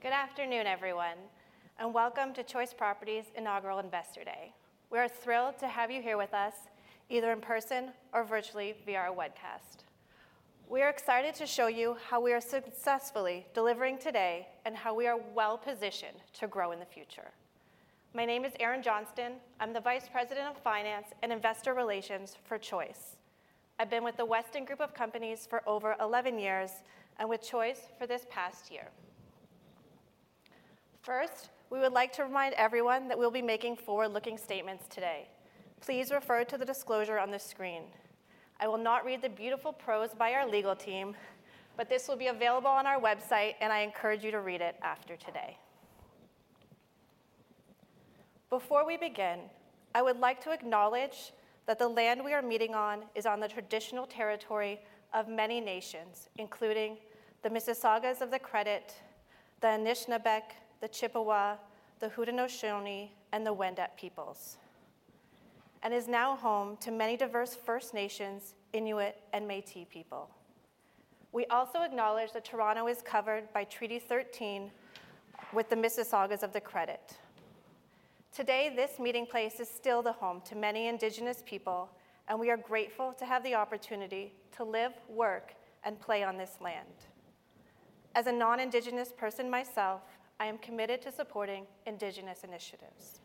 Good afternoon, everyone, and welcome to Choice Properties Inaugural Investor Day. We are thrilled to have you here with us, either in person or virtually via our webcast. We are excited to show you how we are successfully delivering today and how we are well-positioned to grow in the future. My name is Erin Johnston. I'm the Vice President, Finance and Investor Relations for Choice. I've been with the Weston group of companies for over 11 years and with Choice for this past year. We would like to remind everyone that we'll be making forward-looking statements today. Please refer to the disclosure on the screen. I will not read the beautiful prose by our legal team, but this will be available on our website, and I encourage you to read it after today. Before we begin, I would like to acknowledge that the land we are meeting on is on the traditional territory of many nations, including the Mississaugas of the Credit, the Anishinaabeg, the Chippewa, the Haudenosaunee, and the Wendat peoples, and is now home to many diverse First Nations, Inuit, and Métis people. We also acknowledge that Toronto is covered by Treaty 13 with the Mississaugas of the Credit. Today, this meeting place is still the home to many Indigenous people, and we are grateful to have the opportunity to live, work, and play on this land. As a non-Indigenous person myself, I am committed to supporting Indigenous initiatives.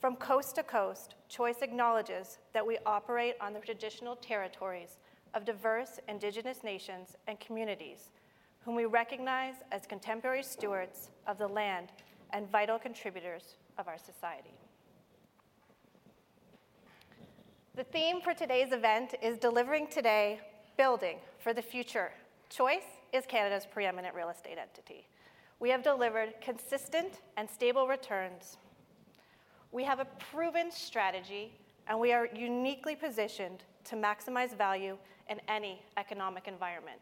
From coast to coast, Choice acknowledges that we operate on the traditional territories of diverse Indigenous nations and communities whom we recognize as contemporary stewards of the land and vital contributors of our society. The theme for today's event is Delivering Today, Building for the Future. Choice is Canada's preeminent real estate entity. We have delivered consistent and stable returns. We have a proven strategy, and we are uniquely positioned to maximize value in any economic environment.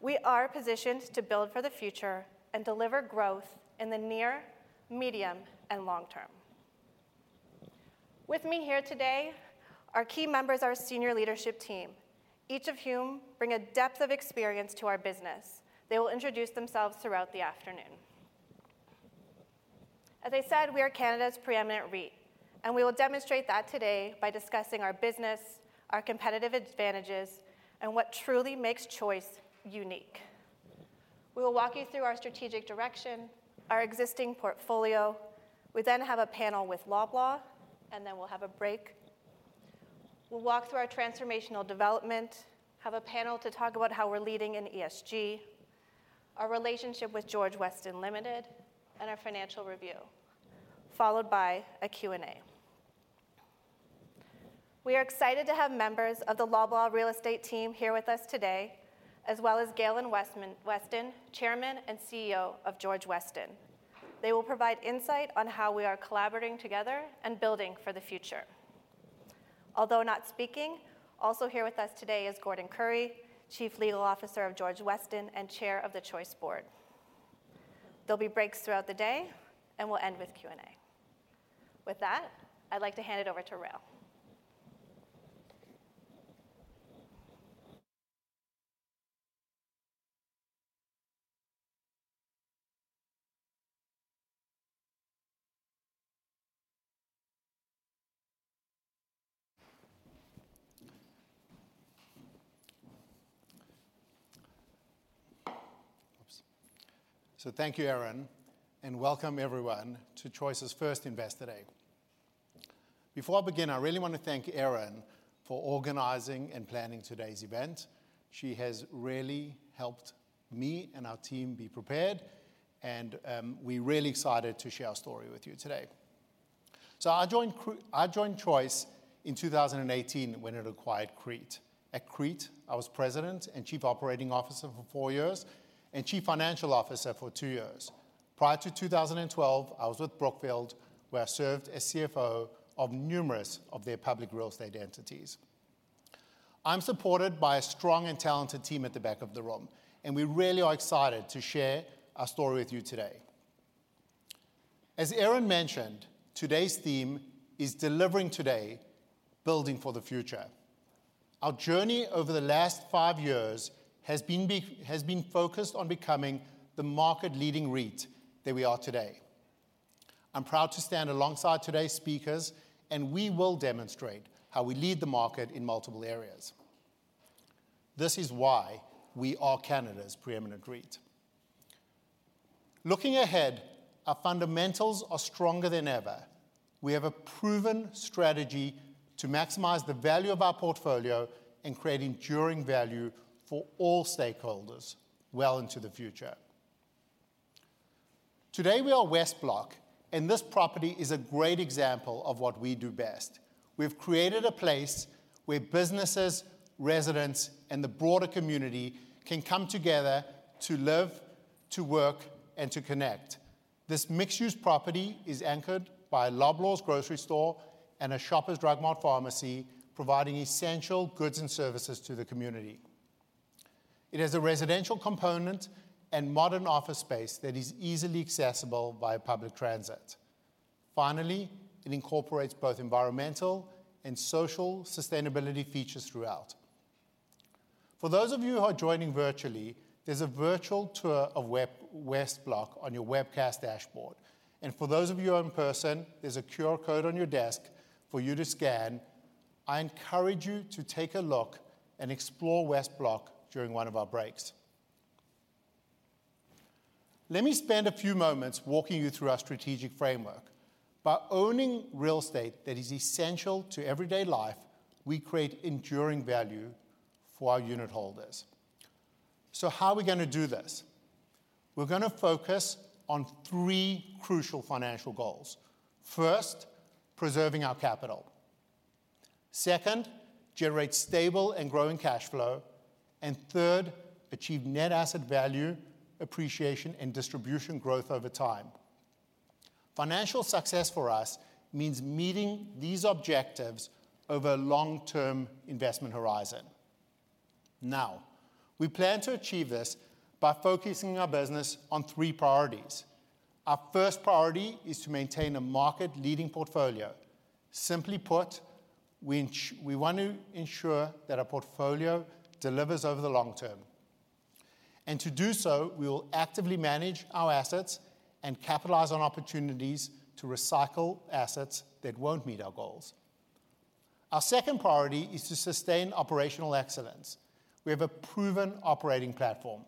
We are positioned to build for the future and deliver growth in the near, medium, and long term. With me here today are key members of our senior leadership team, each of whom bring a depth of experience to our business. They will introduce themselves throughout the afternoon. As I said, we are Canada's preeminent REIT, and we will demonstrate that today by discussing our business, our competitive advantages, and what truly makes Choice unique. We will walk you through our strategic direction, our existing portfolio. We then have a panel with Loblaw, and then we'll have a break. We'll walk through our transformational development, have a panel to talk about how we're leading in ESG, our relationship with George Weston Limited, and our financial review, followed by a Q&A. We are excited to have members of the Loblaw Real Estate team here with us today, as well as Galen Weston, Chairman and CEO of George Weston Limited. They will provide insight on how we are collaborating together and building for the future. Although not speaking, also here with us today is Gordon Currie, Chief Legal Officer of George Weston Limited and Chair of the Choice Board. There'll be breaks throughout the day and we'll end with Q&A. With that, I'd like to hand it over to Rael. Oops. Thank you, Erin, and welcome everyone to Choice's first Investor Day. Before I begin, I really wanna thank Erin for organizing and planning today's event. She has really helped me and our team be prepared, and we're really excited to share our story with you today. I joined Choice in 2018 when it acquired CREIT. At CREIT, I was President and Chief Operating Officer for four years and Chief Financial Officer for two years. Prior to 2012, I was with Brookfield, where I served as CFO of numerous of their public real estate entities. I'm supported by a strong and talented team at the back of the room, and we really are excited to share our story with you today. As Erin mentioned, today's theme is Delivering Today, Building for the Future. Our journey over the last five years has been focused on becoming the market-leading REIT that we are today. We will demonstrate how we lead the market in multiple areas. This is why we are Canada's preeminent REIT. Looking ahead, our fundamentals are stronger than ever. We have a proven strategy to maximize the value of our portfolio and create enduring value for all stakeholders well into the future. Today, we are West Block. This property is a great example of what we do best. We've created a place where businesses, residents, and the broader community can come together to live, to work, and to connect. This mixed-use property is anchored by a Loblaw grocery store and a Shoppers Drug Mart pharmacy, providing essential goods and services to the community. It has a residential component and modern office space that is easily accessible via public transit. Finally, it incorporates both environmental and social sustainability features throughout. For those of you who are joining virtually, there's a virtual tour of West Block on your webcast dashboard. For those of you who are in person, there's a QR code on your desk for you to scan. I encourage you to take a look and explore West Block during one of our breaks. Let me spend a few moments walking you through our strategic framework. By owning real estate that is essential to everyday life, we create enduring value for our unitholders. How are we gonna do this? We're gonna focus on three crucial financial goals. First, preserving our capital. Second, generate stable and growing cash flow. And third, achieve net asset value appreciation and distribution growth over time. Financial success for us means meeting these objectives over a long-term investment horizon. We plan to achieve this by focusing our business on three priorities. Our first priority is to maintain a market-leading portfolio. Simply put, we want to ensure that our portfolio delivers over the long term. To do so, we will actively manage our assets and capitalize on opportunities to recycle assets that won't meet our goals. Our second priority is to sustain operational excellence. We have a proven operating platform.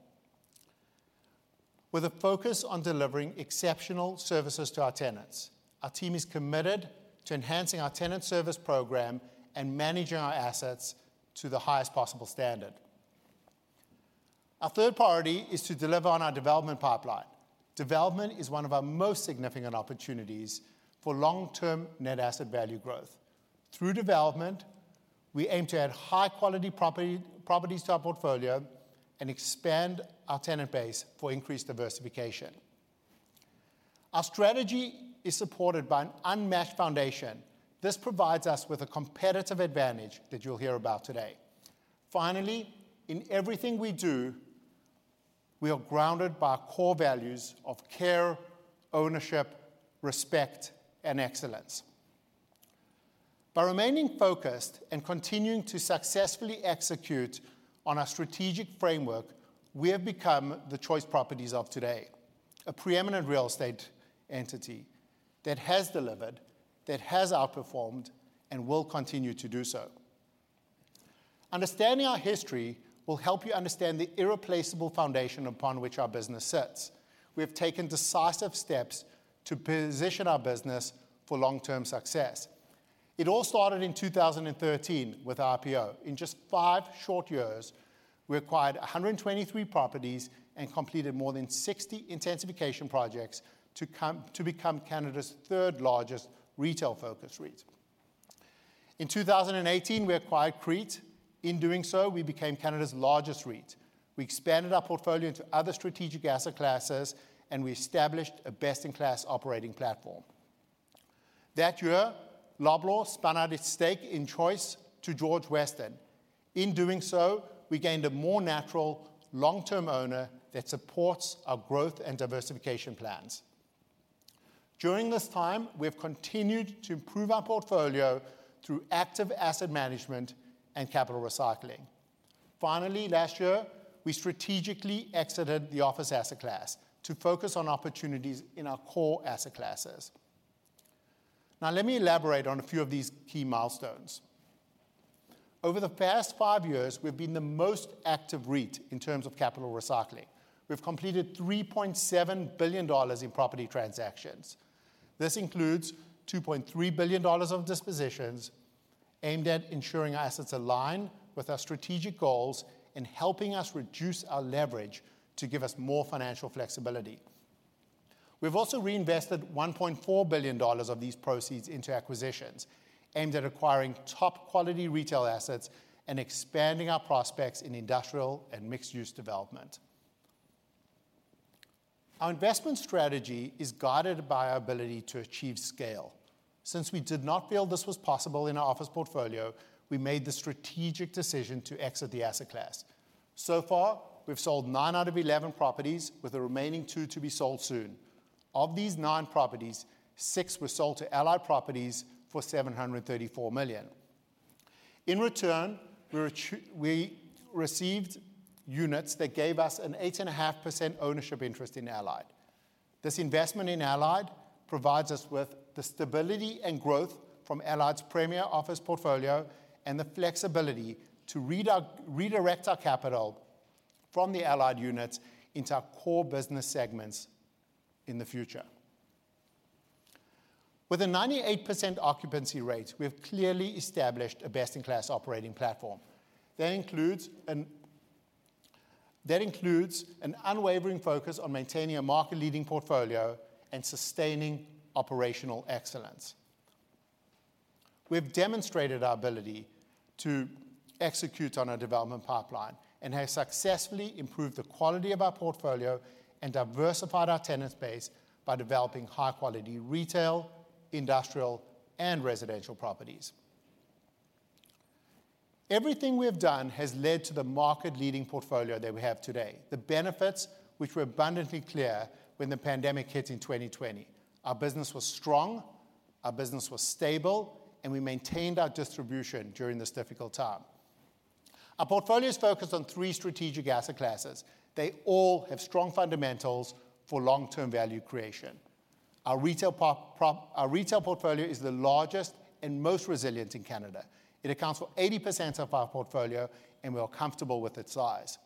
With a focus on delivering exceptional services to our tenants, our team is committed to enhancing our tenant service program and managing our assets to the highest possible standard. Our third priority is to deliver on our development pipeline. Development is one of our most significant opportunities for long-term net asset value growth. Through development, we aim to add high-quality properties to our portfolio and expand our tenant base for increased diversification. Our strategy is supported by an unmatched foundation. This provides us with a competitive advantage that you'll hear about today. In everything we do, we are grounded by our core values of care, ownership, respect, and excellence. By remaining focused and continuing to successfully execute on our strategic framework, we have become the Choice Properties of today, a preeminent real estate entity that has delivered, outperformed, and will continue to do so. Understanding our history will help you understand the irreplaceable foundation upon which our business sits. We have taken decisive steps to position our business for long-term success. It all started in 2013 with our IPO. In just five short years, we acquired 123 properties and completed more than 60 intensification projects to become Canada's third-largest retail-focused REIT. In 2018, we acquired CREIT. In doing so, we became Canada's largest REIT. We expanded our portfolio into other strategic asset classes, and we established a best-in-class operating platform. That year, Loblaw spun out its stake in Choice to George Weston. In doing so, we gained a more natural long-term owner that supports our growth and diversification plans. During this time, we have continued to improve our portfolio through active asset management and capital recycling. Finally, last year, we strategically exited the office asset class to focus on opportunities in our core asset classes. Now, let me elaborate on a few of these key milestones. Over the past five years, we've been the most active REIT in terms of capital recycling. We've completed 3.7 billion dollars in property transactions. This includes 2.3 billion dollars of dispositions aimed at ensuring our assets align with our strategic goals and helping us reduce our leverage to give us more financial flexibility. We've also reinvested 1.4 billion dollars of these proceeds into acquisitions aimed at acquiring top-quality retail assets and expanding our prospects in industrial and mixed-use development. Our investment strategy is guided by our ability to achieve scale. Since we did not feel this was possible in our office portfolio, we made the strategic decision to exit the asset class. We've sold nine out of 11 properties, with the remaining two to be sold soon. Of these nine properties, six were sold to Allied Properties for 734 million. In return, we received units that gave us an 8.5% ownership interest in Allied. This investment in Allied provides us with the stability and growth from Allied's premier office portfolio and the flexibility to redirect our capital from the Allied units into our core business segments in the future. With a 98% occupancy rate, we have clearly established a best-in-class operating platform. That includes an unwavering focus on maintaining a market-leading portfolio and sustaining operational excellence. We have demonstrated our ability to execute on our development pipeline and have successfully improved the quality of our portfolio and diversified our tenant base by developing high-quality retail, industrial, and residential properties. Everything we have done has led to the market-leading portfolio that we have today. The benefits, which were abundantly clear when the pandemic hit in 2020. Our business was strong, our business was stable, and we maintained our distribution during this difficult time. Our portfolio is focused on three strategic asset classes. They all have strong fundamentals for long-term value creation. Our retail portfolio is the largest and most resilient in Canada. It accounts for 80% of our portfolio, and we are comfortable with its size.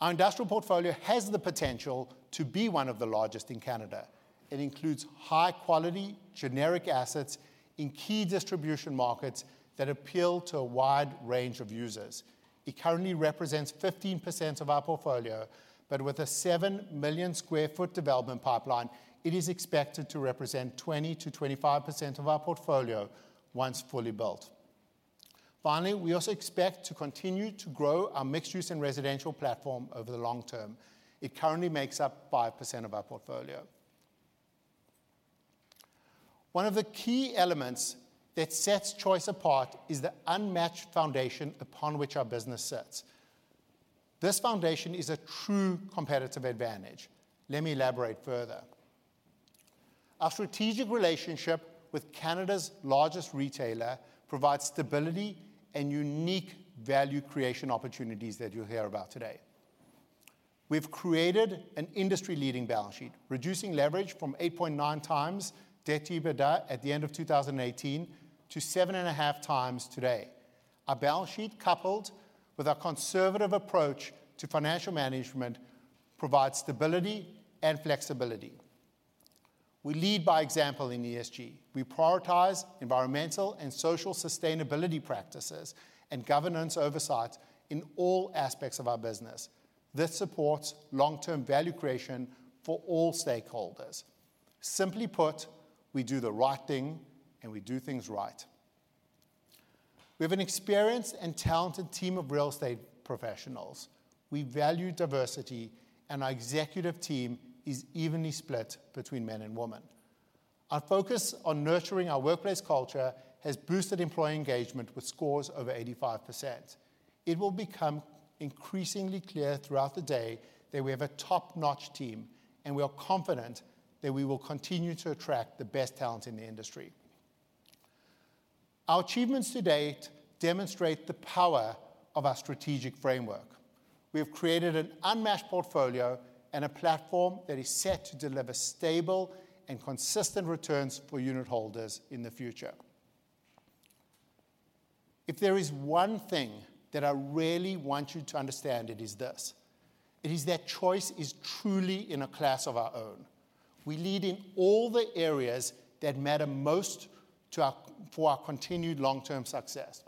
Our industrial portfolio has the potential to be one of the largest in Canada. It includes high-quality generic assets in key distribution markets that appeal to a wide range of users. It currently represents 15% of our portfolio, but with a 7 million sq ft development pipeline, it is expected to represent 20%-25% of our portfolio once fully built. Finally, we also expect to continue to grow our mixed-use and residential platform over the long term. It currently makes up 5% of our portfolio. One of the key elements that sets Choice apart is the unmatched foundation upon which our business sits. This foundation is a true competitive advantage. Let me elaborate further. Our strategic relationship with Canada's largest retailer provides stability and unique value creation opportunities that you'll hear about today. We've created an industry-leading balance sheet, reducing leverage from 8.9x debt to EBITDA at the end of 2018 to 7.5x today. Our balance sheet, coupled with our conservative approach to financial management, provides stability and flexibility. We lead by example in ESG. We prioritize environmental and social sustainability practices and governance oversight in all aspects of our business. This supports long-term value creation for all stakeholders. Simply put, we do the right thing and we do things right. We have an experienced and talented team of real estate professionals. We value diversity, and our executive team is evenly split between men and women. Our focus on nurturing our workplace culture has boosted employee engagement with scores over 85%. It will become increasingly clear throughout the day that we have a top-notch team, and we are confident that we will continue to attract the best talent in the industry. Our achievements to date demonstrate the power of our strategic framework. We have created an unmatched portfolio and a platform that is set to deliver stable and consistent returns for unitholders in the future. If there is one thing that I really want you to understand, it is this: It is that Choice is truly in a class of our own. We lead in all the areas that matter most for our continued long-term success.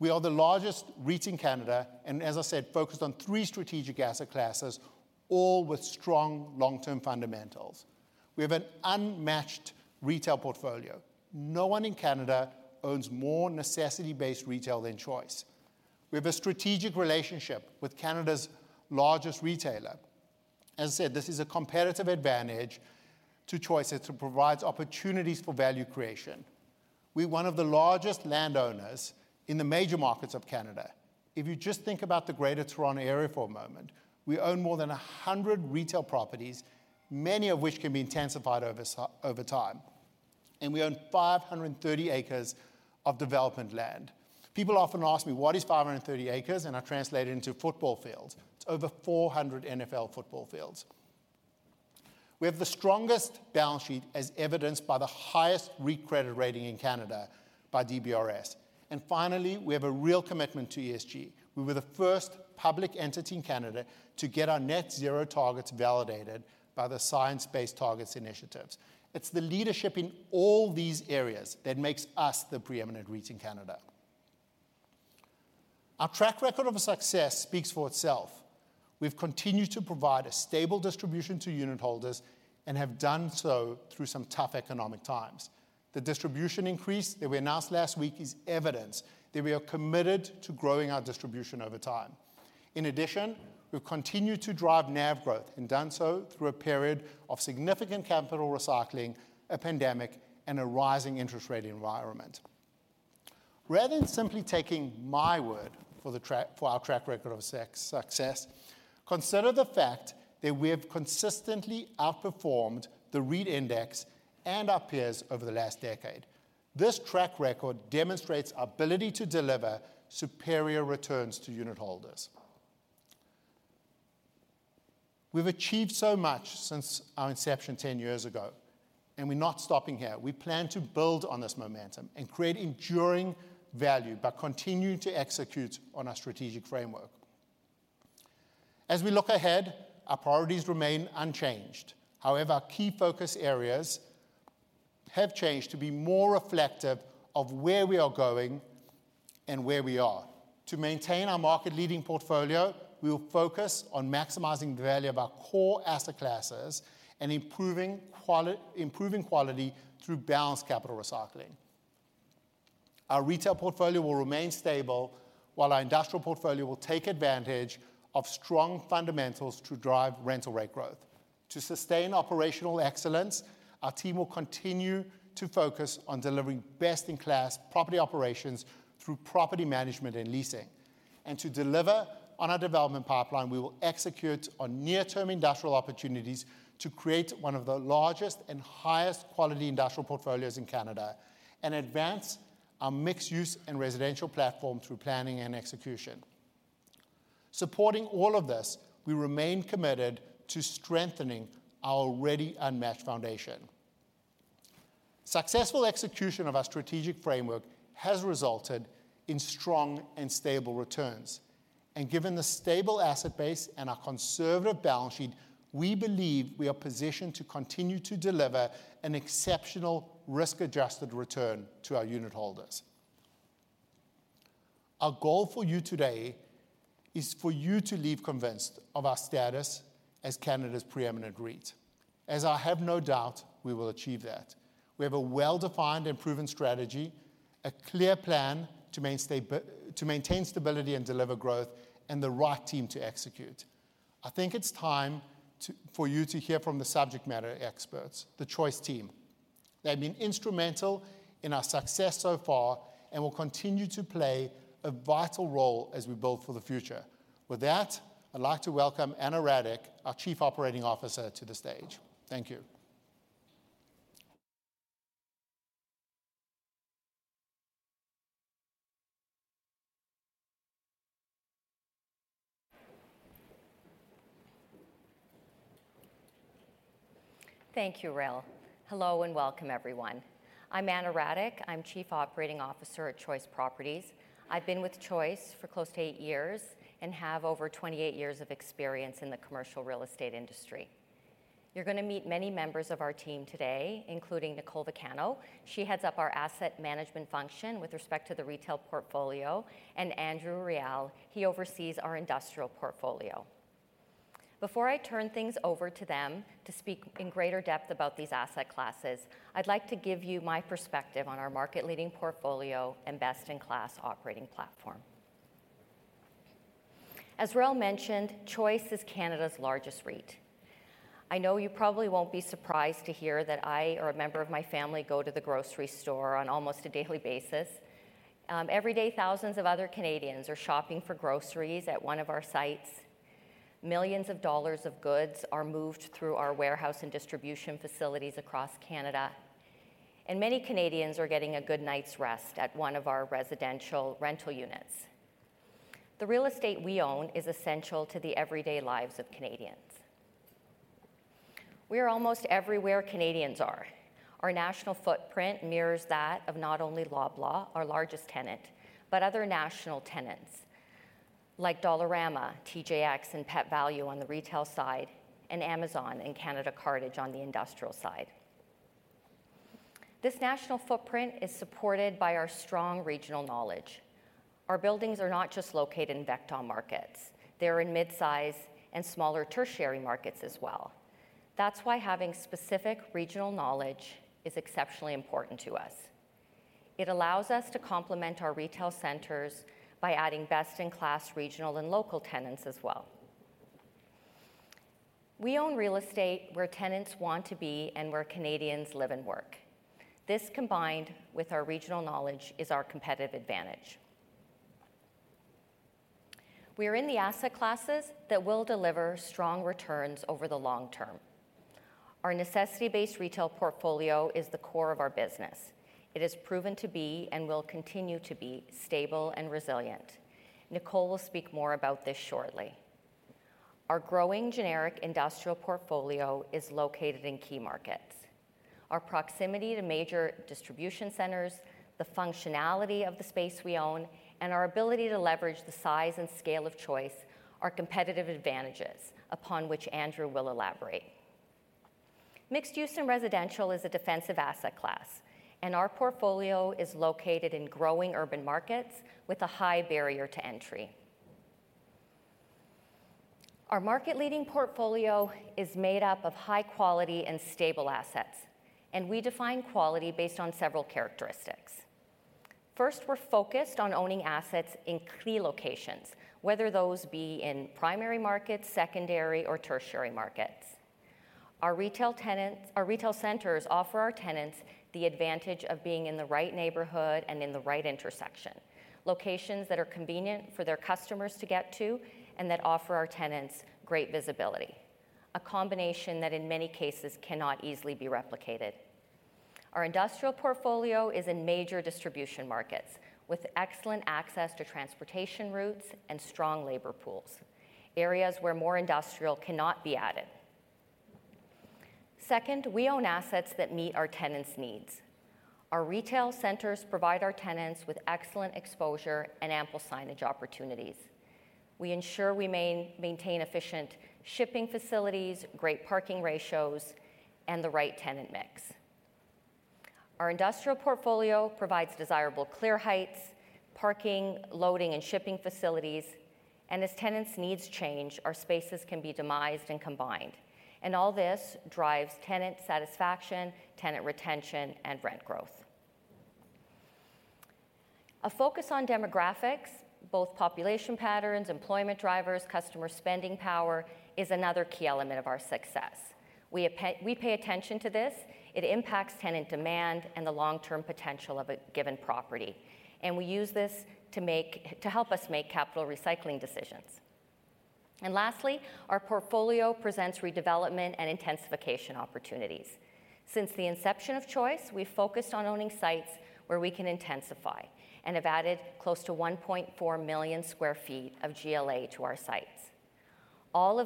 We are the largest REIT in Canada, as I said, focused on three strategic asset classes, all with strong long-term fundamentals. We have an unmatched retail portfolio. No one in Canada owns more necessity-based retail than Choice. We have a strategic relationship with Canada's largest retailer. As I said, this is a competitive advantage to Choice. It provides opportunities for value creation. We're one of the largest landowners in the major markets of Canada. If you just think about the Greater Toronto area for a moment, we own more than 100 retail properties, many of which can be intensified over time. We own 530 acres of development land. People often ask me, "What is 530 acres?" I translate it into football fields. It's over 400 NFL football fields. We have the strongest balance sheet, as evidenced by the highest REIT credit rating in Canada by DBRS. Finally, we have a real commitment to ESG. We were the first public entity in Canada to get our net zero targets validated by the Science Based Targets initiative. It's the leadership in all these areas that makes us the preeminent REIT in Canada. Our track record of success speaks for itself. We've continued to provide a stable distribution to unitholders and have done so through some tough economic times. The distribution increase that we announced last week is evidence that we are committed to growing our distribution over time. In addition, we've continued to drive NAV growth and done so through a period of significant capital recycling, a pandemic, and a rising interest rate environment. Rather than simply taking my word for our track record of success, consider the fact that we have consistently outperformed the REIT index and our peers over the last decade. This track record demonstrates our ability to deliver superior returns to unitholders. We've achieved so much since our inception 10 years ago, and we're not stopping here. We plan to build on this momentum and create enduring value by continuing to execute on our strategic framework. As we look ahead, our priorities remain unchanged. Our key focus areas have changed to be more reflective of where we are going and where we are. To maintain our market-leading portfolio, we will focus on maximizing the value of our core asset classes and improving quality through balanced capital recycling. Our retail portfolio will remain stable, while our industrial portfolio will take advantage of strong fundamentals to drive rental rate growth. To sustain operational excellence, our team will continue to focus on delivering best-in-class property operations through property management and leasing. To deliver on our development pipeline, we will execute on near-term industrial opportunities to create one of the largest and highest quality industrial portfolios in Canada and advance our mixed-use and residential platform through planning and execution. Supporting all of this, we remain committed to strengthening our already unmatched foundation. Successful execution of our strategic framework has resulted in strong and stable returns. Given the stable asset base and our conservative balance sheet, we believe we are positioned to continue to deliver an exceptional risk-adjusted return to our unit holders. Our goal for you today is for you to leave convinced of our status as Canada's preeminent REIT, as I have no doubt we will achieve that. We have a well-defined and proven strategy, a clear plan to maintain stability and deliver growth, and the right team to execute. I think it's time for you to hear from the subject matter experts, the Choice team. They've been instrumental in our success so far and will continue to play a vital role as we build for the future. With that, I'd like to welcome Ana Radic, our Chief Operating Officer, to the stage. Thank you. Thank you, Rael. Hello, and welcome everyone. I'm Ana Radic. I'm Chief Operating Officer at Choice Properties. I've been with Choice for close to eight years and have over 28 years of experience in the commercial real estate industry. You're gonna meet many members of our team today, including Nicole Vicano, she heads up our asset management function with respect to the retail portfolio, and Andrew Reial, he oversees our industrial portfolio. Before I turn things over to them to speak in greater depth about these asset classes, I'd like to give you my perspective on our market-leading portfolio and best-in-class operating platform. As Rael mentioned, Choice is Canada's largest REIT. I know you probably won't be surprised to hear that I or a member of my family go to the grocery store on almost a daily basis. Every day thousands of other Canadians are shopping for groceries at one of our sites. Millions of dollars of goods are moved through our warehouse and distribution facilities across Canada. Many Canadians are getting a good night's rest at one of our residential rental units. The real estate we own is essential to the everyday lives of Canadians. We are almost everywhere Canadians are. Our national footprint mirrors that of not only Loblaw, our largest tenant, but other national tenants like Dollarama, TJX, and Pet Valu on the retail side, and Amazon and Canada Cartage on the industrial side. This national footprint is supported by our strong regional knowledge. Our buildings are not just located in major markets, they're in mid-size and smaller tertiary markets as well. That's why having specific regional knowledge is exceptionally important to us. It allows us to complement our retail centers by adding best-in-class regional and local tenants as well. We own real estate where tenants want to be and where Canadians live and work. This, combined with our regional knowledge, is our competitive advantage. We are in the asset classes that will deliver strong returns over the long term. Our necessity-based retail portfolio is the core of our business. It has proven to be and will continue to be stable and resilient. Nicole will speak more about this shortly. Our growing generic industrial portfolio is located in key markets. Our proximity to major distribution centers, the functionality of the space we own, and our ability to leverage the size and scale of Choice are competitive advantages upon which Andrew will elaborate. Mixed-use and residential is a defensive asset class. Our portfolio is located in growing urban markets with a high barrier to entry. Our market-leading portfolio is made up of high-quality and stable assets. We define quality based on several characteristics. First, we're focused on owning assets in key locations, whether those be in primary markets, secondary or tertiary markets. Our retail centers offer our tenants the advantage of being in the right neighborhood and in the right intersection, locations that are convenient for their customers to get to and that offer our tenants great visibility, a combination that in many cases cannot easily be replicated. Our industrial portfolio is in major distribution markets with excellent access to transportation routes and strong labor pools, areas where more industrial cannot be added. Second, we own assets that meet our tenants' needs. Our retail centers provide our tenants with excellent exposure and ample signage opportunities. We ensure we maintain efficient shipping facilities, great parking ratios, and the right tenant mix. Our industrial portfolio provides desirable clear heights, parking, loading, and shipping facilities. As tenants' needs change, our spaces can be demised and combined. All this drives tenant satisfaction, tenant retention, and rent growth. A focus on demographics, both population patterns, employment drivers, customer spending power, is another key element of our success. We pay attention to this. It impacts tenant demand and the long-term potential of a given property, and we use this to help us make capital recycling decisions. Lastly, our portfolio presents redevelopment and intensification opportunities. Since the inception of Choice, we've focused on owning sites where we can intensify and have added close to 1.4 million sq ft of GLA to our sites.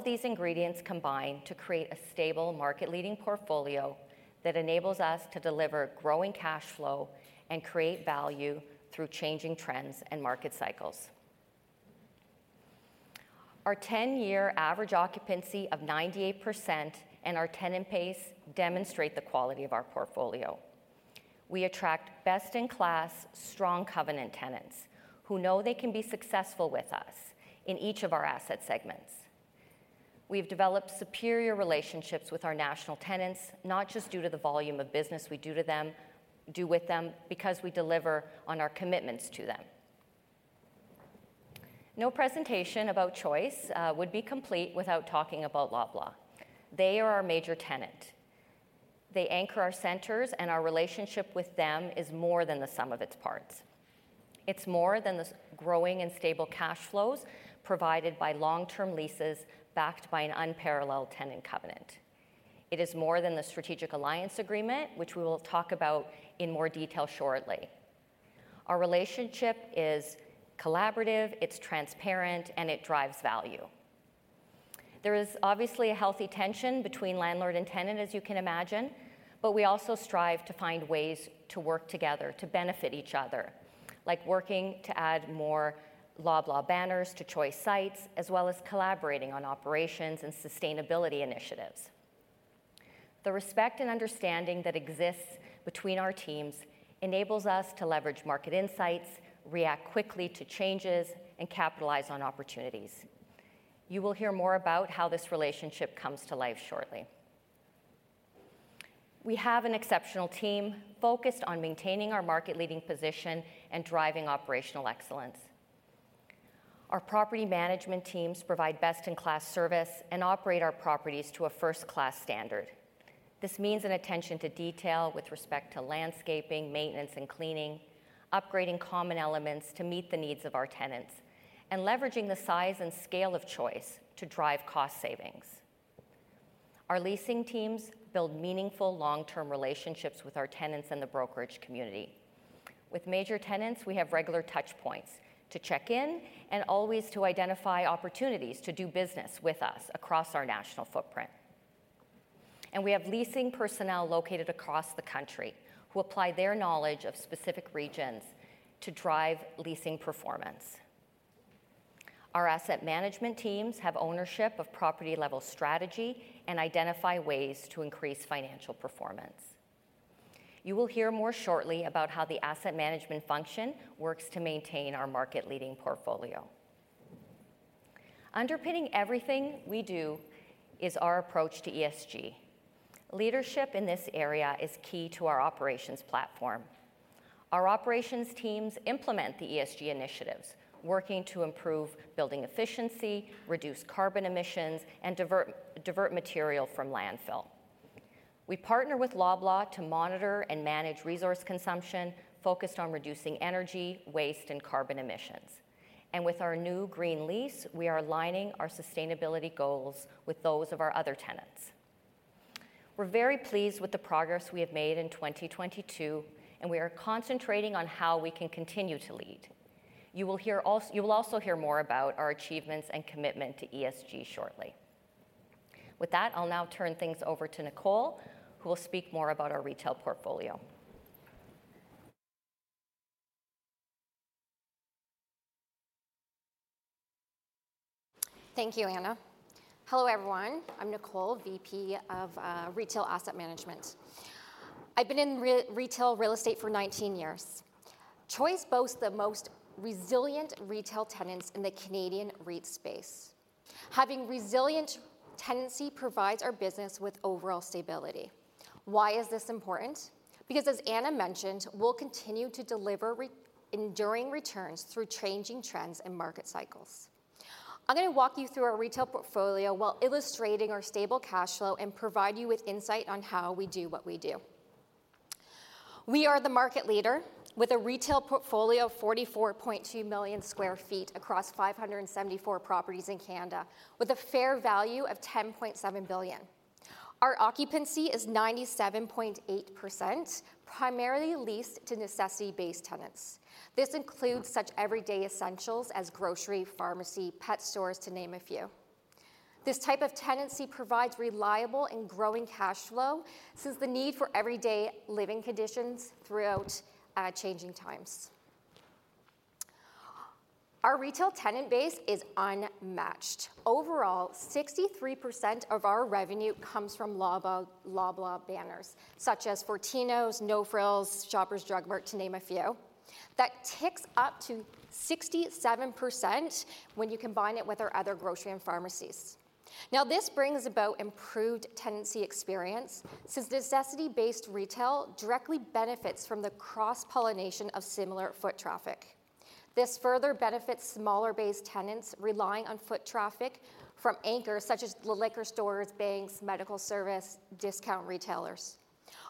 These ingredients combine to create a stable market-leading portfolio that enables us to deliver growing cash flow and create value through changing trends and market cycles. Our 10-year average occupancy of 98% and our tenant base demonstrate the quality of our portfolio. We attract best-in-class, strong covenant tenants who know they can be successful with us in each of our asset segments. We've developed superior relationships with our national tenants, not just due to the volume of business we do with them, because we deliver on our commitments to them. No presentation about Choice would be complete without talking about Loblaw. They are our major tenant. They anchor our centers, and our relationship with them is more than the sum of its parts. It's more than the growing and stable cash flows provided by long-term leases backed by an unparalleled tenant covenant. It is more than the Strategic Alliance Agreement, which we will talk about in more detail shortly. Our relationship is collaborative, it's transparent, and it drives value. There is obviously a healthy tension between landlord and tenant, as you can imagine, but we also strive to find ways to work together to benefit each other, like working to add more Loblaw banners to Choice sites, as well as collaborating on operations and sustainability initiatives. The respect and understanding that exists between our teams enables us to leverage market insights, react quickly to changes, and capitalize on opportunities. You will hear more about how this relationship comes to life shortly. We have an exceptional team focused on maintaining our market-leading position and driving operational excellence. Our property management teams provide best-in-class service and operate our properties to a first-class standard. This means an attention to detail with respect to landscaping, maintenance, and cleaning, upgrading common elements to meet the needs of our tenants, and leveraging the size and scale of Choice to drive cost savings. Our leasing teams build meaningful long-term relationships with our tenants and the brokerage community. With major tenants, we have regular touch points to check in and always to identify opportunities to do business with us across our national footprint. We have leasing personnel located across the country who apply their knowledge of specific regions to drive leasing performance. Our asset management teams have ownership of property-level strategy and identify ways to increase financial performance. You will hear more shortly about how the asset management function works to maintain our market-leading portfolio. Underpinning everything we do is our approach to ESG. Leadership in this area is key to our operations platform. Our operations teams implement the ESG initiatives, working to improve building efficiency, reduce carbon emissions, and divert material from landfill. We partner with Loblaw to monitor and manage resource consumption focused on reducing energy, waste, and carbon emissions. With our new green lease, we are aligning our sustainability goals with those of our other tenants. We're very pleased with the progress we have made in 2022, and we are concentrating on how we can continue to lead. You will also hear more about our achievements and commitment to ESG shortly. With that, I'll now turn things over to Nicole, who will speak more about our retail portfolio. Thank you, Ana. Hello, everyone. I'm Nicole, VP of Retail Asset Management. I've been in retail real estate for 19 years. Choice boasts the most resilient retail tenants in the Canadian REIT space. Having resilient tenancy provides our business with overall stability. Why is this important? As Ana mentioned, we'll continue to deliver enduring returns through changing trends and market cycles. I'm going to walk you through our retail portfolio while illustrating our stable cash flow and provide you with insight on how we do what we do. We are the market leader with a retail portfolio of 44.2 million sq ft across 574 properties in Canada with a fair value of 10.7 billion. Our occupancy is 97.8%, primarily leased to necessity-based tenants. This includes such everyday essentials as grocery, pharmacy, pet stores, to name a few. This type of tenancy provides reliable and growing cash flow since the need for everyday living conditions throughout changing times. Our retail tenant base is unmatched. Overall, 63% of our revenue comes from Loblaw banners, such as Fortinos, No Frills, Shoppers Drug Mart, to name a few. That ticks up to 67% when you combine it with our other grocery and pharmacies. Now, this brings about improved tenancy experience since necessity-based retail directly benefits from the cross-pollination of similar foot traffic. This further benefits smaller-based tenants relying on foot traffic from anchors such as the liquor stores, banks, medical service, discount retailers.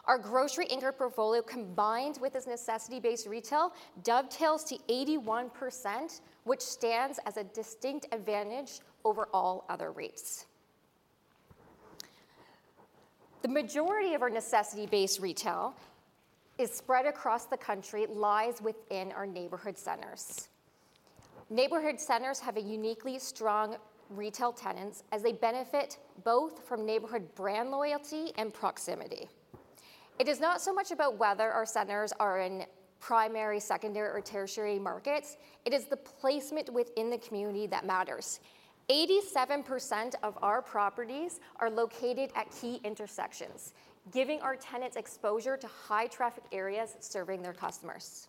Our grocery anchor portfolio, combined with this necessity-based retail, dovetails to 81%, which stands as a distinct advantage over all other REITs. The majority of our necessity-based retail is spread across the country, lies within our neighborhood centers. Neighborhood centers have a uniquely strong retail tenants as they benefit both from neighborhood brand loyalty and proximity. It is not so much about whether our centers are in primary, secondary, or tertiary markets. It is the placement within the community that matters. 87% of our properties are located at key intersections, giving our tenants exposure to high-traffic areas serving their customers.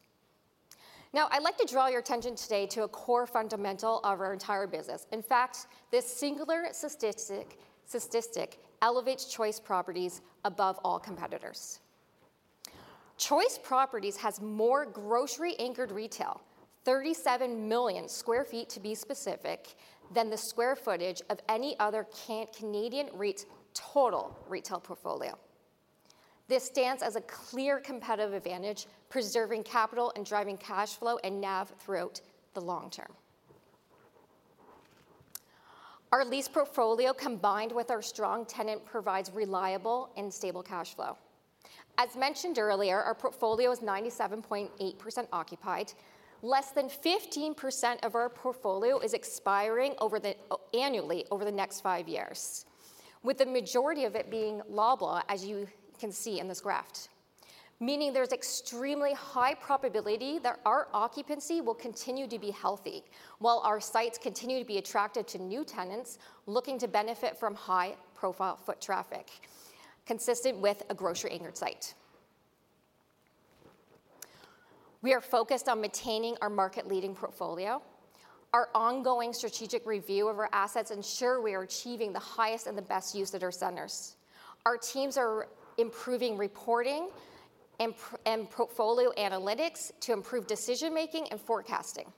I'd like to draw your attention today to a core fundamental of our entire business. In fact, this singular statistic elevates Choice Properties above all competitors. Choice Properties has more grocery-anchored retail, 37 million sq ft to be specific, than the square footage of any other Canadian REITs total retail portfolio. This stands as a clear competitive advantage, preserving capital and driving cash flow and NAV throughout the long term. Our lease portfolio, combined with our strong tenant, provides reliable and stable cash flow. As mentioned earlier, our portfolio is 97.8% occupied. Less than 15% of our portfolio is expiring over the annually over the next five years, with the majority of it being Loblaw, as you can see in this graph. Meaning there's extremely high probability that our occupancy will continue to be healthy while our sites continue to be attractive to new tenants looking to benefit from high-profile foot traffic consistent with a grocery-anchored site. We are focused on maintaining our market-leading portfolio. Our ongoing strategic review of our assets ensure we are achieving the highest and the best use at our centers. Our teams are improving reporting and portfolio analytics to improve decision-making and forecasting.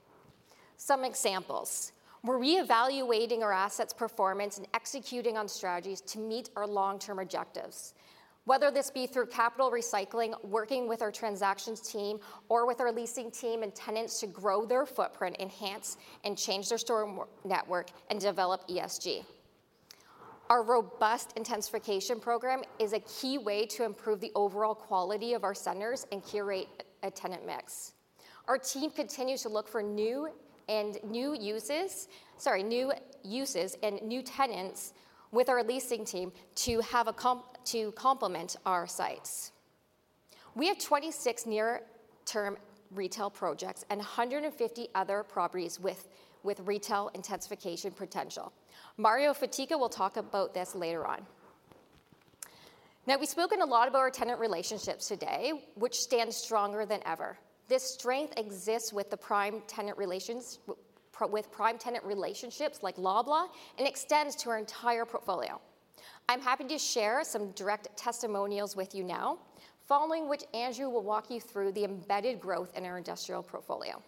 Some examples. We're reevaluating our assets' performance and executing on strategies to meet our long-term objectives, whether this be through capital recycling, working with our transactions team, or with our leasing team and tenants to grow their footprint, enhance and change their store network, and develop ESG. Our robust intensification program is a key way to improve the overall quality of our centers and curate a tenant mix. Our team continues to look for new uses, sorry, new uses and new tenants with our leasing team to complement our sites. We have 26 near-term retail projects and 150 other properties with retail intensification potential. Mario Fatica will talk about this later on. We've spoken a lot about our tenant relationships today, which stands stronger than ever. This strength exists with prime tenant relationships like Loblaw and extends to our entire portfolio. I'm happy to share some direct testimonials with you now, following which Andrew will walk you through the embedded growth in our industrial portfolio.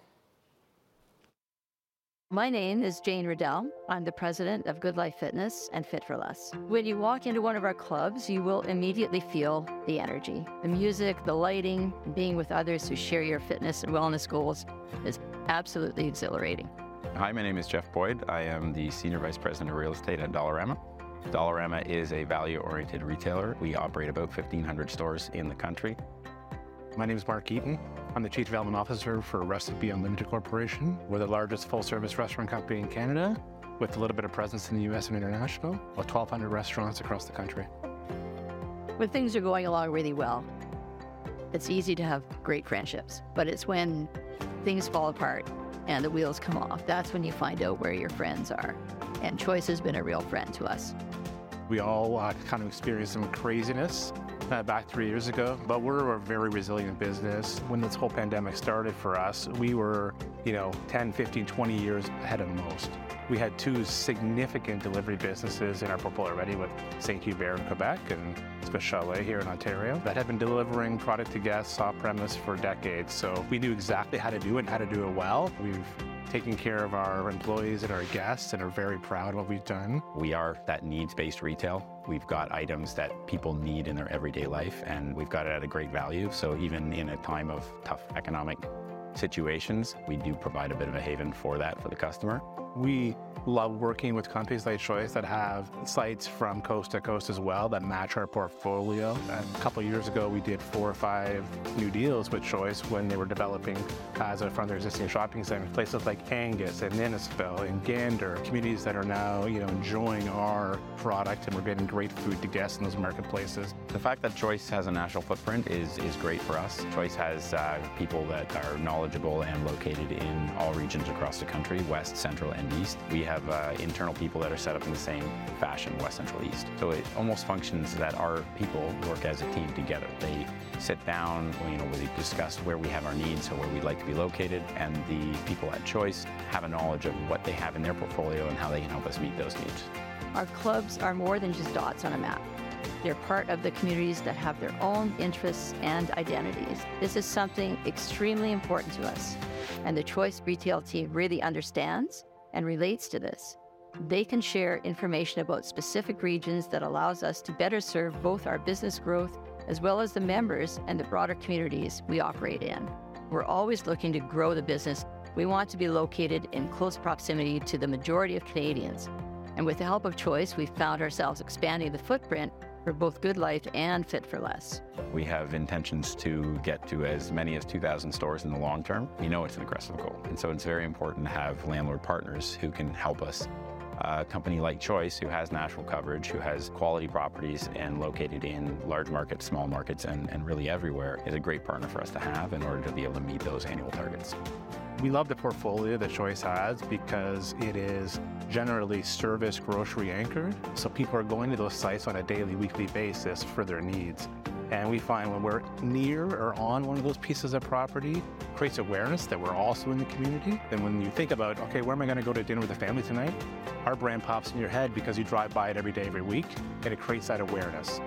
My name is Jane Riddell. I'm the President of GoodLife Fitness and Fit4Less. When you walk into one of our clubs, you will immediately feel the energy, the music, the lighting, being with others who share your fitness and wellness goals is absolutely exhilarating. Hi, my name is Jeff Boyd. I am the Senior Vice President of Real Estate at Dollarama. Dollarama is a value-oriented retailer. We operate about 1,500 stores in the country. My name is Mark Eaton. I'm the chief development officer for Recipe Unlimited Corporation. We're the largest full-service restaurant company in Canada with a little bit of presence in the U.S. and international, about 1,200 restaurants across the country. When things are going along really well, it's easy to have great friendships, but it's when things fall apart and the wheels come off, that's when you find out where your friends are, and Choice has been a real friend to us. We all kind of experienced some craziness about three years ago, but we're a very resilient business. When this whole pandemic started for us, we were, you know, 10, 15, 20 years ahead of most. We had two significant delivery businesses in our portfolio already with Saint-Hubert in Quebec and Swiss Chalet here in Ontario that have been delivering product to guests off-premise for decades. We knew exactly how to do and how to do it well. We've taken care of our employees and our guests and are very proud of what we've done. We are that needs-based retail. We've got items that people need in their everyday life, and we've got it at a great value. Even in a time of tough economic situations, we do provide a bit of a haven for that for the customer. We love working with companies like Choice that have sites from coast to coast as well that match our portfolio. A couple of years ago, we did four or five new deals with Choice when they were developing as a front of their existing shopping center in places like Angus and Innisfail and Gander, communities that are now, you know, enjoying our product, and we're getting great food to guests in those marketplaces. The fact that Choice has a national footprint is great for us. Choice has people that are knowledgeable located in all regions across the country, west, central, and east. We have internal people that are set up in the same fashion, west, central, east. It almost functions that our people work as a team together. They sit down, you know, we discuss where we have our needs and where we'd like to be located, and the people at Choice have a knowledge of what they have in their portfolio and how they can help us meet those needs. Our clubs are more than just dots on a map. They're part of the communities that have their own interests and identities. This is something extremely important to us, and the Choice retail team really understands and relates to this. They can share information about specific regions that allows us to better serve both our business growth as well as the members and the broader communities we operate in. We're always looking to grow the business. We want to be located in close proximity to the majority of Canadians. With the help of Choice, we found ourselves expanding the footprint for both GoodLife and Fit4Less. We have intentions to get to as many as 2,000 stores in the long term. We know it's an aggressive goal. It's very important to have landlord partners who can help us. A company like Choice who has national coverage, who has quality properties and located in large markets, small markets, and really everywhere, is a great partner for us to have in order to be able to meet those annual targets. We love the portfolio that Choice has because it is generally service grocery anchored, so people are going to those sites on a daily, weekly basis for their needs. We find when we're near or on one of those pieces of property, creates awareness that we're also in the community. When you think about, "Okay, where am I gonna go to dinner with the family tonight?" Our brand pops in your head because you drive by it every day, every week, and it creates that awareness.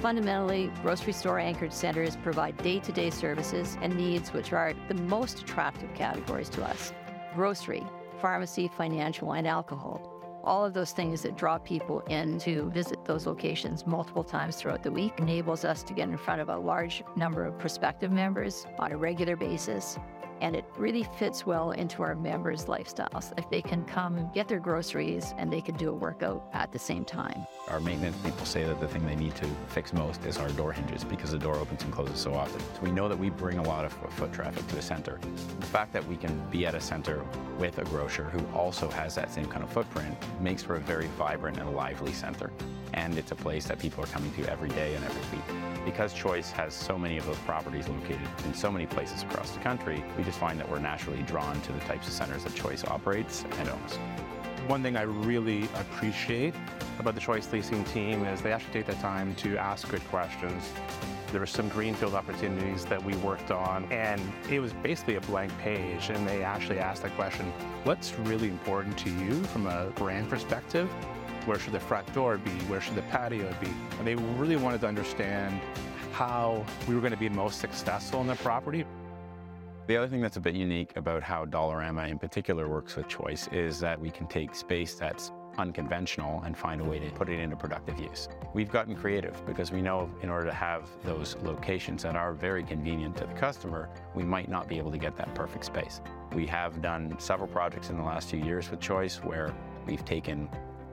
Fundamentally, grocery store-anchored centers provide day-to-day services and needs which are the most attractive categories to us: grocery, pharmacy, financial, and alcohol. All of those things that draw people in to visit those locations multiple times throughout the week enables us to get in front of a large number of prospective members on a regular basis, and it really fits well into our members' lifestyles. If they can come get their groceries, and they could do a workout at the same time. Our maintenance people say that the thing they need to fix most is our door hinges because the door opens and closes so often. We know that we bring a lot of foot traffic to the center. The fact that we can be at a center with a grocer who also has that same kind of footprint makes for a very vibrant and lively center, and it's a place that people are coming to every day and every week. Because Choice has so many of those properties located in so many places across the country, we just find that we're naturally drawn to the types of centers that Choice operates and owns. One thing I really appreciate about the Choice leasing team is they actually take the time to ask good questions. There were some greenfield opportunities that we worked on, and it was basically a blank page, and they actually asked the question, "What's really important to you from a brand perspective? Where should the front door be? Where should the patio be?" They really wanted to understand how we were gonna be most successful in the property. The other thing that's a bit unique about how Dollarama in particular works with Choice is that we can take space that's unconventional and find a way to put it into productive use. We've gotten creative because we know in order to have those locations that are very convenient to the customer, we might not be able to get that perfect space. We have done several projects in the last few years with Choice where we've taken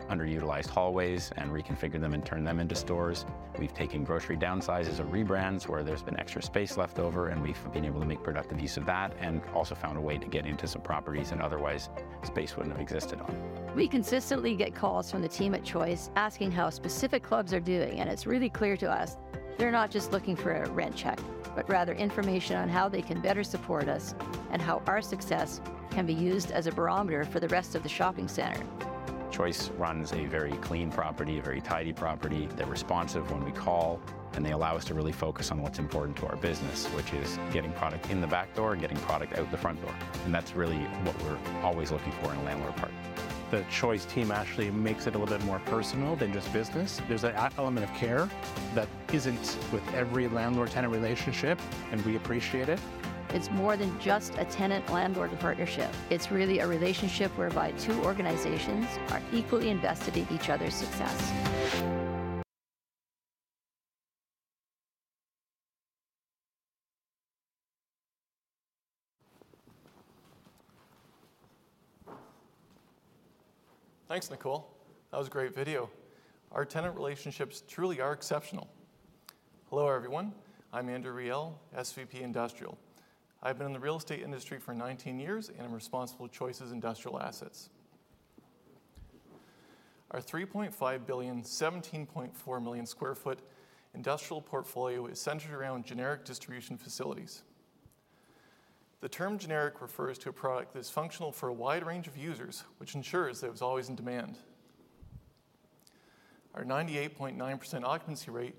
underutilized hallways and reconfigured them and turned them into stores. We've taken grocery downsizes of rebrands where there's been extra space left over, and we've been able to make productive use of that and also found a way to get into some properties and otherwise space wouldn't have existed on. We consistently get calls from the team at Choice asking how specific clubs are doing, and it's really clear to us they're not just looking for a rent check, but rather information on how they can better support us and how our success can be used as a barometer for the rest of the shopping center. Choice runs a very clean property, a very tidy property. They're responsive when we call, and they allow us to really focus on what's important to our business, which is getting product in the back door and getting product out the front door, and that's really what we're always looking for in a landlord partner. The Choice team actually makes it a little bit more personal than just business. There's an element of care that isn't with every landlord-tenant relationship. We appreciate it. It's more than just a tenant-landlord partnership. It's really a relationship whereby two organizations are equally invested in each other's success. Thanks, Nicole. That was a great video. Our tenant relationships truly are exceptional. Hello, everyone. I'm Andrew Reial, SVP Industrial. I've been in the real estate industry for 19 years, and I'm responsible for Choice's industrial assets. Our 3.5 billion, 17.4 million sq ft industrial portfolio is centered around generic distribution facilities. The term generic refers to a product that's functional for a wide range of users, which ensures that it's always in demand. Our 98.9% occupancy rate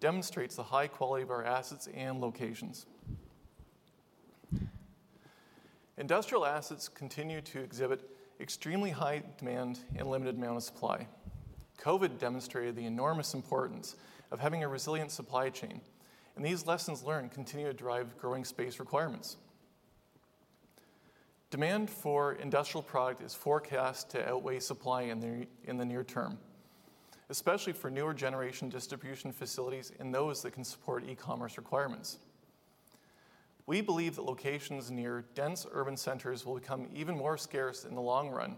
demonstrates the high quality of our assets and locations. Industrial assets continue to exhibit extremely high demand and limited amount of supply. COVID demonstrated the enormous importance of having a resilient supply chain, and these lessons learned continue to drive growing space requirements. Demand for industrial product is forecast to outweigh supply in the near term, especially for newer generation distribution facilities and those that can support e-commerce requirements. We believe that locations near dense urban centers will become even more scarce in the long run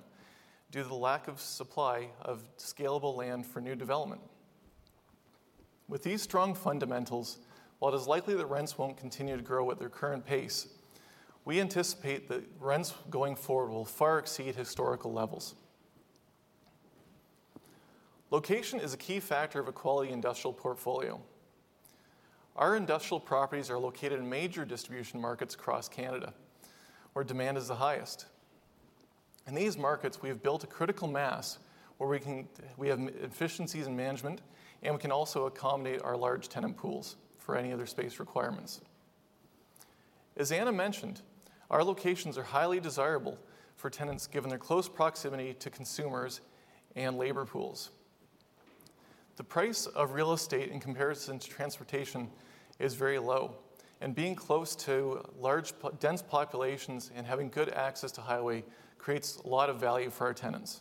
due to the lack of supply of scalable land for new development. With these strong fundamentals, while it is likely that rents won't continue to grow at their current pace, we anticipate that rents going forward will far exceed historical levels. Location is a key factor of a quality industrial portfolio. Our industrial properties are located in major distribution markets across Canada where demand is the highest. In these markets, we have built a critical mass where we have efficiencies in management, and we can also accommodate our large tenant pools for any other space requirements. As Ana mentioned, our locations are highly desirable for tenants given their close proximity to consumers and labor pools. The price of real estate in comparison to transportation is very low. Being close to large dense populations and having good access to highway creates a lot of value for our tenants.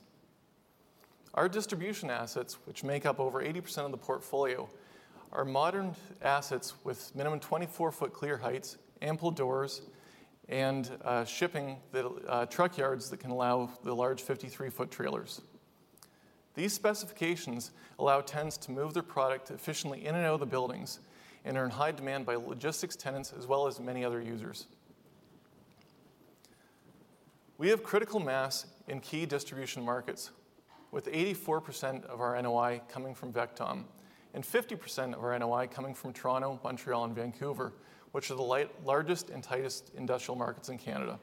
Our distribution assets, which make up over 80% of the portfolio, are modern assets with minimum 24 ft clear heights, ample doors and shipping the truck yards that can allow the large 53 ft trailers. These specifications allow tenants to move their product efficiently in and out of the buildings and are in high demand by logistics tenants as well as many other users. We have critical mass in key distribution markets with 84% of our NOI coming from VECTOM and 50% of our NOI coming from Toronto, Montreal and Vancouver, which are the largest and tightest industrial markets in Canada.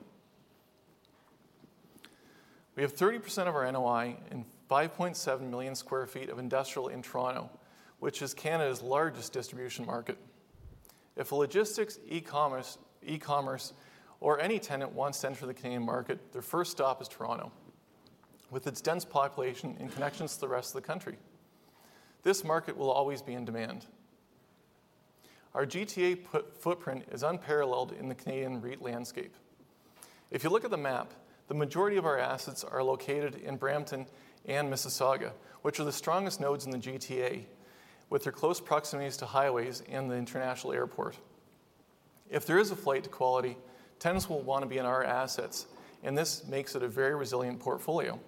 We have 30% of our NOI and 5.7 million sq ft of industrial in Toronto, which is Canada's largest distribution market. If a logistics, e-commerce or any tenant wants to enter the Canadian market, their first stop is Toronto. With its dense population and connections to the rest of the country, this market will always be in demand. Our GTA footprint is unparalleled in the Canadian REIT landscape. If you look at the map, the majority of our assets are located in Brampton and Mississauga, which are the strongest nodes in the GTA with their close proximities to highways and the international airport. If there is a flight to quality, tenants will wanna be in our assets. This makes it a very resilient portfolio.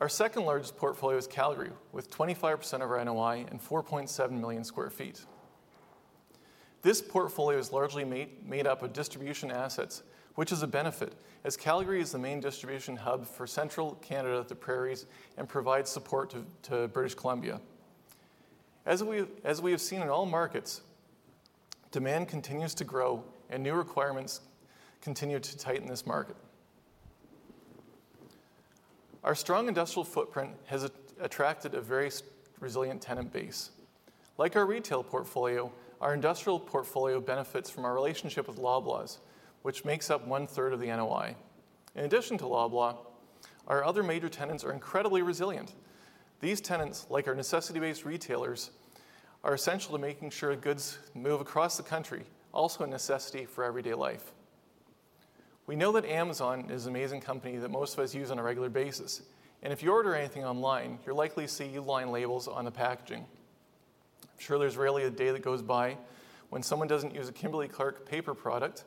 Our second-largest portfolio is Calgary, with 25% of our NOI and 4.7 million sq ft. This portfolio is largely made up of distribution assets, which is a benefit as Calgary is the main distribution hub for central Canada, the prairies, and provides support to British Columbia. As we have seen in all markets, demand continues to grow and new requirements continue to tighten this market. Our strong industrial footprint has attracted a very resilient tenant base. Like our retail portfolio, our industrial portfolio benefits from our relationship with Loblaw, which makes up 1/3 of the NOI. In addition to Loblaw, our other major tenants are incredibly resilient. These tenants, like our necessity-based retailers, are essential to making sure goods move across the country, also a necessity for everyday life. We know that Amazon is an amazing company that most of us use on a regular basis. If you order anything online, you'll likely see Uline labels on the packaging. I'm sure there's rarely a day that goes by when someone doesn't use a Kimberly-Clark paper product,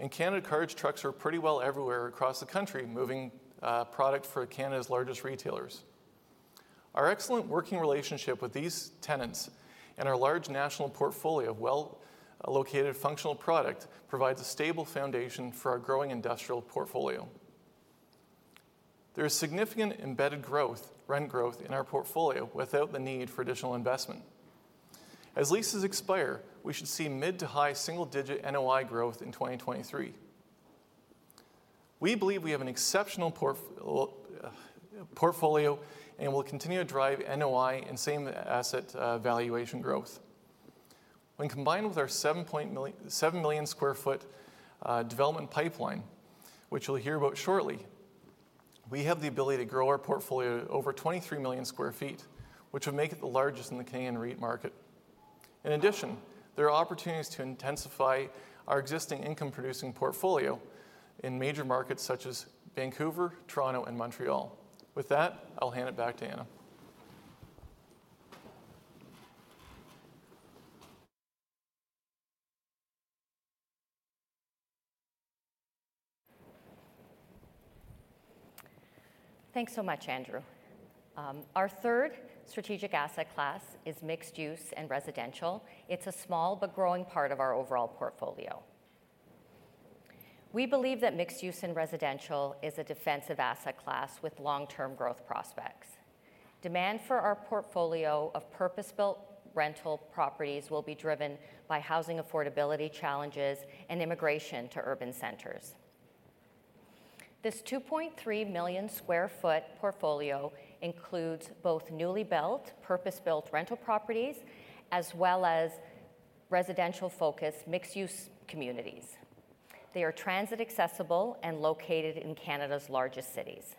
and Canada Cartage trucks are pretty well everywhere across the country, moving product for Canada's largest retailers. Our excellent working relationship with these tenants and our large national portfolio of well-located functional product provides a stable foundation for our growing industrial portfolio. There is significant embedded growth, rent growth in our portfolio without the need for additional investment. As leases expire, we should see mid to high single-digit NOI growth in 2023. We believe we have an exceptional portfolio and will continue to drive NOI and same asset valuation growth. When combined with our 7 million sq ft development pipeline, which you'll hear about shortly, we have the ability to grow our portfolio over 23 million sq ft, which would make it the largest in the Canadian REIT market. In addition, there are opportunities to intensify our existing income-producing portfolio in major markets such as Vancouver, Toronto, and Montreal. With that, I'll hand it back to Ana. Thanks so much, Andrew. Our third strategic asset class is mixed-use and residential. It's a small but growing part of our overall portfolio. We believe that mixed-use and residential is a defensive asset class with long-term growth prospects. Demand for our portfolio of purpose-built rental properties will be driven by housing affordability challenges and immigration to urban centers. This 2.3 million sq ft portfolio includes both newly built, purpose-built rental properties as well as residential-focused mixed-use communities. They are transit accessible and located in Canada's largest cities.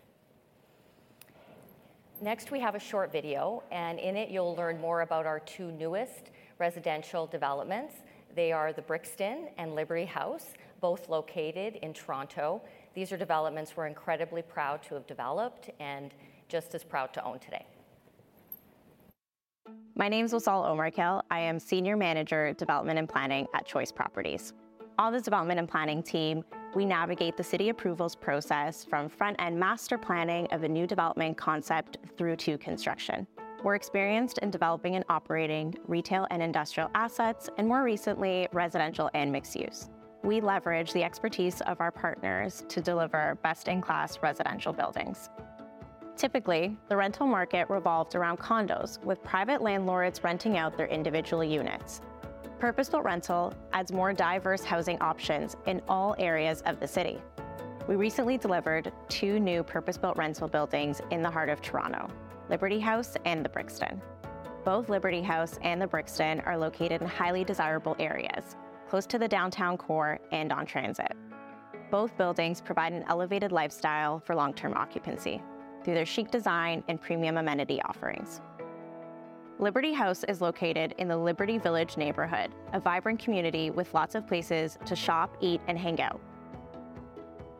Next, we have a short video, in it you'll learn more about our two newest residential developments. They are the Brixton and Liberty House, both located in Toronto. These are developments we're incredibly proud to have developed and just as proud to own today. My name's Wessal Omarkhail. I am Senior Manager, Development and Planning at Choice Properties. On the development and planning team, we navigate the city approvals process from front-end master planning of a new development concept through to construction. We're experienced in developing and operating retail and industrial assets, and more recently, residential and mixed use. We leverage the expertise of our partners to deliver best-in-class residential buildings. Typically, the rental market revolved around condos with private landlords renting out their individual units. Purpose-built rental adds more diverse housing options in all areas of the city. We recently delivered two new purpose-built rental buildings in the heart of Toronto, Liberty House and The Brixton. Both Liberty House and The Brixton are located in highly desirable areas, close to the downtown core and on transit. Both buildings provide an elevated lifestyle for long-term occupancy through their chic design and premium amenity offerings. Liberty House is located in the Liberty Village neighborhood, a vibrant community with lots of places to shop, eat, and hang out.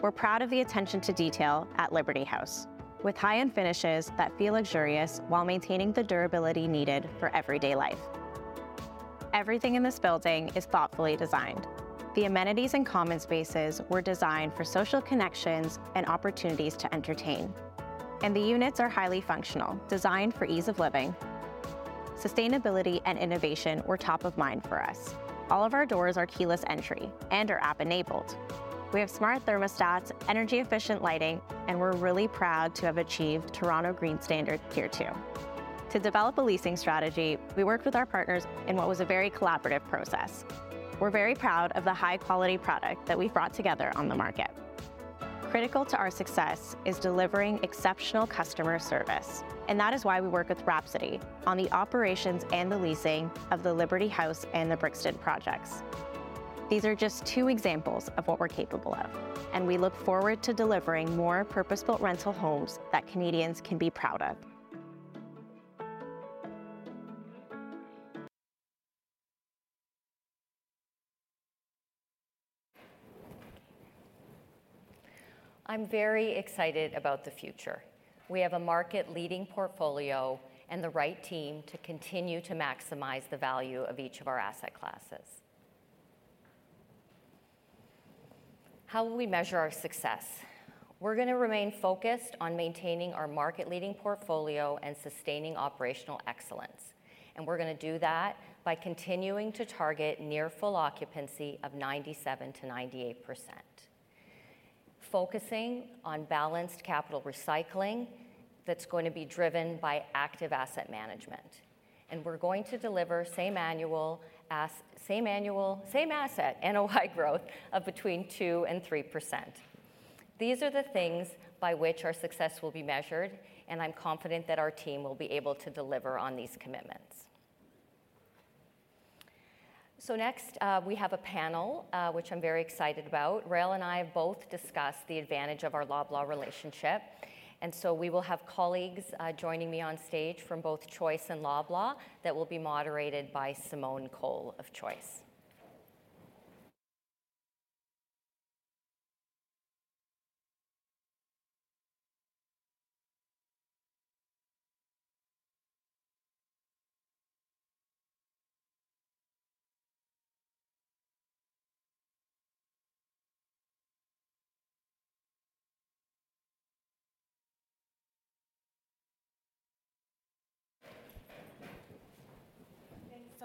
We're proud of the attention to detail at Liberty House, with high-end finishes that feel luxurious while maintaining the durability needed for everyday life. Everything in this building is thoughtfully designed. The amenities and common spaces were designed for social connections and opportunities to entertain. The units are highly functional, designed for ease of living. Sustainability and innovation were top of mind for us. All of our doors are keyless entry and are app-enabled. We have smart thermostats, energy-efficient lighting, and we're really proud to have achieved Toronto Green Standard Tier two. To develop a leasing strategy, we worked with our partners in what was a very collaborative process. We're very proud of the high-quality product that we've brought together on the market. Critical to our success is delivering exceptional customer service. That is why we work with Rhapsody on the operations and the leasing of the Liberty House and the Brixton projects. These are just two examples of what we're capable of. We look forward to delivering more purpose-built rental homes that Canadians can be proud of. I'm very excited about the future. We have a market-leading portfolio and the right team to continue to maximize the value of each of our asset classes. How will we measure our success? We're gonna remain focused on maintaining our market-leading portfolio and sustaining operational excellence. We're gonna do that by continuing to target near full occupancy of 97%-98%, focusing on balanced capital recycling that's going to be driven by active asset management. We're going to deliver same asset NOI growth of between 2% and 3%. These are the things by which our success will be measured, and I'm confident that our team will be able to deliver on these commitments. Next, we have a panel which I'm very excited about. Rael and I both discussed the advantage of our Loblaw relationship. We will have colleagues joining me on stage from both Choice and Loblaw that will be moderated by Simone Cole of Choice.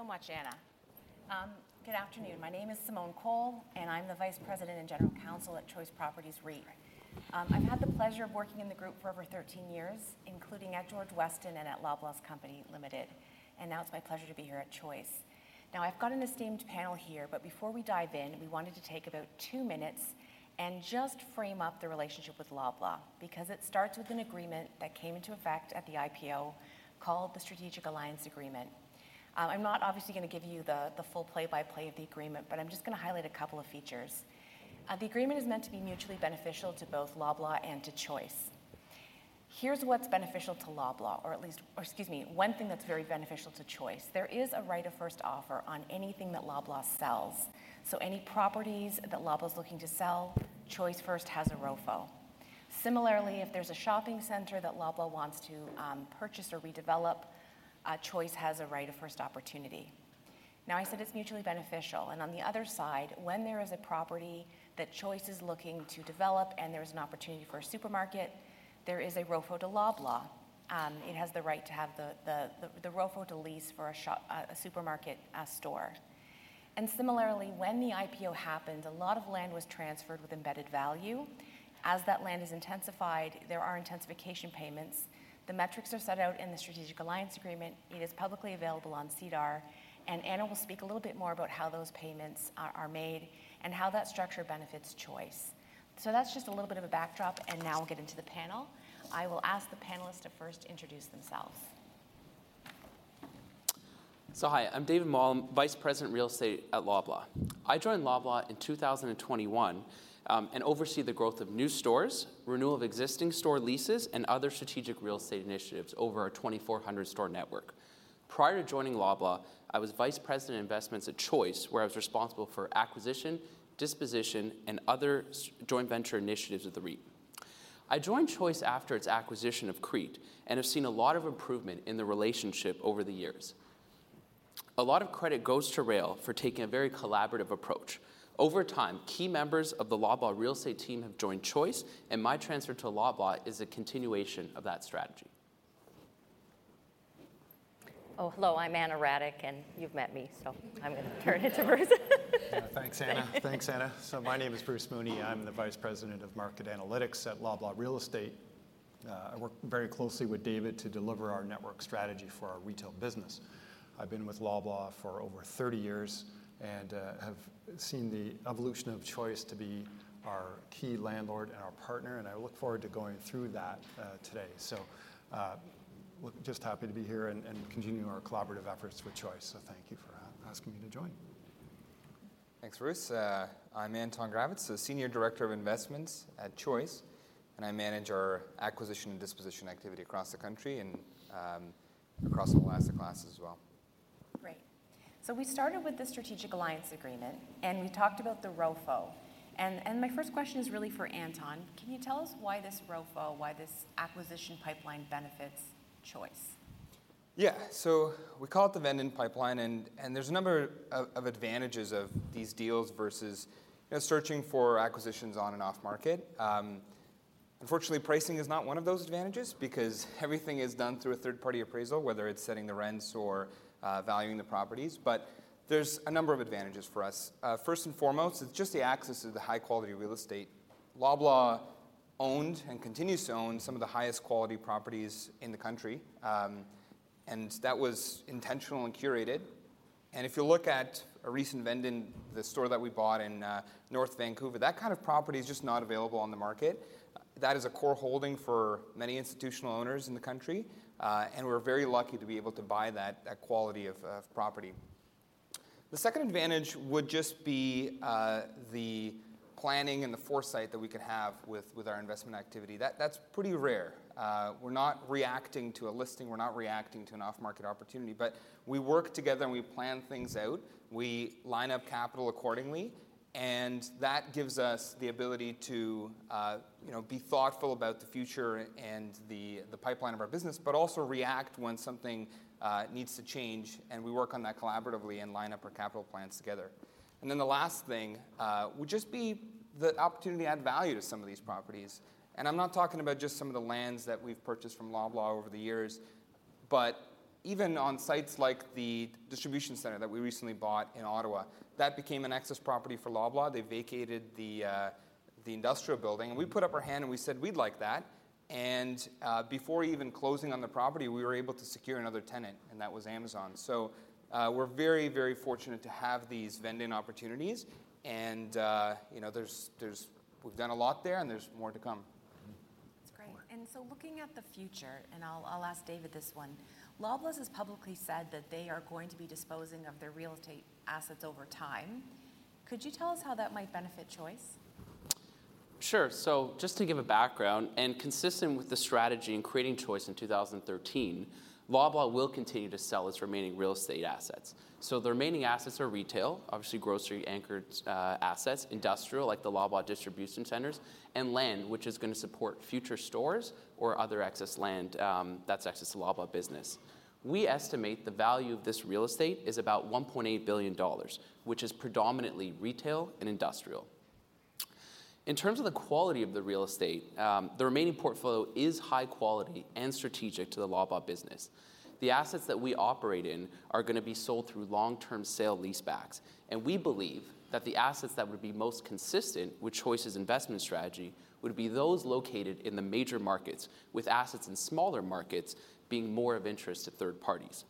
Thank you so much, Ana. Good afternoon. My name is Simone Cole, and I'm the Vice President and General Counsel at Choice Properties REIT. I've had the pleasure of working in the group for over 13 years, including at George Weston and at Loblaw Companies Limited, and now it's my pleasure to be here at Choice. Now I've got an esteemed panel here, but before we dive in, we wanted to take about two minutes and just frame up the relationship with Loblaw because it starts with an agreement that came into effect at the IPO called the Strategic Alliance Agreement. I'm not obviously gonna give you the full play-by-play of the agreement, but I'm just gonna highlight a couple of features. The agreement is meant to be mutually beneficial to both Loblaw and to Choice. Here's what's beneficial to Loblaw, one thing that's very beneficial to Choice. There is a right of first offer on anything that Loblaw sells. Any properties that Loblaw is looking to sell, Choice first has a ROFO. Similarly, if there's a shopping center that Loblaw wants to purchase or redevelop, Choice has a right of first opportunity. I said it's mutually beneficial, and on the other side, when there is a property that Choice is looking to develop and there is an opportunity for a supermarket, there is a ROFO to Loblaw. It has the right to have the ROFO to lease for a supermarket store. Similarly, when the IPO happened, a lot of land was transferred with embedded value. As that land is intensified, there are intensification payments. The metrics are set out in the Strategic Alliance Agreement. It is publicly available on SEDAR. Ana will speak a little bit more about how those payments are made and how that structure benefits Choice. That's just a little bit of a backdrop. Now we'll get into the panel. I will ask the panelists to first introduce themselves. Hi, I'm David Muallim, Vice President, Real Estate at Loblaw. I joined Loblaw in 2021, and oversee the growth of new stores, renewal of existing store leases, and other strategic real estate initiatives over our 2,400 store network. Prior to joining Loblaw, I was Vice President, Investments at Choice, where I was responsible for acquisition, disposition, and other joint venture initiatives with the REIT. I joined Choice after its acquisition of CREIT and have seen a lot of improvement in the relationship over the years. A lot of credit goes to Rael for taking a very collaborative approach. Over time, key members of the Loblaw real estate team have joined Choice, and my transfer to Loblaw is a continuation of that strategy. Oh, hello, I'm Ana Radic, and you've met me, so I'm gonna turn it to Bruce. Yeah, thanks, Ana. Thanks. Thanks, Ana. My name is Bruce Mooney. I'm the Vice President of Market Analytics at Loblaw Real Estate. I work very closely with David to deliver our network strategy for our retail business. I've been with Loblaw for over 30 years and have seen the evolution of Choice to be our key landlord and our partner, and I look forward to going through that today. Look, just happy to be here and continue our collaborative efforts with Choice, so thank you for asking me to join. Mm-hmm. Thanks, Bruce. I'm Anton Gravets, the Senior Director of Investments at Choice, and I manage our acquisition and disposition activity across the country and across all asset classes as well. Great. We started with the Strategic Alliance Agreement, and we talked about the ROFO, and my first question is really for Anton. Can you tell us why this ROFO, why this acquisition pipeline benefits Choice? Yeah. We call it the vend-in pipeline and there's a number of advantages of these deals versus, you know, searching for acquisitions on and off market. Unfortunately, pricing is not one of those advantages because everything is done through a third-party appraisal, whether it's setting the rents or valuing the properties. There's a number of advantages for us. First and foremost, it's just the access to the high quality real estate. Loblaw owned and continues to own some of the highest quality properties in the country, and that was intentional and curated. If you look at a recent vend-in, the store that we bought in North Vancouver, that kind of property is just not available on the market. That is a core holding for many institutional owners in the country, and we're very lucky to be able to buy that quality of property. The second advantage would just be the planning and the foresight that we could have with our investment activity. That, that's pretty rare. We're not reacting to a listing, we're not reacting to an off-market opportunity. We work together, and we plan things out. We line up capital accordingly, and that gives us the ability to, you know, be thoughtful about the future and the pipeline of our business, but also react when something needs to change, and we work on that collaboratively and line up our capital plans together. The last thing would just be the opportunity to add value to some of these properties. I'm not talking about just some of the lands that we've purchased from Loblaw over the years, but even on sites like the distribution center that we recently bought in Ottawa. That became an excess property for Loblaw. They vacated the industrial building, and we put up our hand, and we said, "We'd like that." Before even closing on the property, we were able to secure another tenant, and that was Amazon. We're very, very fortunate to have these vend-in opportunities and, you know, we've done a lot there and there's more to come. Mm-hmm. That's great. More. Looking at the future, I'll ask David this one, Loblaw has publicly said that they are going to be disposing of their real estate assets over time. Could you tell us how that might benefit Choice? Sure. Just to give a background, and consistent with the strategy in creating Choice in 2013, Loblaw will continue to sell its remaining real estate assets. The remaining assets are retail, obviously grocery-anchored assets, industrial, like the Loblaw distribution centers, and land, which is going to support future stores, or other excess land, that's excess to Loblaw business. We estimate the value of this real estate is about 1.8 billion dollars, which is predominantly retail and industrial. In terms of the quality of the real estate, the remaining portfolio is high quality and strategic to the Loblaw business. The assets that we operate in are going to be sold through long-term sale leasebacks. We believe that the assets that would be most consistent with Choice's investment strategy would be those located in the major markets with assets in smaller markets being more of interest to third parties.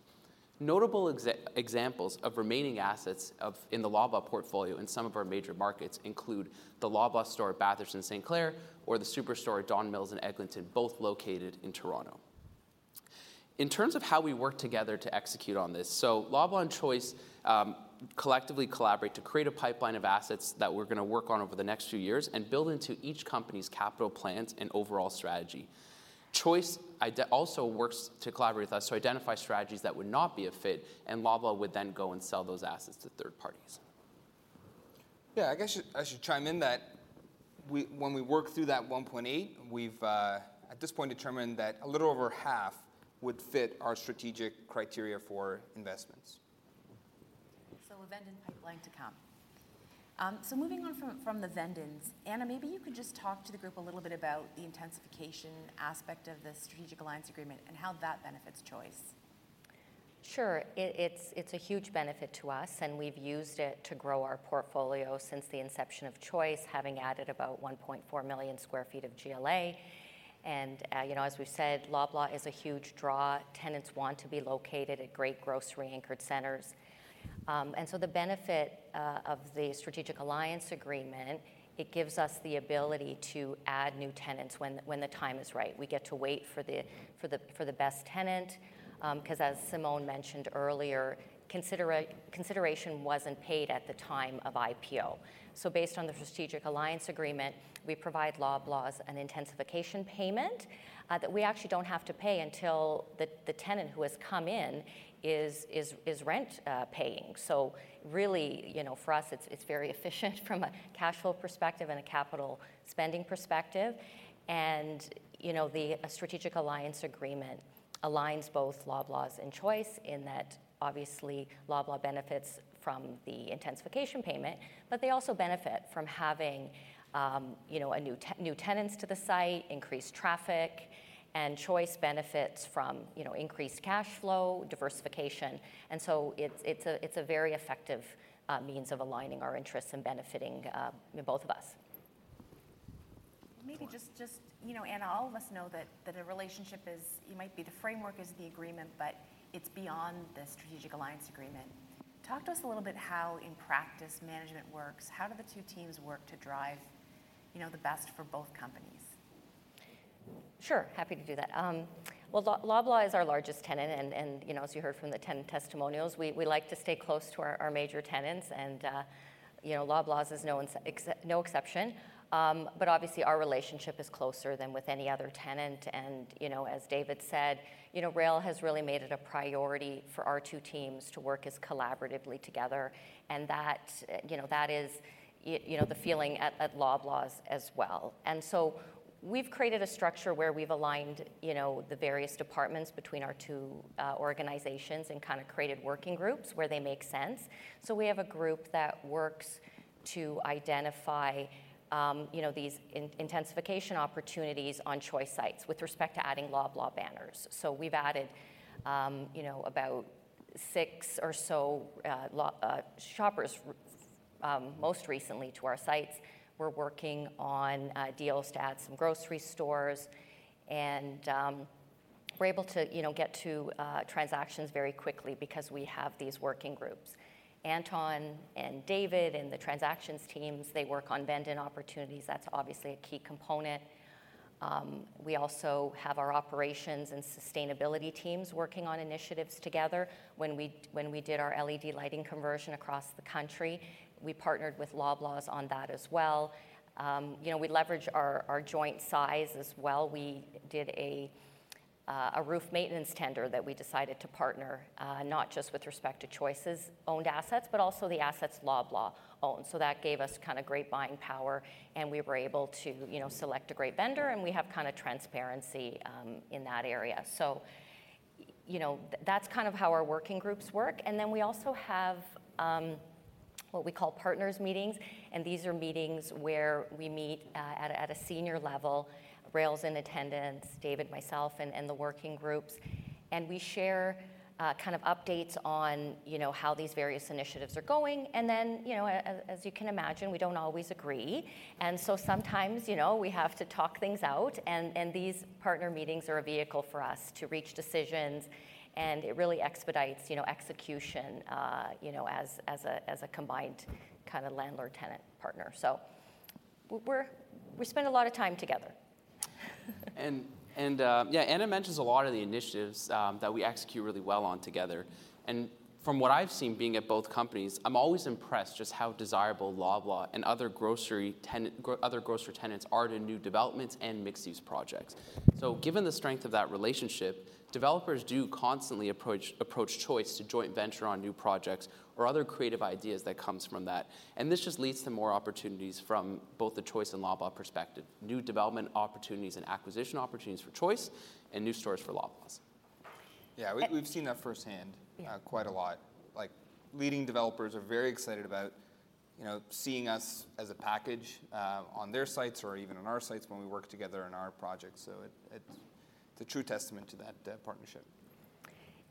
Notable examples of remaining assets in the Loblaw portfolio in some of our major markets include the Loblaw store at Bathurst and St. Clair or the Superstore at Don Mills and Eglinton, both located in Toronto. In terms of how we work together to execute on this, Loblaw and Choice collectively collaborate to create a pipeline of assets that we're going to work on over the next few years and build into each company's capital plans and overall strategy. Choice also works to collaborate with us to identify strategies that would not be a fit, and Loblaw would then go and sell those assets to third parties. Yeah. I guess I should chime in that when we work through that 1.8, we've at this point determined that a little over half would fit our strategic criteria for investments. A vend-in pipeline to come. Moving on from the vend-ins, Ana, maybe you could just talk to the group a little bit about the intensification aspect of the Strategic Alliance Agreement and how that benefits Choice. Sure. It's a huge benefit to us, and we've used it to grow our portfolio since the inception of Choice, having added about 1.4 million sq ft of GLA. You know, as we've said, Loblaw is a huge draw. Tenants want to be located at great grocery anchored centers. The benefit of the Strategic Alliance Agreement, it gives us the ability to add new tenants when the time is right. We get to wait for the best tenant, because as Simone mentioned earlier, consideration wasn't paid at the time of IPO. Based on the Strategic Alliance Agreement, we provide Loblaw an intensification payment that we actually don't have to pay until the tenant who has come in is rent paying. Really, you know, for us it's very efficient from a cash flow perspective and a capital spending perspective. You know, the Strategic Alliance Agreement aligns both Loblaw and Choice in that. Obviously, Loblaw benefits from the intensification payment, but they also benefit from having, you know, new tenants to the site, increased traffic. Choice benefits from, you know, increased cash flow, diversification. It's a very effective means of aligning our interests and benefiting both of us. Just, you know, Ana, all of us know that a relationship, it might be the framework is the agreement, but it's beyond the Strategic Alliance Agreement. Talk to us a little bit how in practice management works. How do the two teams work to drive, you know, the best for both companies? Sure. Happy to do that. Well, Loblaw is our largest tenant and, you know, as you heard from the tenant testimonials, we like to stay close to our major tenants and, you know, Loblaw is no exception. Obviously our relationship is closer than with any other tenant. You know, as David said, you know, Rael has really made it a priority for our two teams to work as collaboratively together and that, you know, that is you know, the feeling at Loblaw as well. So we've created a structure where we've aligned, you know, the various departments between our two organizations and kind of created working groups where they make sense. So we have a group that works to identify, know, these intensification opportunities on Choice sites with respect to adding Loblaw banners. We've added, you know, about six or so Shoppers, most recently to our sites. We're working on deals to add some grocery stores and, we're able to, you know, get to transactions very quickly because we have these working groups. Anton and David and the transactions teams, they work on vend in opportunities. That's obviously a key component. We also have our operations and sustainability teams working on initiatives together. When we did our LED lighting conversion across the country, we partnered with Loblaw's on that as well. You know, we leverage our joint size as well. We did a roof maintenance tender that we decided to partner, not just with respect to Choice's owned assets, but also the assets Loblaw owns. That gave us kinda great buying power, and we were able to, you know, select a great vendor, and we have kinda transparency in that area. You know, that's kind of how our working groups work. We also have what we call partners meetings, and these are meetings where we meet at a senior level. Rael's in attendance, David, myself, and the working groups. We share kind of updates on, you know, how these various initiatives are going. You know, as you can imagine, we don't always agree. Sometimes, you know, we have to talk things out and these partner meetings are a vehicle for us to reach decisions, and it really expedites, you know, execution, you know, as a combined kinda landlord-tenant partner. We spend a lot of time together. Yeah, Ana mentions a lot of the initiatives that we execute really well on together. From what I've seen, being at both companies, I'm always impressed just how desirable Loblaw and other grocery tenants are to new developments and mixed-use projects. Given the strength of that relationship, developers do constantly approach Choice to joint venture on new projects or other creative ideas that comes from that. This just leads to more opportunities from both the Choice and Loblaw perspective, new development opportunities and acquisition opportunities for Choice and new stores for Loblaw. And- We've seen that firsthand. Yeah ... quite a lot. Like, leading developers are very excited about, you know, seeing us as a package, on their sites or even on our sites when we work together on our projects. It, it's a true testament to that, partnership.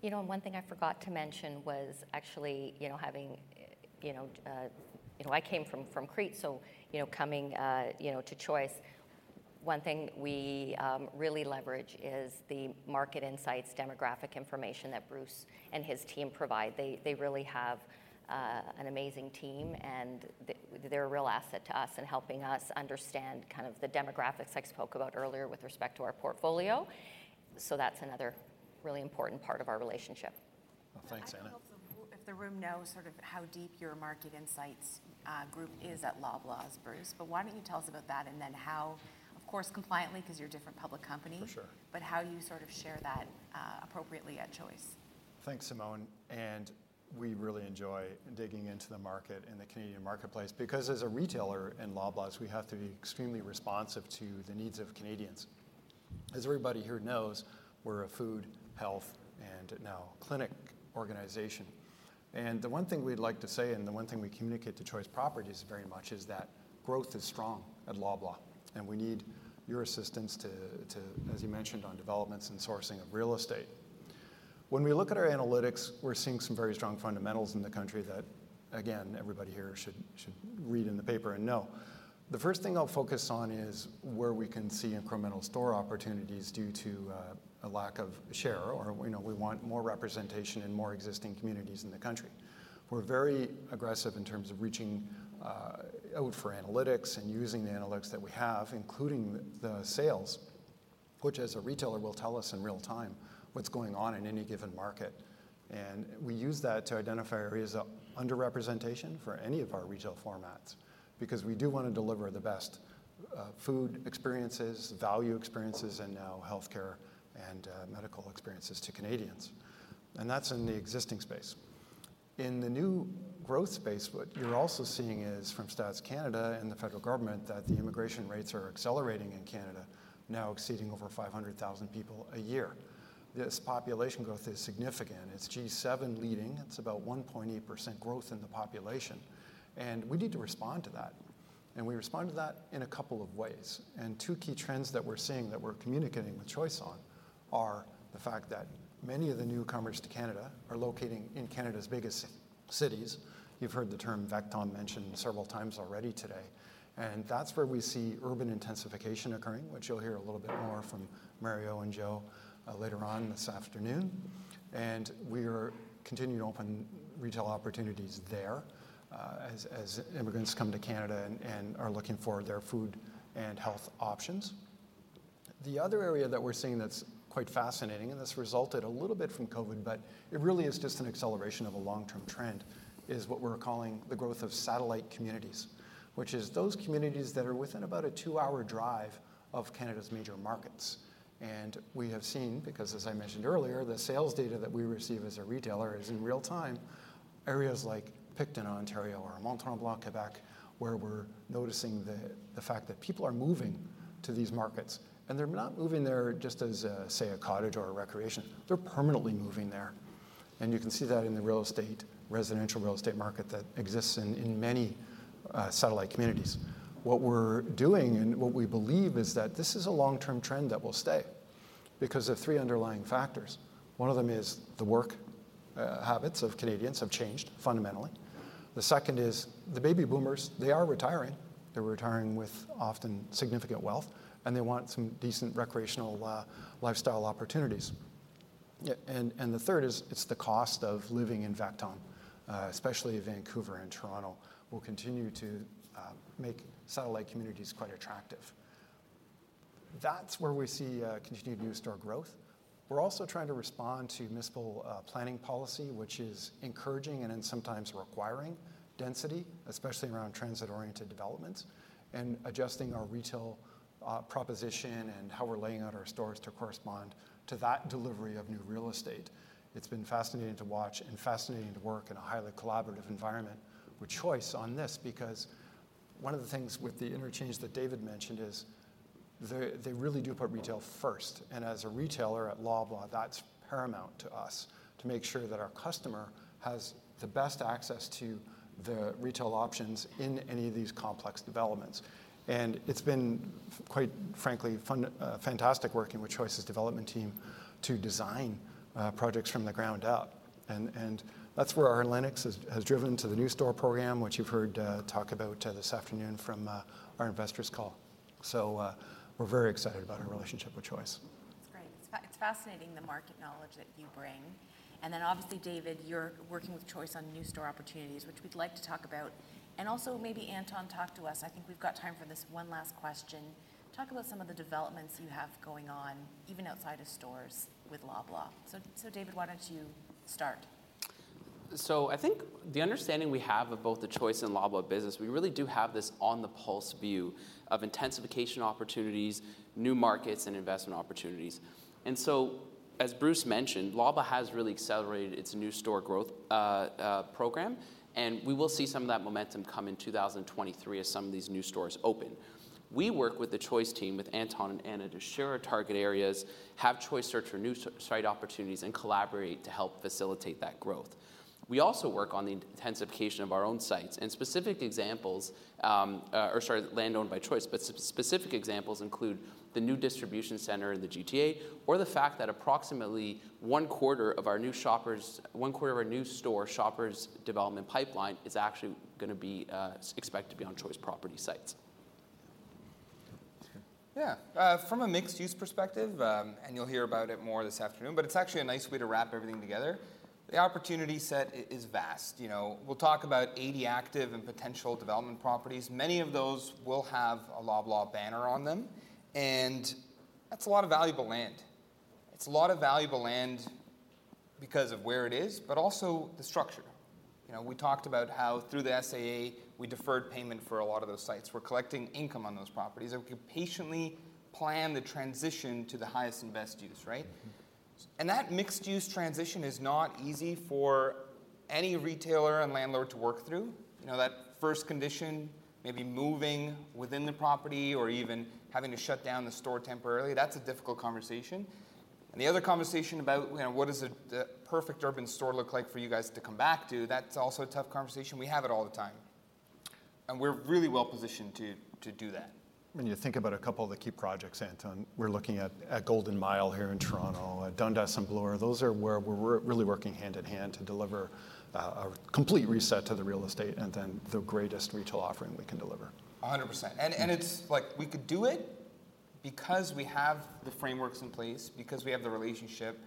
You know, one thing I forgot to mention was actually, you know, having, you know, I came from CREIT, so, you know, coming, you know, to Choice, one thing we really leverage is the market insights demographic information that Bruce and his team provide. They, they really have an amazing team and they're a real asset to us in helping us understand kind of the demographics I spoke about earlier with respect to our portfolio. That's another really important part of our relationship. Well, thanks, Ana. I don't know if the room knows sort of how deep your market insights group is at Loblaw's, Bruce, but why don't you tell us about that and then how, of course, compliantly, 'cause you're different public companies? For sure. How you sort of share that appropriately at Choice. Thanks, Simone. We really enjoy digging into the market and the Canadian marketplace because as a retailer in Loblaw's, we have to be extremely responsive to the needs of Canadians. As everybody here knows, we're a food, health, and now clinic organization. The one thing we'd like to say and the one thing we communicate to Choice Properties very much is that growth is strong at Loblaw, and we need your assistance to, as you mentioned, on developments and sourcing of real estate. When we look at our analytics, we're seeing some very strong fundamentals in the country that, again, everybody here should read in the paper and know. The first thing I'll focus on is where we can see incremental store opportunities due to a lack of share or, you know, we want more representation in more existing communities in the country. We're very aggressive in terms of reaching out for analytics and using the analytics that we have, including the sales, which as a retailer will tell us in real time what's going on in any given market. We use that to identify areas of underrepresentation for any of our retail formats because we do wanna deliver the best food experiences, value experiences, and now healthcare and medical experiences to Canadians. That's in the existing space. In the new growth space, what you're also seeing is from Statistics Canada and the federal government that the immigration rates are accelerating in Canada, now exceeding over 500,000 people a year. This population growth is significant. It's G7 leading. It's about 1.8% growth in the population, and we need to respond to that. We respond to that in a couple of ways. Two key trends that we're seeing that we're communicating with Choice on are the fact that many of the newcomers to Canada are locating in Canada's biggest cities. You've heard the term VECTOM mentioned several times already today, and that's where we see urban intensification occurring, which you'll hear a little bit more from Mario and Joe later on this afternoon. We're continuing to open retail opportunities there as immigrants come to Canada and are looking for their food and health options. The other area that we're seeing that's quite fascinating, and this resulted a little bit from COVID, but it really is just an acceleration of a long-term trend, is what we're calling the growth of satellite communities, which is those communities that are within about a two-hour drive of Canada's major markets. We have seen, because as I mentioned earlier, the sales data that we receive as a retailer is in real time, areas like Picton, Ontario or Mont-Tremblant, Quebec, where we're noticing the fact that people are moving to these markets. They're not moving there just as, say, a cottage or a recreation. They're permanently moving there. You can see that in the real estate, residential real estate market that exists in many satellite communities. What we're doing and what we believe is that this is a long-term trend that will stay because of three underlying factors. One of them is the work habits of Canadians have changed fundamentally. The second is the baby boomers, they are retiring. They're retiring with often significant wealth, and they want some decent recreational lifestyle opportunities. The third is it's the cost of living in VECTOM, especially Vancouver and Toronto, will continue to make satellite communities quite attractive. That's where we see continued new store growth. We're also trying to respond to municipal planning policy, which is encouraging and then sometimes requiring density, especially around transit-oriented developments, and adjusting our retail proposition and how we're laying out our stores to correspond to that delivery of new real estate. It's been fascinating to watch and fascinating to work in a highly collaborative environment with Choice on this because one of the things with the interchange that David mentioned is they really do put retail first. As a retailer at Loblaw, that's paramount to us to make sure that our customer has the best access to the retail options in any of these complex developments. It's been, quite frankly, fun, fantastic working with Choice's development team to design projects from the ground up. That's where our Loblaw has driven to the new store program, which you've heard talk about this afternoon from our investors call. We're very excited about our relationship with Choice. That's great. It's fascinating the market knowledge that you bring. Obviously, David, you're working with Choice on new store opportunities, which we'd like to talk about. Also maybe Anton, talk to us, I think we've got time for this one last question. Talk about some of the developments you have going on even outside of stores with Loblaw. David, why don't you start? I think the understanding we have of both the Choice and Loblaw business, we really do have this on the pulse view of intensification opportunities, new markets, and investment opportunities. As Bruce mentioned, Loblaw has really accelerated its new store growth program, and we will see some of that momentum come in 2023 as some of these new stores open. We work with the Choice team, with Anton and Ana, to share our target areas, have Choice search for new site opportunities, and collaborate to help facilitate that growth. We also work on the intensification of our own sites. Specific examples, or sorry, land owned by Choice, but specific examples include the new distribution center in the GTA. The fact that approximately 1/4 of our new Shoppers store development pipeline is actually gonna be expected to be on Choice Properties sites. That's great. Yeah. From a mixed use perspective, you'll hear about it more this afternoon, but it's actually a nice way to wrap everything together. The opportunity set is vast. You know, we'll talk about 80 active and potential development properties. Many of those will have a Loblaw banner on them, and that's a lot of valuable land. It's a lot of valuable land because of where it is, but also the structure. You know, we talked about how through the SAA, we deferred payment for a lot of those sites. We're collecting income on those properties, and we can patiently plan the transition to the highest and best use, right? That mixed use transition is not easy for any retailer and landlord to work through. You know, that first condition, maybe moving within the property or even having to shut down the store temporarily, that's a difficult conversation. The other conversation about, you know, what does the perfect urban store look like for you guys to come back to, that's also a tough conversation. We have it all the time. We're really well positioned to do that. When you think about a couple of the key projects, Anton, we're looking at Golden Mile here in Toronto, at Bloor & Dundas. Those are where we're really working hand in hand to deliver a complete reset to the real estate and then the greatest retail offering we can deliver. 100%. It's like we could do it because we have the frameworks in place, because we have the relationship,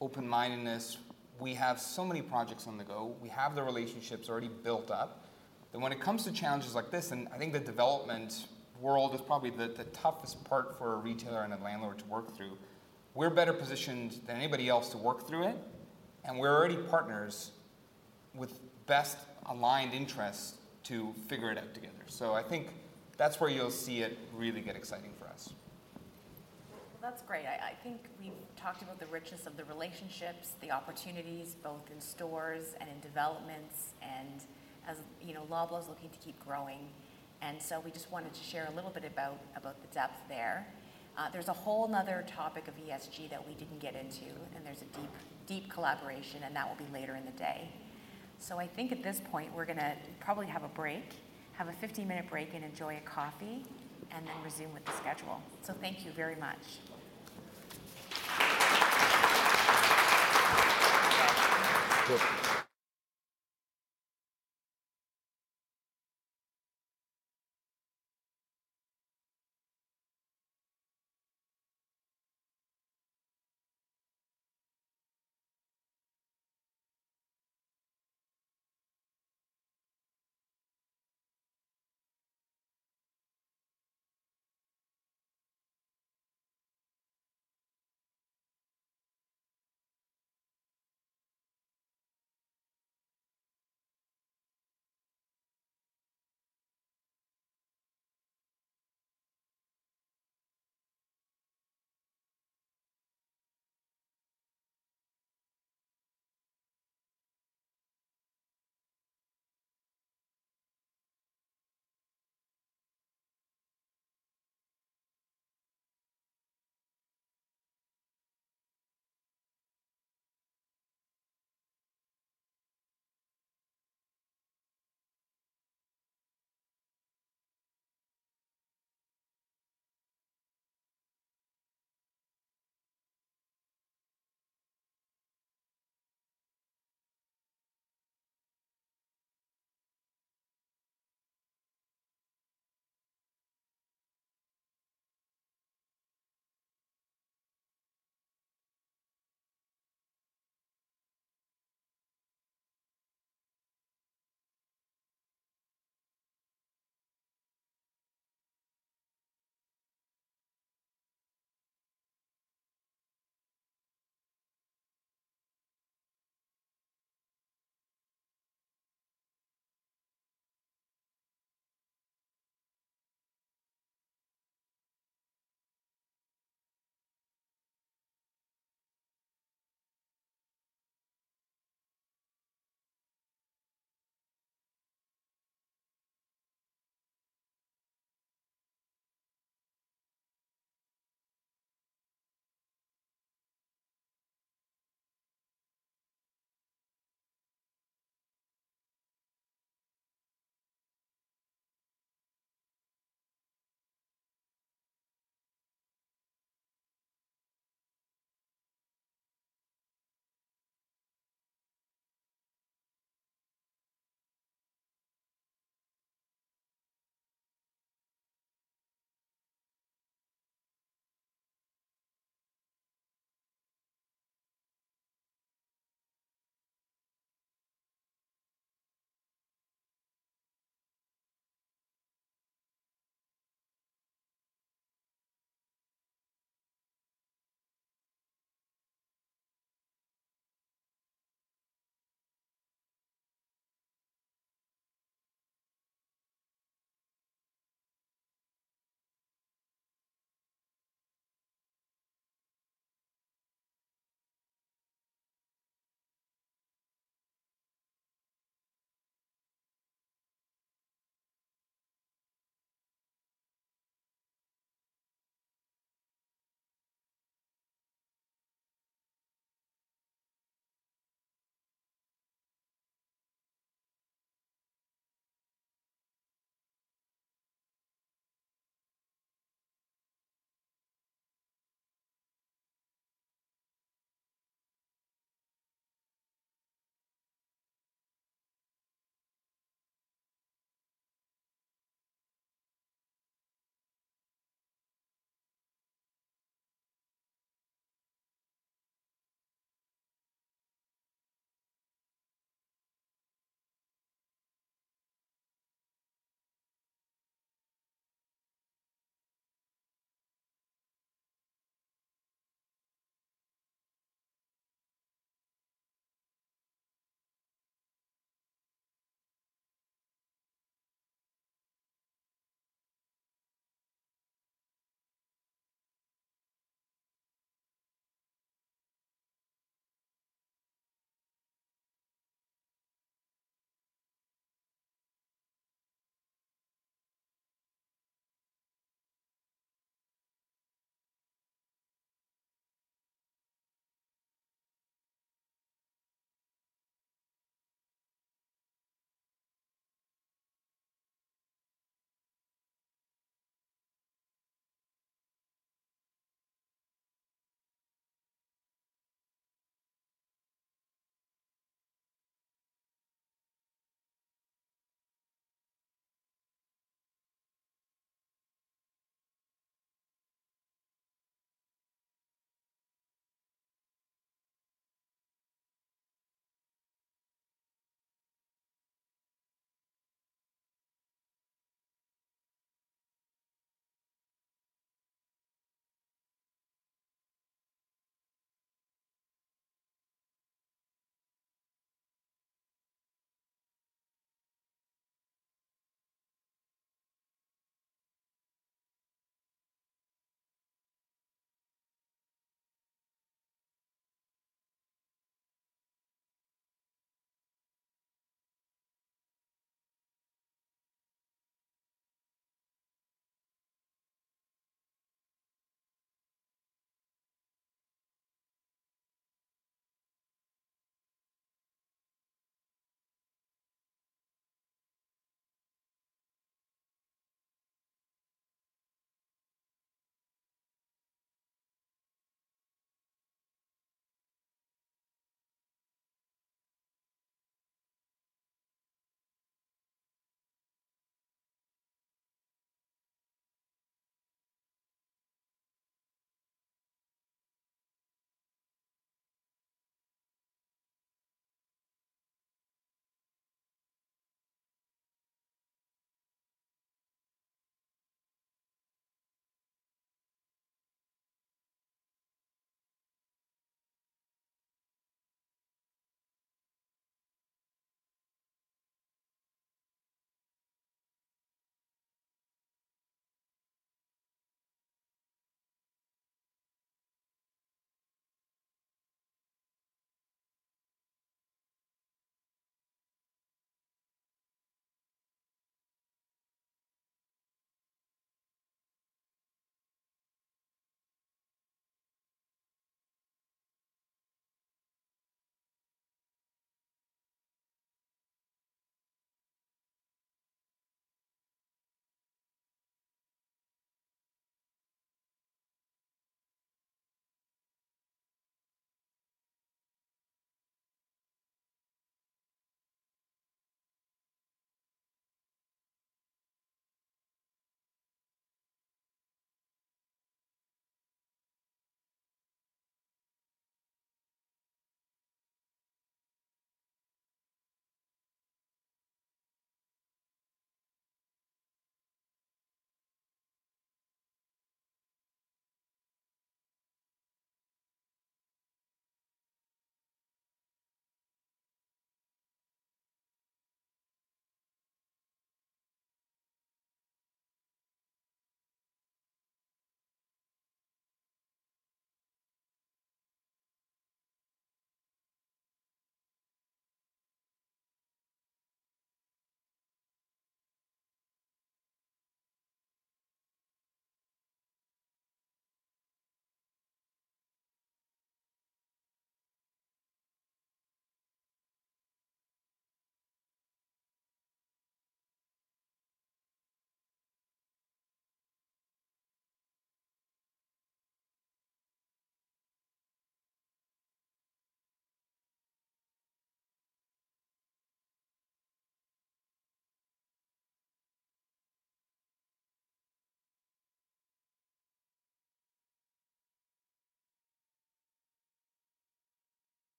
open-mindedness. We have so many projects on the go. We have the relationships already built up. When it comes to challenges like this, and I think the development world is probably the toughest part for a retailer and a landlord to work through, we're better positioned than anybody else to work through it, and we're already partners with best aligned interests to figure it out together. I think that's where you'll see it really get exciting for us. That's great. I think we've talked about the richness of the relationships, the opportunities both in stores and in developments, and as you know, Loblaw looking to keep growing. We just wanted to share a little bit about the depth there. There's a whole another topic of ESG that we didn't get into, and there's a deep collaboration, and that will be later in the day. I think at this point we're gonna probably have a break, have a 15-minute break and enjoy a coffee and then resume with the schedule. Thank you very much.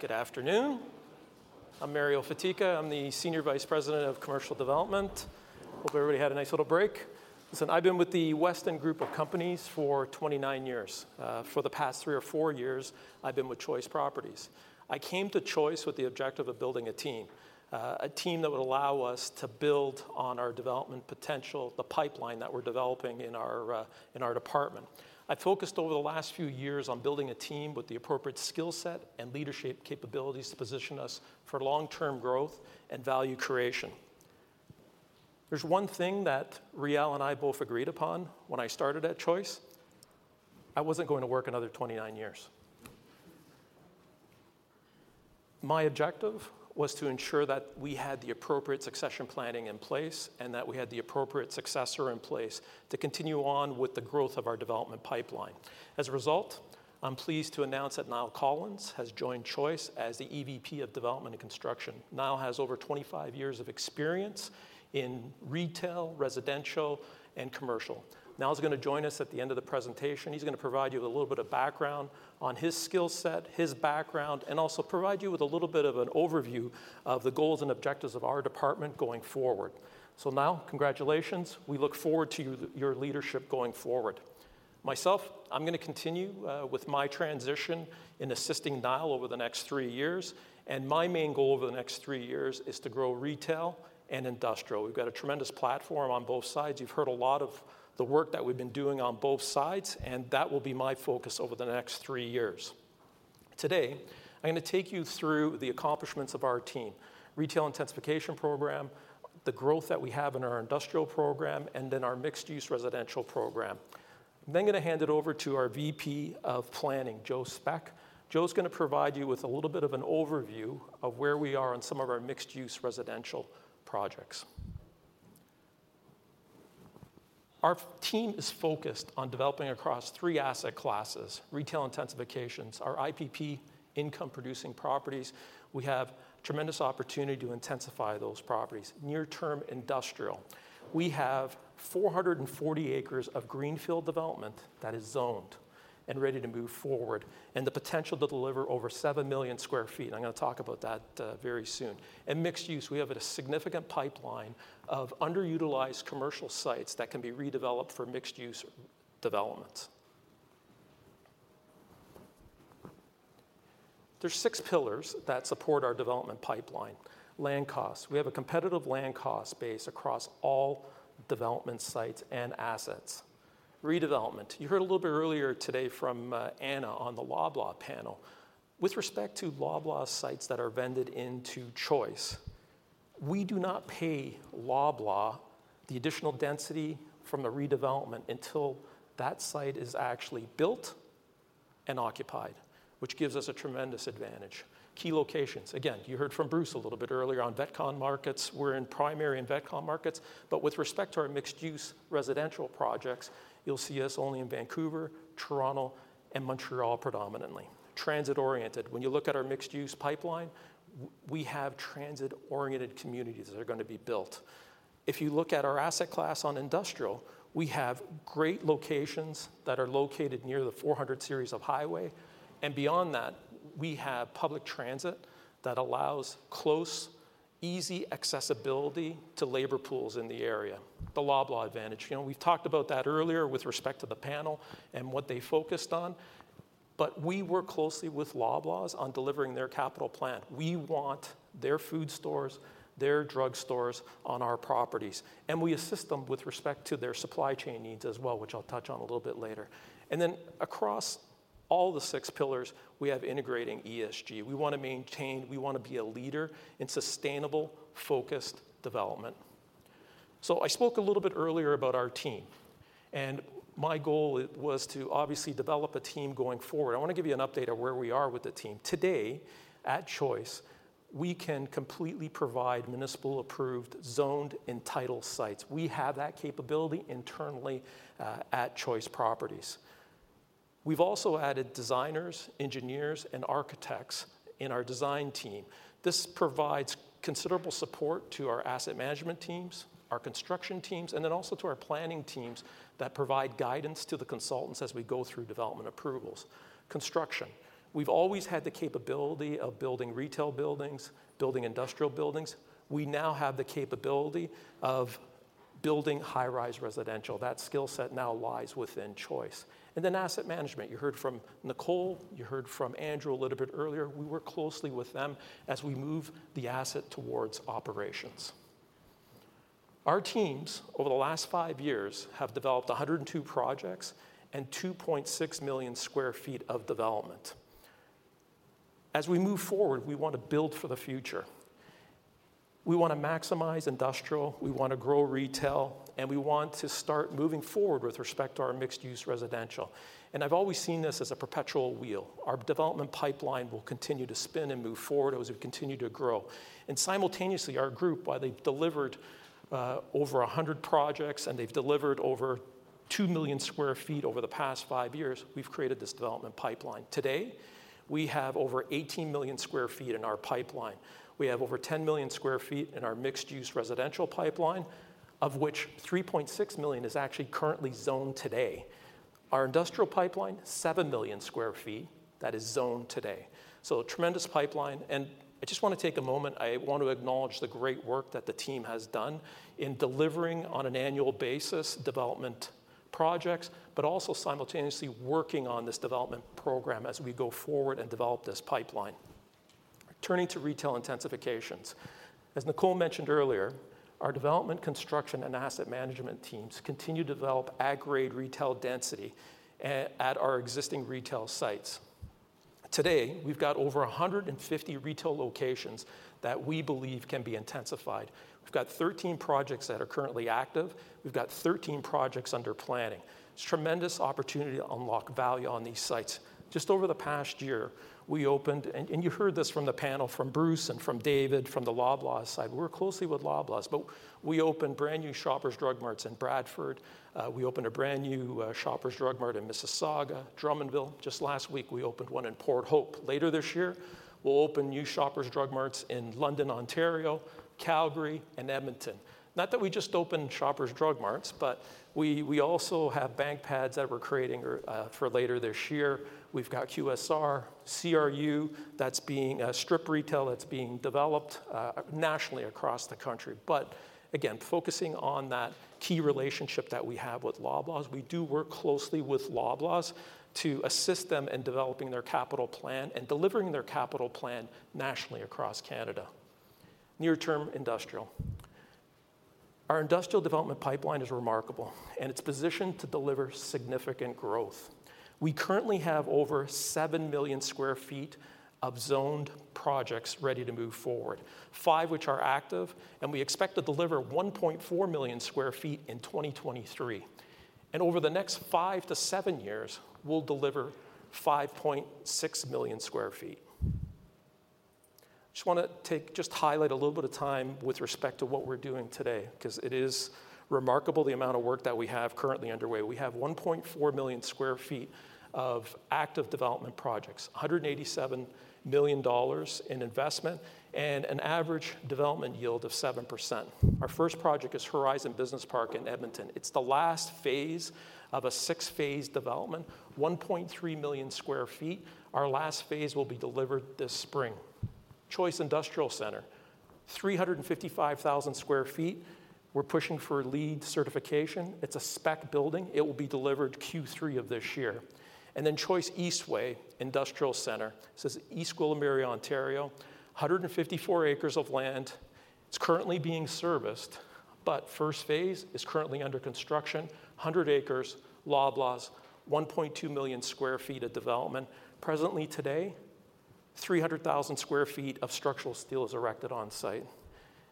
Good afternoon. I'm Mario Fatica. I'm the Senior Vice President of Commercial Development. Hope everybody had a nice little break. Listen, I've been with the Weston group of companies for 29 years. For the past three or four years, I've been with Choice Properties. I came to Choice with the objective of building a team, a team that would allow us to build on our development potential, the pipeline that we're developing in our department. I focused over the last few years on building a team with the appropriate skill set and leadership capabilities to position us for long-term growth and value creation. There's one thing that Rael and I both agreed upon when I started at Choice. I wasn't going to work another 29 years. My objective was to ensure that we had the appropriate succession planning in place and that we had the appropriate successor in place to continue on with the growth of our development pipeline. As a result, I'm pleased to announce that Niall Collins has joined Choice as the EVP of development and construction. Niall has over 25 years of experience in retail, residential, and commercial. Niall's gonna join us at the end of the presentation. He's gonna provide you with a little bit of background on his skill set, his background, and also provide you with a little bit of an overview of the goals and objectives of our department going forward. Niall, congratulations. We look forward to your leadership going forward. Myself, I'm gonna continue with my transition in assisting Niall over the next three years, and my main goal over the next three years is to grow retail and industrial. We've got a tremendous platform on both sides. You've heard a lot of the work that we've been doing on both sides, and that will be my focus over the next three years. Today, I'm going to take you through the accomplishments of our team. Retail intensification program, the growth that we have in our industrial program, and then our mixed-use residential program. I'm then going to hand it over to our VP of Planning, Joe Svec. Joe's going to provide you with a little bit of an overview of where we are on some of our mixed-use residential projects. Our team is focused on developing across three asset classes, retail intensifications, our IPP income producing properties. We have tremendous opportunity to intensify those properties. Near term industrial. We have 440 acres of greenfield development that is zoned and ready to move forward and the potential to deliver over 7 million sq ft. I'm going to talk about that very soon. Mixed use, we have a significant pipeline of underutilized commercial sites that can be redeveloped for mixed use developments. There's six pillars that support our development pipeline. Land costs. We have a competitive land cost base across all development sites and assets. Redevelopment. You heard a little bit earlier today from Ana on the Loblaw panel. With respect to Loblaw sites that are vended into Choice, we do not pay Loblaw the additional density from the redevelopment until that site is actually built and occupied, which gives us a tremendous advantage. Key locations. You heard from Bruce a little bit earlier on VECTOM markets. We're in primary and VECTOM markets. With respect to our mixed-use residential projects, you'll see us only in Vancouver, Toronto, and Montreal predominantly. Transit-oriented. When you look at our mixed-use pipeline, we have transit-oriented communities that are going to be built. If you look at our asset class on industrial, we have great locations that are located near the 400 series of highway. Beyond that, we have public transit that allows close, easy accessibility to labor pools in the area. The Loblaw advantage. You know, we've talked about that earlier with respect to the panel and what they focused on, but we work closely with Loblaws on delivering their capital plan. We want their food stores, their drug stores on our properties, and we assist them with respect to their supply chain needs as well, which I'll touch on a little bit later. Across all the six pillars, we have integrating ESG. We want to be a leader in sustainable, focused development. I spoke a little bit earlier about our team, and my goal, it was to obviously develop a team going forward. I want to give you an update on where we are with the team. Today, at Choice, we can completely provide municipal approved, zoned, and titled sites. We have that capability internally at Choice Properties. We've also added designers, engineers, and architects in our design team. This provides considerable support to our asset management teams, our construction teams, also to our planning teams that provide guidance to the consultants as we go through development approvals. Construction. We've always had the capability of building retail buildings, building industrial buildings. We now have the capability of building high-rise residential. That skill set now lies within Choice. Asset management. You heard from Nicole, you heard from Andrew a little bit earlier. We work closely with them as we move the asset towards operations. Our teams over the last five years have developed 102 projects and 2.6 million sq ft of development. As we move forward, we want to build for the future. We want to maximize industrial, we want to grow retail, and we want to start moving forward with respect to our mixed use residential. I've always seen this as a perpetual wheel. Our development pipeline will continue to spin and move forward as we continue to grow. Simultaneously, our group, while they've delivered over 100 projects and they've delivered over 2 million sq ft over the past five years, we've created this development pipeline. Today, we have over 18 million sq ft in our pipeline. We have over 10 million sq ft in our mixed-use residential pipeline, of which 3.6 million is actually currently zoned today. Our industrial pipeline, 7 million sq ft that is zoned today. A tremendous pipeline. I just want to take a moment. I want to acknowledge the great work that the team has done in delivering on an annual basis development projects, but also simultaneously working on this development program as we go forward and develop this pipeline. Turning to retail intensifications. As Nicole mentioned earlier, our development, construction, and asset management teams continue to develop at-grade retail density at our existing retail sites. Today, we've got over 150 retail locations that we believe can be intensified. We've got 13 projects that are currently active. We've got 13 projects under planning. It's a tremendous opportunity to unlock value on these sites. Just over the past year, we opened, and you heard this from the panel, from Bruce and from David, from the Loblaw side. We work closely with Loblaw, we opened brand new Shoppers Drug Marts in Bradford. We opened a brand new Shoppers Drug Mart in Mississauga, Drummondville. Just last week, we opened one in Port Hope. Later this year, we'll open new Shoppers Drug Marts in London, Ontario, Calgary, and Edmonton. Not that we just opened Shoppers Drug Marts, but we also have bank pads that we're creating or for later this year. We've got QSR, CRU that's being strip retail that's being developed nationally across the country. Again, focusing on that key relationship that we have with Loblaws, we do work closely with Loblaws to assist them in developing their capital plan and delivering their capital plan nationally across Canada. Near term industrial. Our industrial development pipeline is remarkable, and it's positioned to deliver significant growth. We currently have over 7 million sq ft of zoned projects ready to move forward, five which are active, and we expect to deliver 1.4 million sq ft in 2023. Over the next five to seven years, we'll deliver 5.6 million sq ft. Just want to highlight a little bit of time with respect to what we're doing today, because it is remarkable the amount of work that we have currently underway. We have 1.4 million sq ft of active development projects, 187 million dollars in investment, and an average development yield of 7%. Our first project is Horizon Business Park in Edmonton. It's the last phase of a six-phase development, 1.3 million sq ft. Our last phase will be delivered this spring. Choice Industrial Center, 355,000 sq ft. We're pushing for LEED certification. It's a spec building. It will be delivered Q3 of this year. Choice Eastway Industrial Center. This is East Gwillimbury, Ontario. 154 acres of land. It's currently being serviced, first phase is currently under construction. 100 acres, Loblaw's, 1.2 million sq ft of development. Presently today, 300,000 sq ft of structural steel is erected on-site.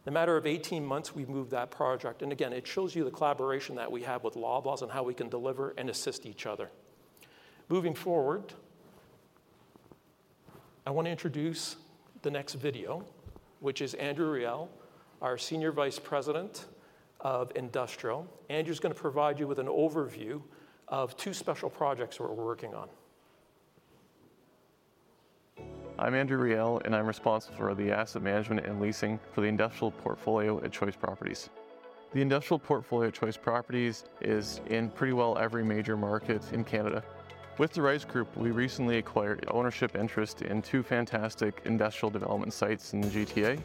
In a matter of 18 months, we've moved that project. Again, it shows you the collaboration that we have with Loblaw and how we can deliver and assist each other. Moving forward, I want to introduce the next video, which is Andrew Reial, our Senior Vice President of Industrial. Andrew is going to provide you with an overview of two special projects we're working on. I'm Andrew Reial, I'm responsible for the asset management and leasing for the industrial portfolio at Choice Properties. The industrial portfolio at Choice Properties is in pretty well every major market in Canada. With the Rise Group, we recently acquired ownership interest in two fantastic industrial development sites in the GTA.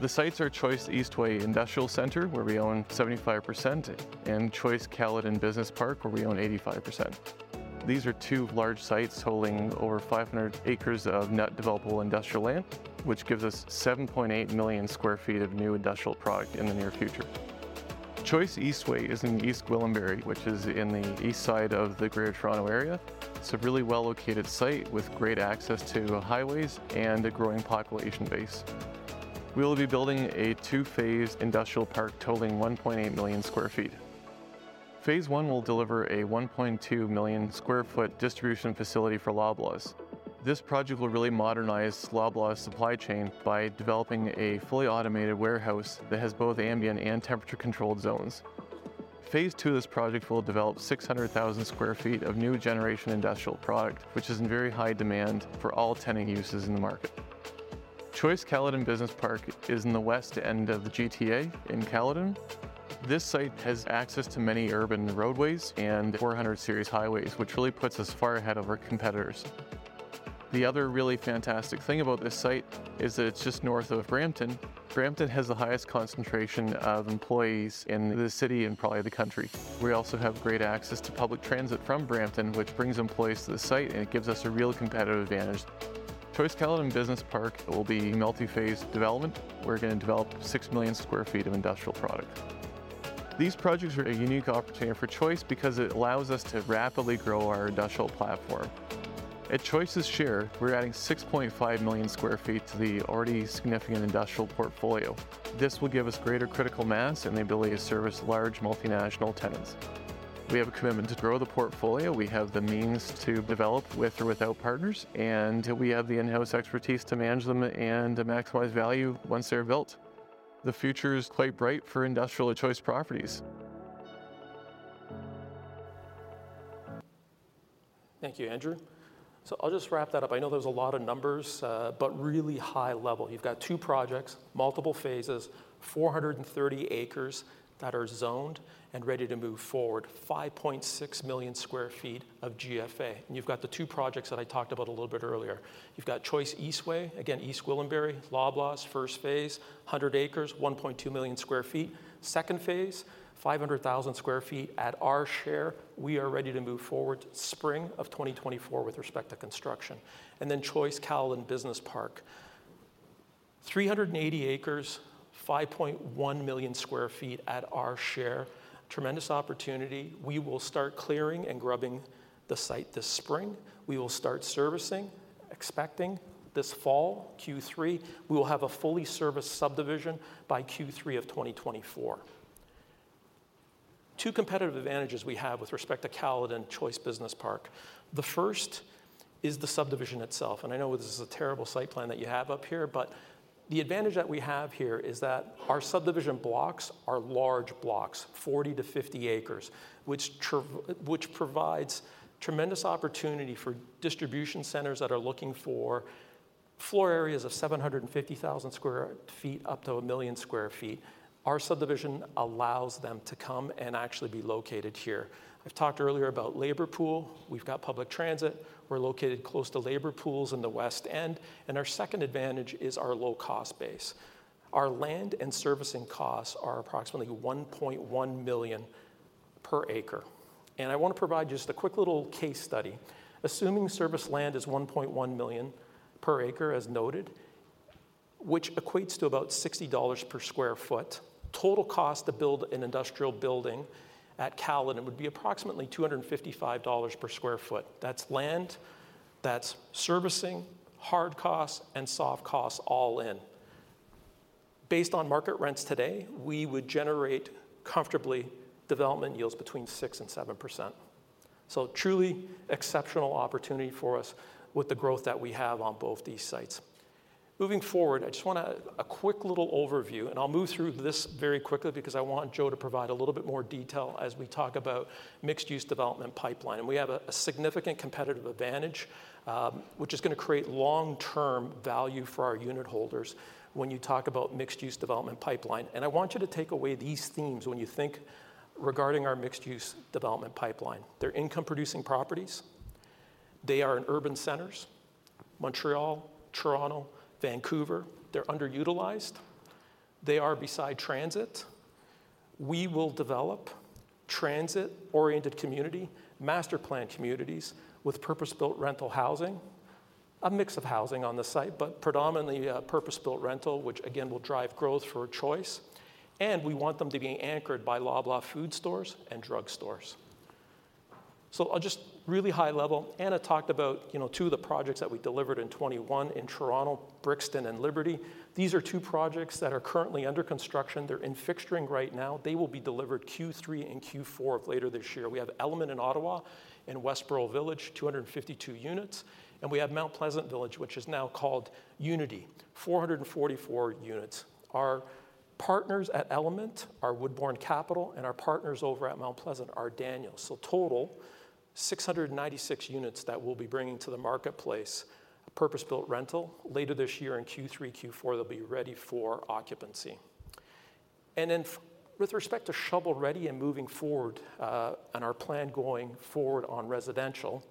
The sites are Choice Eastway Industrial Center, where we own 75%, and Choice Caledon Business Park, where we own 85%. These are two large sites totaling over 500 acres of net developable industrial land, which gives us 7.8 million sq ft of new industrial product in the near future. Choice Eastway is in East Gwillimbury, which is in the east side of the Greater Toronto area. It's a really well-located site with great access to highways and a growing population base. We will be building a two-phase industrial park totaling 1.8 million sq ft. Phase I will deliver a 1.2 million sq ft distribution facility for Loblaw's. This project will really modernize Loblaw's supply chain by developing a fully automated warehouse that has both ambient and temperature-controlled zones. Phase II of this project will develop 600,000 sq ft of new generation industrial product, which is in very high demand for all tenant uses in the market. Choice Caledon Business Park is in the west end of the GTA in Caledon. This site has access to many urban roadways and 400 series highways, which really puts us far ahead of our competitors. The other really fantastic thing about this site is that it's just north of Brampton. Brampton has the highest concentration of employees in the city and probably the country. We also have great access to public transit from Brampton, which brings employees to the site, and it gives us a real competitive advantage. Choice Caledon Business Park will be a multi-phase development. We're going to develop 6 million sq ft of industrial product. These projects are a unique opportunity for Choice because it allows us to rapidly grow our industrial platform. At Choice's share, we're adding 6.5 million sq ft to the already significant industrial portfolio. This will give us greater critical mass and the ability to service large multinational tenants. We have a commitment to grow the portfolio. We have the means to develop with or without partners, and we have the in-house expertise to manage them and to maximize value once they're built. The future is quite bright for industrial at Choice Properties. Thank you, Andrew. I'll just wrap that up. I know there was a lot of numbers, but really high level. You've got two projects, multiple phases, 430 acres that are zoned and ready to move forward, 5.6 million sq ft of GFA. You've got the two projects that I talked about a little bit earlier. You've got Choice Eastway, again, East Gwillimbury, Loblaw's first phase, 100 acres, 1.2 million sq ft. Second phase, 500,000 sq ft at our share. We are ready to move forward spring of 2024 with respect to construction. Choice Caledon Business Park, 380 acres, 5.1 million sq ft at our share. Tremendous opportunity. We will start clearing and grubbing the site this spring. We will start servicing, expecting this fall, Q3. We will have a fully serviced subdivision by Q3 of 2024. Two competitive advantages we have with respect to Caledon Choice Business Park. The first is the subdivision itself, and I know this is a terrible site plan that you have up here, but the advantage that we have here is that our subdivision blocks are large blocks, 40-50 acres, which provides tremendous opportunity for distribution centers that are looking for floor areas of 750,000 sq ft up to 1 million sq ft. Our subdivision allows them to come and actually be located here. I've talked earlier about labor pool. We've got public transit. We're located close to labor pools in the West End. Our second advantage is our low-cost base. Our land and servicing costs are approximately 1.1 million per acre. I want to provide just a quick little case study. Assuming service land is 1.1 million per acre, as noted, which equates to about 60 dollars per sq ft. Total cost to build an industrial building at Caledon would be approximately 255 dollars per sq ft. That's land, that's servicing, hard costs, and soft costs all in. Based on market rents today, we would generate comfortably development yields between 6%-7%. Truly exceptional opportunity for us with the growth that we have on both these sites. Moving forward, I just want a quick little overview, and I'll move through this very quickly because I want Joe to provide a little bit more detail as we talk about mixed-use development pipeline. We have a significant competitive advantage, which is going to create long-term value for our unitholders when you talk about mixed-use development pipeline. I want you to take away these themes when you think regarding our mixed-use development pipeline. They're income-producing properties. They are in urban centers: Montreal, Toronto, Vancouver. They're underutilized. They are beside transit. We will develop transit-oriented community, master planned communities with purpose-built rental housing, a mix of housing on the site, but predominantly purpose-built rental, which again, will drive growth for Choice. We want them to be anchored by Loblaw food stores and drugstores. I'll just really high level. Ana talked about, you know, two of the projects that we delivered in 2021 in Toronto, Brixton and Liberty. These are two projects that are currently under construction. They're in fixturing right now. They will be delivered Q3 and Q4 later this year. We have Element in Ottawa and Westboro Village, 252 units, and we have Mount Pleasant Village, which is now called Unity, 444 units. Our partners at Element are Woodbourne Capital, and our partners over at Mount Pleasant are Daniels. Total, 696 units that we'll be bringing to the marketplace, purpose-built rental later this year in Q3, Q4, they'll be ready for occupancy. With respect to shovel-ready and moving forward, and our plan going forward on residential,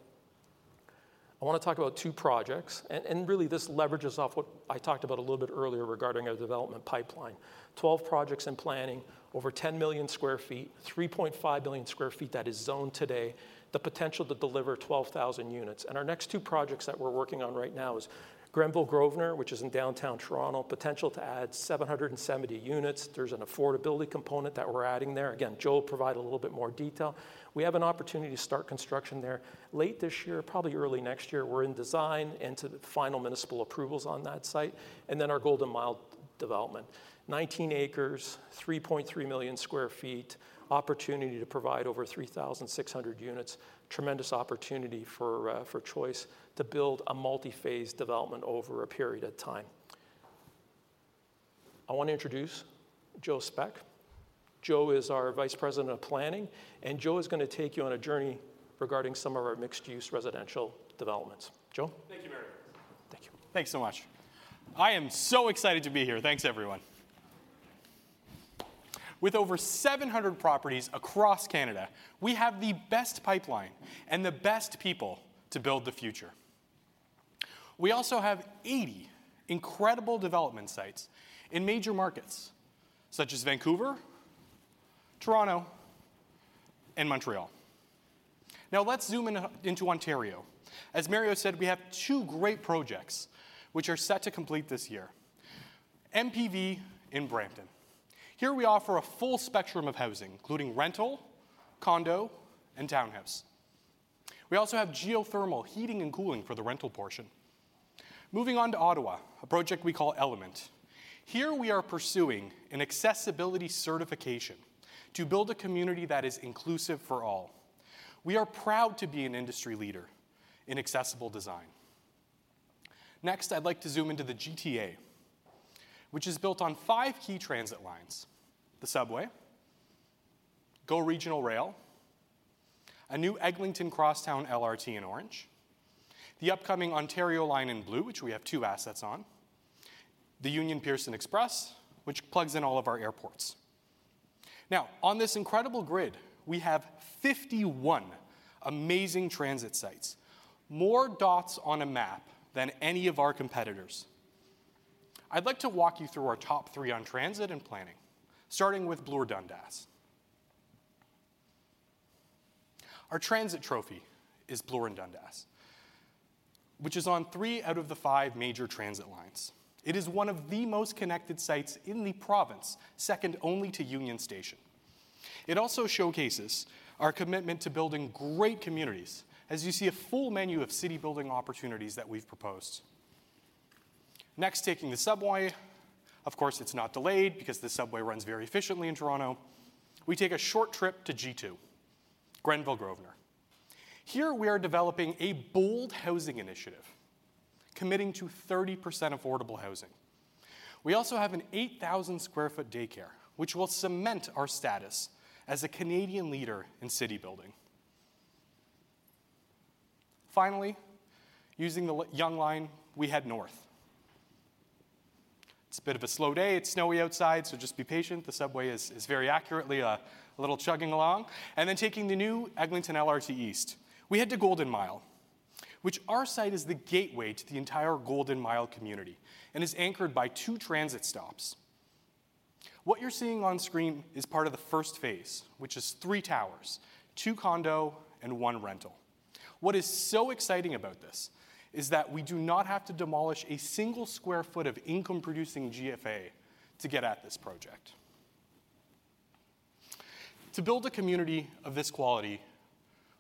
I want to talk about two projects. Really this leverages off what I talked about a little bit earlier regarding our development pipeline. 12 projects in planning, over 10 million sq ft, 3.5 million sq ft that is zoned today, the potential to deliver 12,000 units. Our next two projects that we're working on right now is Grenville & Grosvenor, which is in downtown Toronto, potential to add 770 units. There's an affordability component that we're adding there. Again, Joe will provide a little bit more detail. We have an opportunity to start construction there late this year, probably early next year. We're in design into the final municipal approvals on that site. Our Golden Mile development. 19 acres, 3.3 million sq ft, opportunity to provide over 3,600 units. Tremendous opportunity for Choice to build a multi-phase development over a period of time. I want to introduce Joe Svec. Joe is our Vice President of Planning. Joe is going to take you on a journey regarding some of our mixed-use residential developments. Joe. Thank you, Mario. Thank you. Thanks so much. I am so excited to be here. Thanks, everyone. With over 700 properties across Canada, we have the best pipeline and the best people to build the future. We also have 80 incredible development sites in major markets such as Vancouver, Toronto, and Montreal. Let's zoom in, into Ontario. As Mario said, we have two great projects which are set to complete this year. MPV in Brampton. Here we offer a full spectrum of housing, including rental, condo, and townhouse. We also have geothermal heating and cooling for the rental portion. Moving on to Ottawa, a project we call Element. Here we are pursuing an accessibility certification to build a community that is inclusive for all. We are proud to be an industry leader in accessible design. I'd like to zoom into the GTA, which is built on five key transit lines: the subway, GO regional rail, a new Eglinton Crosstown LRT in orange, the upcoming Ontario Line in blue, which we have two assets on, the Union-Pearson Express, which plugs in all of our airports. On this incredible grid, we have 51 amazing transit sites, more dots on a map than any of our competitors. I'd like to walk you through our top three on transit and planning, starting with Bloor & Dundas. Our transit trophy is Bloor & Dundas, which is on three out of the five major transit lines. It is one of the most connected sites in the province, second only to Union Station. It also showcases our commitment to building great communities as you see a full menu of city-building opportunities that we've proposed. Taking the subway. Of course, it's not delayed because the subway runs very efficiently in Toronto. We take a short trip to G2, Grenville & Grosvenor. Here we are developing a bold housing initiative committing to 30% affordable housing. We also have an 8,000 sq ft daycare, which will cement our status as a Canadian leader in city-building. Finally, using the Yonge line, we head north. It's a bit of a slow day. It's snowy outside, so just be patient. The subway is very accurately a little chugging along. Taking the new Eglinton LRT east, we head to Golden Mile. Which our site is the gateway to the entire Golden Mile community and is anchored by two transit stops. What you're seeing on screen is part of the first phase, which is three towers, two condo and one rental. What is so exciting about this is that we do not have to demolish a single square foot of income-producing GFA to get at this project. To build a community of this quality,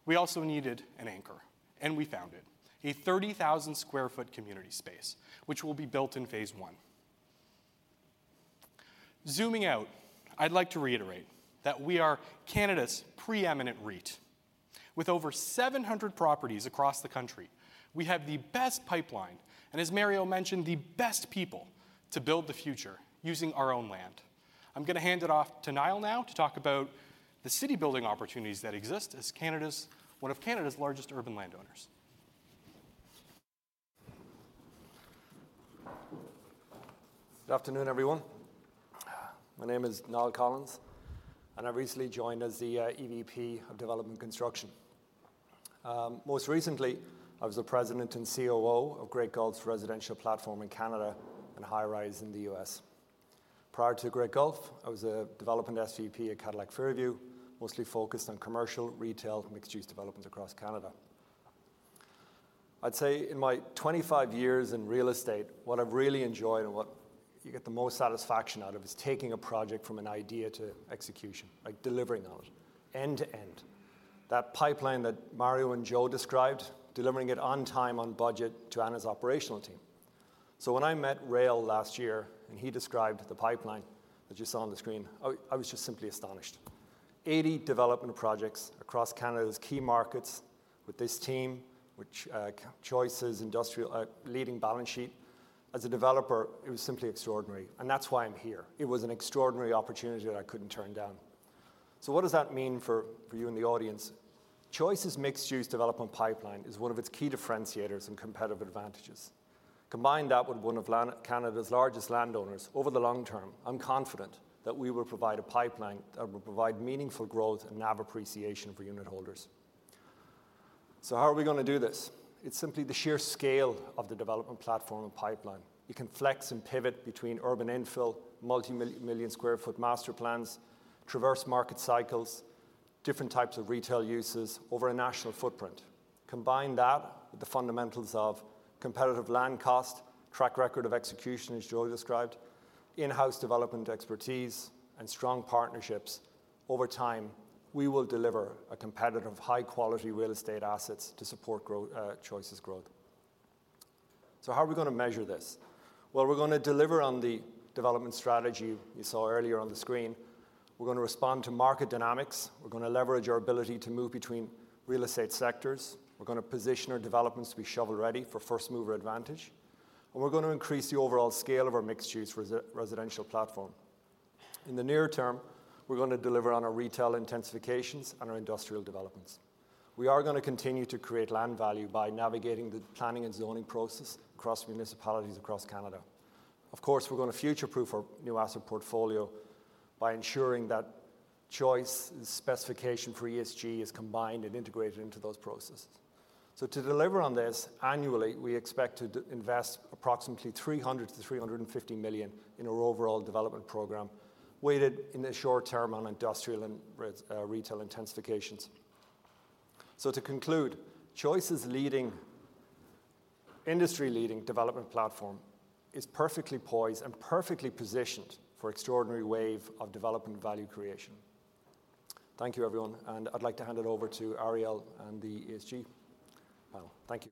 we also needed an anchor, and we found it. A 30,000 sq ft community space, which will be built in phase I. Zooming out, I'd like to reiterate that we are Canada's preeminent REIT. With over 700 properties across the country, we have the best pipeline, and as Mario mentioned, the best people to build the future using our own land. I'm going to hand it off to Niall now to talk about the city-building opportunities that exist as one of Canada's largest urban landowners. Good afternoon, everyone. My name is Niall Collins. I recently joined as the EVP of Development Construction. Most recently, I was the President and COO of Great Gulf's residential platform in Canada and high-rise in the U.S. Prior to Great Gulf, I was a development SVP at Cadillac Fairview, mostly focused on commercial, retail, and mixed-use developments across Canada. I'd say in my 25 years in real estate, what I've really enjoyed and what you get the most satisfaction out of is taking a project from an idea to execution, like delivering on it end to end. That pipeline that Mario and Joe described, delivering it on time, on budget to Ana's operational team. When I met Rael last year, and he described the pipeline that you saw on the screen, I was just simply astonished. 80 development projects across Canada's major markets with this team, which, Choice's industrial leading balance sheet. As a developer, it was simply extraordinary, and that's why I'm here. It was an extraordinary opportunity that I couldn't turn down. What does that mean for you in the audience? Choice's mixed-use development pipeline is one of its key differentiators and competitive advantages. Combine that with one of Canada's largest landowners, over the long term, I'm confident that we will provide a pipeline that will provide meaningful growth and NAV appreciation for unitholders. How are we gonna do this? It's simply the sheer scale of the development platform and pipeline. You can flex and pivot between urban infill, multi-million-square-foot master plans, traverse market cycles, different types of retail uses over a national footprint. Combine that with the fundamentals of competitive land cost, track record of execution, as Joe described, in-house development expertise, and strong partnerships. Over time, we will deliver a competitive, high-quality real estate assets to support grow Choice's growth. How are we gonna measure this? We're gonna deliver on the development strategy you saw earlier on the screen. We're gonna respond to market dynamics. We're gonna leverage our ability to move between real estate sectors. We're gonna position our developments to be shovel-ready for first-mover advantage, and we're gonna increase the overall scale of our mixed-use residential platform. In the near term, we're gonna deliver on our retail intensifications and our industrial developments. We are gonna continue to create land value by navigating the planning and zoning process across municipalities across Canada. Of course, we're gonna future-proof our new asset portfolio by ensuring that Choice's specification for ESG is combined and integrated into those processes. To deliver on this, annually, we expect to invest approximately 300 million-350 million in our overall development program, weighted in the short term on industrial and retail intensifications. To conclude, Choice's industry-leading development platform is perfectly poised and perfectly positioned for extraordinary wave of development value creation. Thank you, everyone, and I'd like to hand it over to Ariel and the ESG panel. Thank you.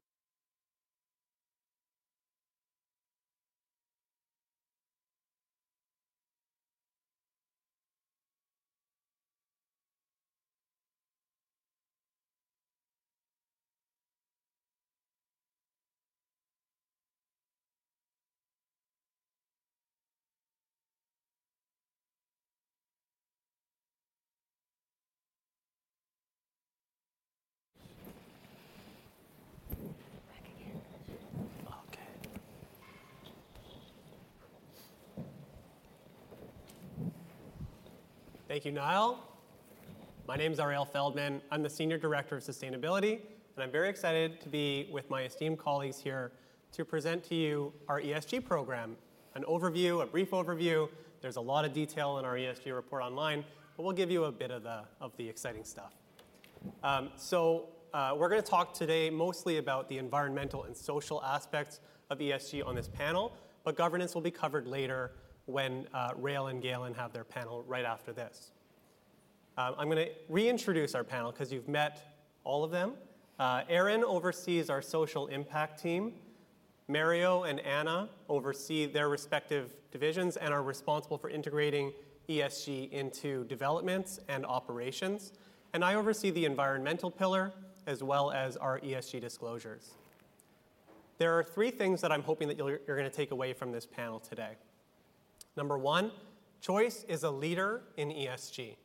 Back again. Okay. Thank you, Niall. My name's Ariel Feldman. I'm the Senior Director of Sustainability. I'm very excited to be with my esteemed colleagues here to present to you our ESG program, an overview, a brief overview. There's a lot of detail in our ESG report online. We'll give you a bit of the exciting stuff. We're gonna talk today mostly about the environmental and social aspects of ESG on this panel. Governance will be covered later when Rael and Galen have their panel right after this. I'm gonna reintroduce our panel because you've met all of them. Erin oversees our social impact team. Mario and Ana oversee their respective divisions and are responsible for integrating ESG into developments and operations. I oversee the environmental pillar as well as our ESG disclosures. There are three things that I'm hoping that you'll, you're going to take away from this panel today. Number one, Choice is a leader in ESG.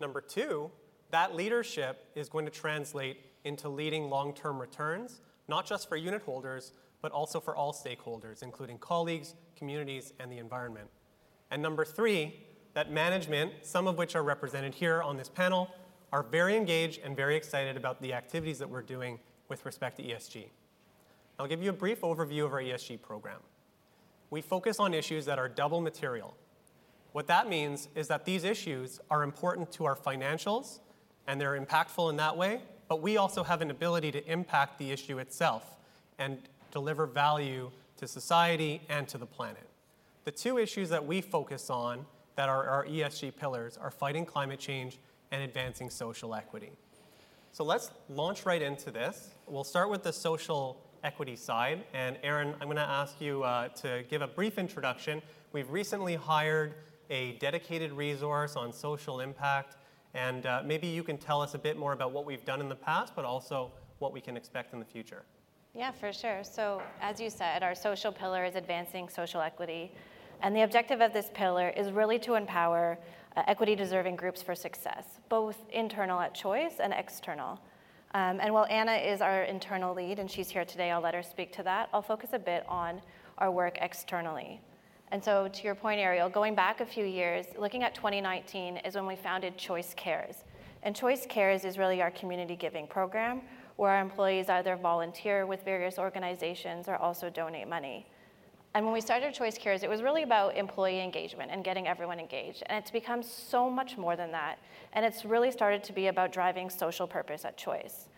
Number two, that leadership is going to translate into leading long-term returns, not just for unitholders, but also for all stakeholders, including colleagues, communities, and the environment. Number three, that management, some of which are represented here on this panel, are very engaged and very excited about the activities that we're doing with respect to ESG. I'll give you a brief overview of our ESG program. We focus on issues that are double material. What that means is that these issues are important to our financials and they're impactful in that way, but we also have an ability to impact the issue itself and deliver value to society and to the planet. The two issues that we focus on that are our ESG pillars are fighting climate change and advancing social equity. Let's launch right into this. We'll start with the social equity side. Erin, I'm going to ask you to give a brief introduction. We've recently hired a dedicated resource on social impact, maybe you can tell us a bit more about what we've done in the past, but also what we can expect in the future. Yeah, for sure. As you said, our social pillar is advancing social equity and the objective of this pillar is really to empower equity deserving groups for success, both internal at Choice and external. While Ana is our internal lead and she's here today, I'll let her speak to that. I'll focus a bit on our work externally. To your point, Ariel, going back a few years, looking at 2019 is when we founded Choice Cares. Choice Cares is really our community giving program where our employees either volunteer with various organizations or also donate money. When we started Choice Cares, it was really about employee engagement and getting everyone engaged. It's become so much more than that and it's really started to be about driving social purpose at Choice.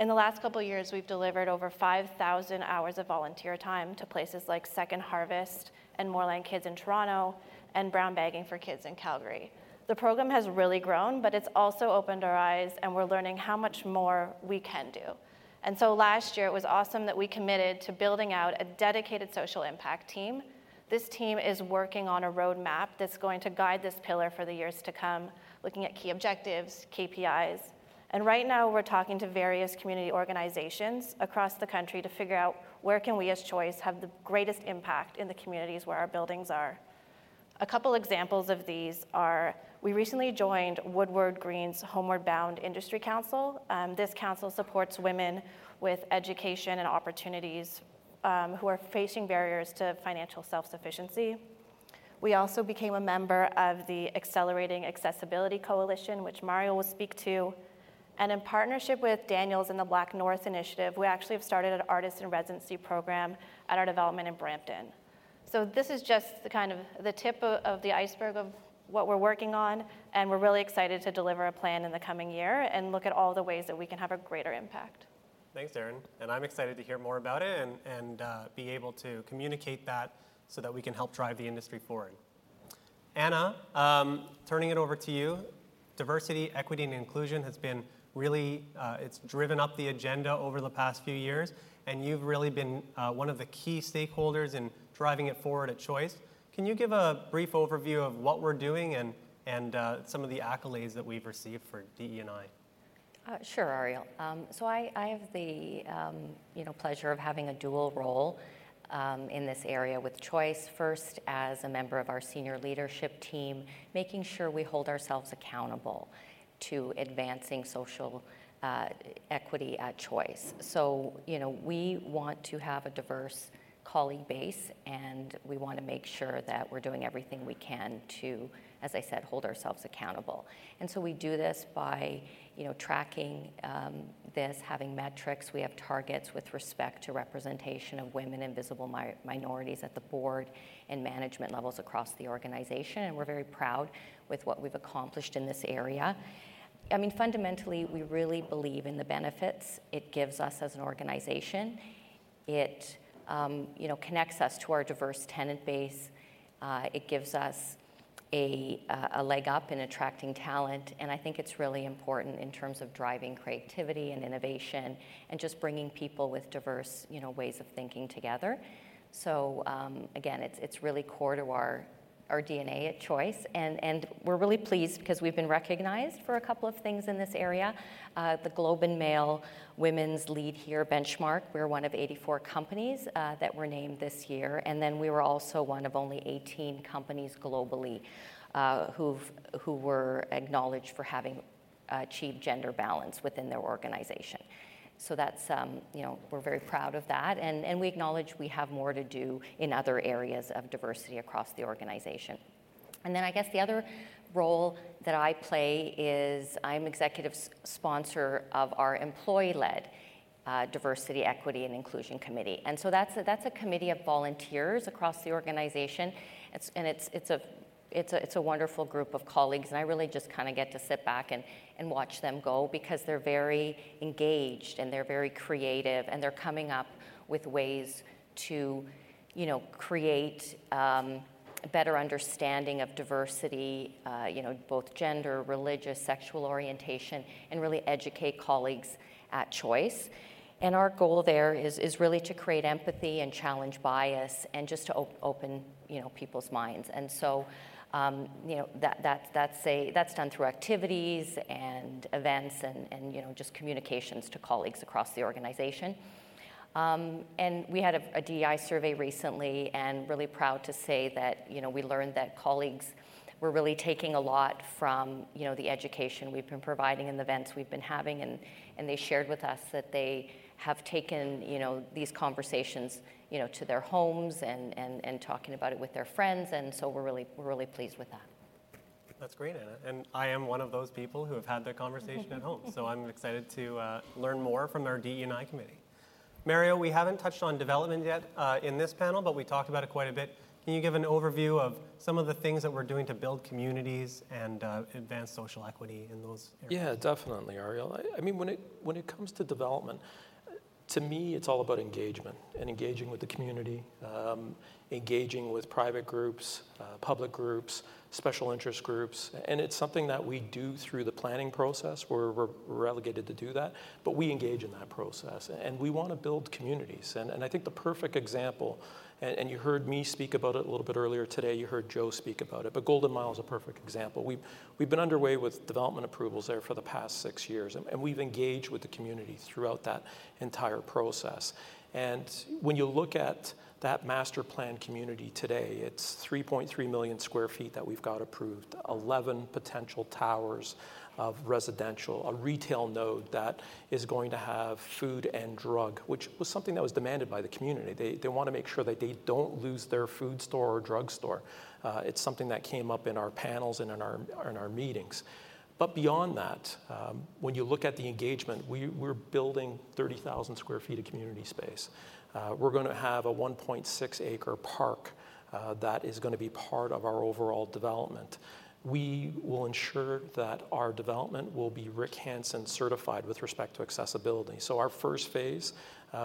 In the last couple of years, we've delivered over 5,000 hours of volunteer time to places like Second Harvest and Moorelands Kids in Toronto and Brown Bagging for Kids in Calgary. The program has really grown, but it's also opened our eyes and we're learning how much more we can do. Last year, it was awesome that we committed to building out a dedicated social impact team. This team is working on a roadmap that's going to guide this pillar for the years to come, looking at key objectives, KPIs. Right now we're talking to various community organizations across the country to figure out where can we as Choice have the greatest impact in the communities where our buildings are. A couple examples of these are we recently joined WoodGreen's Homeward Bound Industry Council. This council supports women with education and opportunities, who are facing barriers to financial self-sufficiency. We also became a member of the Accelerating Accessibility Coalition, which Mario will speak to. In partnership with Daniels and the Black North Initiative, we actually have started an artist in residency program at our development in Brampton. This is just the kind of the tip of the iceberg of what we're working on and we're really excited to deliver a plan in the coming year and look at all the ways that we can have a greater impact. Thanks, Erin. I'm excited to hear more about it and be able to communicate that so that we can help drive the industry forward. Ana, turning it over to you. Diversity, Equity, and Inclusion, it's driven up the agenda over the past few years. You've really been one of the key stakeholders in driving it forward at Choice. Can you give a brief overview of what we're doing and some of the accolades that we've received for DE&I? Sure, Ariel. I have the, you know, pleasure of having a dual role in this area with Choice. First, as a member of our senior leadership team, making sure we hold ourselves accountable to advancing social equity at Choice. We want to have a diverse colleague base and we want to make sure that we're doing everything we can to, as I said, hold ourselves accountable. We do this by, you know, tracking this, having metrics. We have targets with respect to representation of women and visible minorities at the board and management levels across the organization and we're very proud with what we've accomplished in this area. I mean, fundamentally, we really believe in the benefits it gives us as an organization. It, you know, connects us to our diverse tenant base. It gives us a leg up in attracting talent and I think it's really important in terms of driving creativity and innovation and just bringing people with diverse, you know, ways of thinking together. Again, it's really core to our DNA at Choice and we're really pleased because we've been recognized for a couple of things in this area. The Globe and Mail Women Lead Here Benchmark, we're one of 84 companies that were named this year. We were also one of only 18 companies globally who were acknowledged for having achieved gender balance within their organization. That's, you know, we're very proud of that and we acknowledge we have more to do in other areas of diversity across the organization. Then I guess the other role that I play is I'm executive sponsor of our employee-led Diversity, Equity, and Inclusion Committee. That's a committee of volunteers across the organization. It's a wonderful group of colleagues and I really just kind of get to sit back and watch them go because they're very engaged and they're very creative and they're coming up with ways to, you know, create a better understanding of diversity, you know, both gender, religious, sexual orientation and really educate colleagues at Choice. Our goal there is really to create empathy and challenge bias and just to open, you know, people's minds. That's done through activities and events and, you know, just communications to colleagues across the organization. We had a DEI survey recently and really proud to say that, you know, we learned that colleagues were really taking a lot from, you know, the education we've been providing and events we've been having and they shared with us that they have taken, you know, these conversations, you know, to their homes and talking about it with their friends and so we're really pleased with that. That's great, Ana. I am one of those people who have had that conversation at home. I'm excited to learn more from our DE&I committee, Mario, we haven't touched on development yet in this panel, but we talked about it quite a bit. Can you give an overview of some of the things that we're doing to build communities and advance social equity in those areas? Yeah, definitely, Ariel. I mean, when it comes to development, to me, it's all about engagement and engaging with the community, engaging with private groups, public groups, special interest groups, it's something that we do through the planning process. We're relegated to do that, we engage in that process and we want to build communities. I think the perfect example, and you heard me speak about it a little bit earlier today, you heard Joe speak about it, Golden Mile is a perfect example. We've been underway with development approvals there for the past six years, and we've engaged with the community throughout that entire process. When you look at that master plan community today, it's 3.3 million sq ft that we've got approved, 11 potential towers of residential, a retail node that is going to have food and drug, which was something that was demanded by the community. They want to make sure that they don't lose their food store or drug store. It's something that came up in our panels and in our meetings. Beyond that, when you look at the engagement, we're building 30,000 sq ft of community space. We're gonna have a 1.6 acre park that is gonna be part of our overall development. We will ensure that our development will be Rick Hansen certified with respect to accessibility. Our first phase,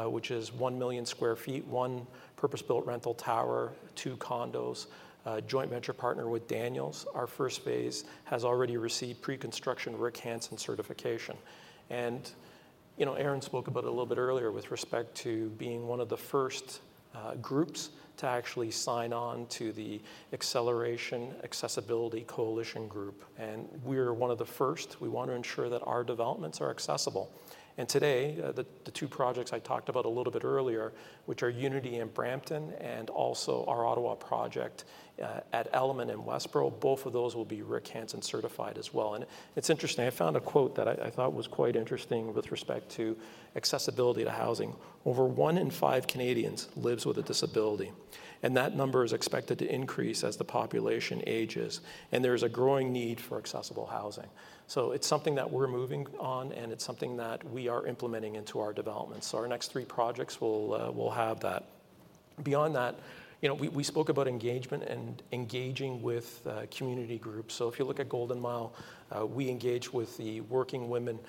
which is 1 million sq ft, one purpose-built rental tower, two condos, a joint venture partner with Daniels, our first phase has already received pre-construction Rick Hansen certification. You know, Erin spoke about it a little bit earlier with respect to being one of the first groups to actually sign on to the Accelerating Accessibility Coalition, and we're one of the first. We want to ensure that our developments are accessible. Today, the two projects I talked about a little bit earlier, which are Unity in Brampton and also our Ottawa project, at Element in Westboro, both of those will be Rick Hansen certified as well. It's interesting. I found a quote that I thought was quite interesting with respect to accessibility to housing. Over one in five Canadians lives with a disability, and that number is expected to increase as the population ages, and there's a growing need for accessible housing. It's something that we're moving on, and it's something that we are implementing into our developments. Our next three projects will have that. Beyond that, you know, we spoke about engagement and engaging with community groups. If you look at Golden Mile, we engage with the Working Women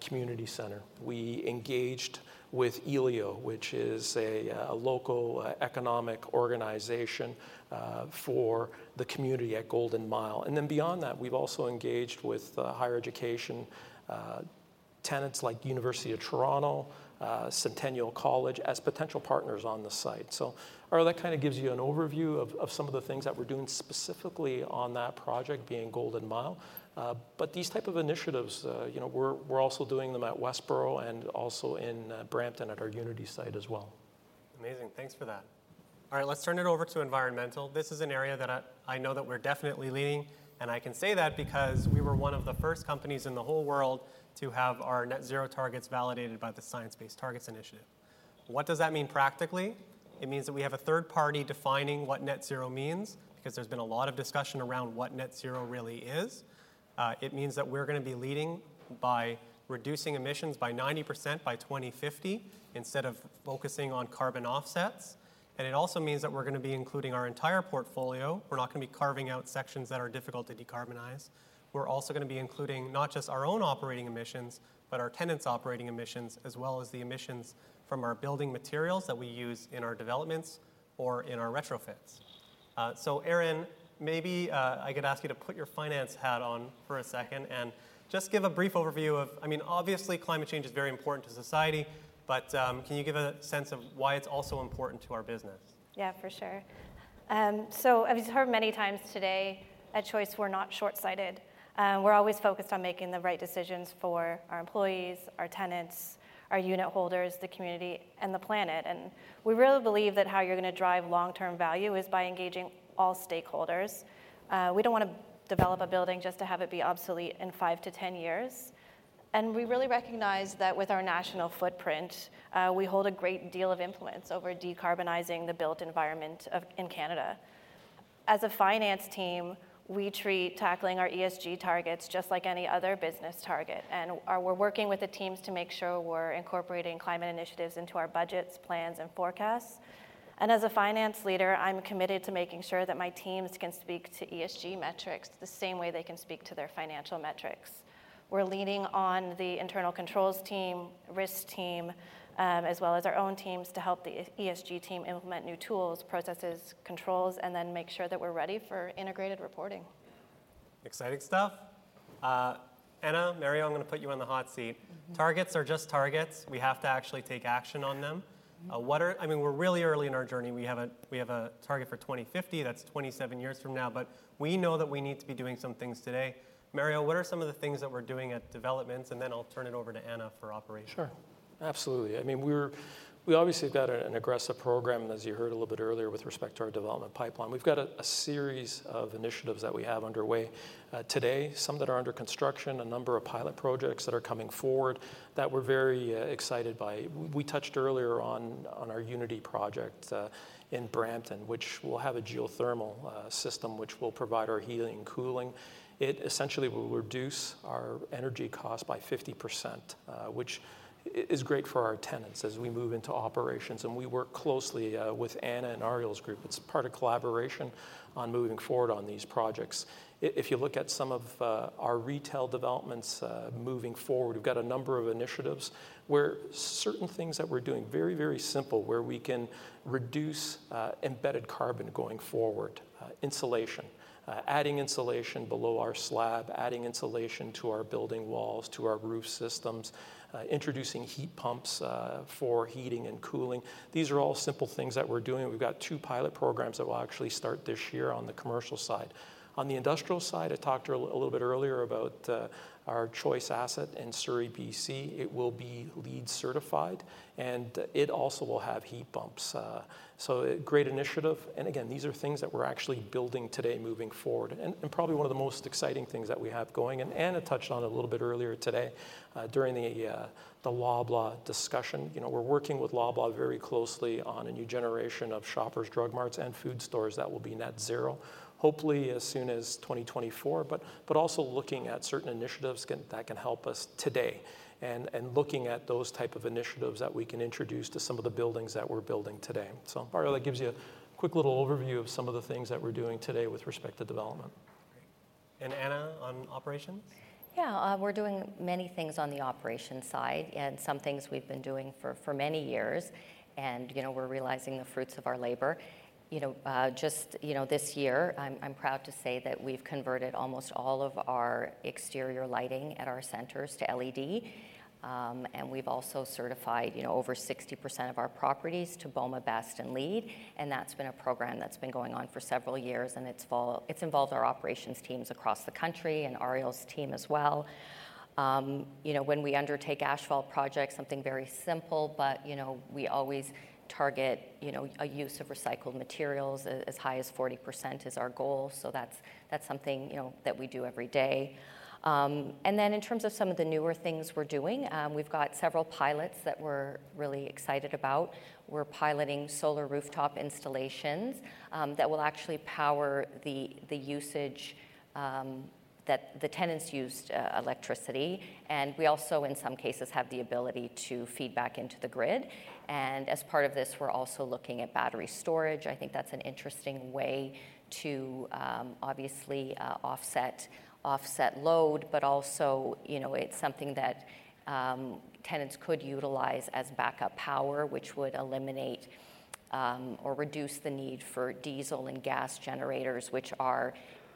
Community Centre. We engaged with ILEO, which is a local economic organization for the community at Golden Mile. Beyond that, we've also engaged with higher education tenants like University of Toronto, Centennial College, as potential partners on the site. Ariel, that kind of gives you an overview of some of the things that we're doing specifically on that project being Golden Mile. These type of initiatives, you know, we're also doing them at Westboro and also in Brampton at our Unity site as well. Amazing. Thanks for that. All right, let's turn it over to environmental. This is an area that I know that we're definitely leading. I can say that because we were one of the first companies in the whole world to have our net zero targets validated by the Science Based Targets initiative. What does that mean practically? It means that we have a third party defining what net zero means because there's been a lot of discussion around what net zero really is. It means that we're gonna be leading by reducing emissions by 90% by 2050 instead of focusing on carbon offsets. It also means that we're gonna be including our entire portfolio. We're not gonna be carving out sections that are difficult to decarbonize. We're also gonna be including not just our own operating emissions, but our tenants' operating emissions, as well as the emissions from our building materials that we use in our developments or in our retrofits. Erin, maybe I could ask you to put your finance hat on for a second and just give a brief overview of, I mean, obviously, climate change is very important to society, but can you give a sense of why it's also important to our business? Yeah, for sure. As you've heard many times today, at Choice, we're not short-sighted. We're always focused on making the right decisions for our employees, our tenants, our unit holders, the community, and the planet. We really believe that how you're gonna drive long-term value is by engaging all stakeholders. We don't wanna develop a building just to have it be obsolete in five to 10 years. We really recognize that with our national footprint, we hold a great deal of influence over decarbonizing the built environment in Canada. As a finance team, we treat tackling our ESG targets just like any other business target, and we're working with the teams to make sure we're incorporating climate initiatives into our budgets, plans, and forecasts. As a finance leader, I'm committed to making sure that my teams can speak to ESG metrics the same way they can speak to their financial metrics. We're leaning on the internal controls team, risk team, as well as our own teams to help the ESG team implement new tools, processes, controls, and then make sure that we're ready for integrated reporting. Exciting stuff. Ana, Mario, I'm gonna put you in the hot seat. Mm-hmm. Targets are just targets. We have to actually take action on them. Mm-hmm. I mean, we're really early in our journey. We have a target for 2050. That's 27 years from now. We know that we need to be doing some things today. Mario, what are some of the things that we're doing at developments? Then I'll turn it over to Ana for operations. Absolutely. I mean, we obviously have got an aggressive program, as you heard a little bit earlier with respect to our development pipeline. We've got a series of initiatives that we have underway today, some that are under construction, a number of pilot projects that are coming forward that we're very excited by. We touched earlier on our Unity Project in Brampton, which will have a geothermal system which will provide our heating and cooling. It essentially will reduce our energy cost by 50%, which is great for our tenants as we move into operations, and we work closely with Ana and Ariel's group. It's part of collaboration on moving forward on these projects. If you look at some of our retail developments moving forward, we've got a number of initiatives where certain things that we're doing very, very simple, where we can reduce embedded carbon going forward. Insulation. Adding insulation below our slab, adding insulation to our building walls, to our roof systems, introducing heat pumps for heating and cooling. These are all simple things that we're doing. We've got two pilot programs that will actually start this year on the commercial side. On the industrial side, I talked a little bit earlier about our Choice asset in Surrey, BC. It will be LEED certified, and it also will have heat pumps. Great initiative, and again, these are things that we're actually building today moving forward. Probably one of the most exciting things that we have going, and Ana touched on it a little bit earlier today during the Loblaw discussion. You know, we're working with Loblaw very closely on a new generation of Shoppers Drug Marts and food stores that will be net zero, hopefully as soon as 2024. Also looking at certain initiatives that can help us today and looking at those type of initiatives that we can introduce to some of the buildings that we're building today. Ariel, that gives you a quick little overview of some of the things that we're doing today with respect to development. Great. Ana, on operations? We're doing many things on the operations side and some things we've been doing for many years and, you know, we're realizing the fruits of our labor. Just, you know, this year I'm proud to say that we've converted almost all of our exterior lighting at our centers to LED. We've also certified, you know, over 60% of our properties to BOMA BEST and LEED, and that's been a program that's been going on for several years, and it's involved our operations teams across the country and Ariel's team as well. You know, when we undertake asphalt projects, something very simple, but, you know, we always target, you know, a use of recycled materials as high as 40% is our goal. That's something, you know, that we do every day. In terms of some of the newer things we're doing, we've got several pilots that we're really excited about. We're piloting solar rooftop installations that will actually power the usage that the tenants use electricity. We also, in some cases, have the ability to feed back into the grid. As part of this, we're also looking at battery storage. I think that's an interesting way to obviously offset load, but also, you know, it's something that tenants could utilize as backup power, which would eliminate or reduce the need for diesel and gas generators, which are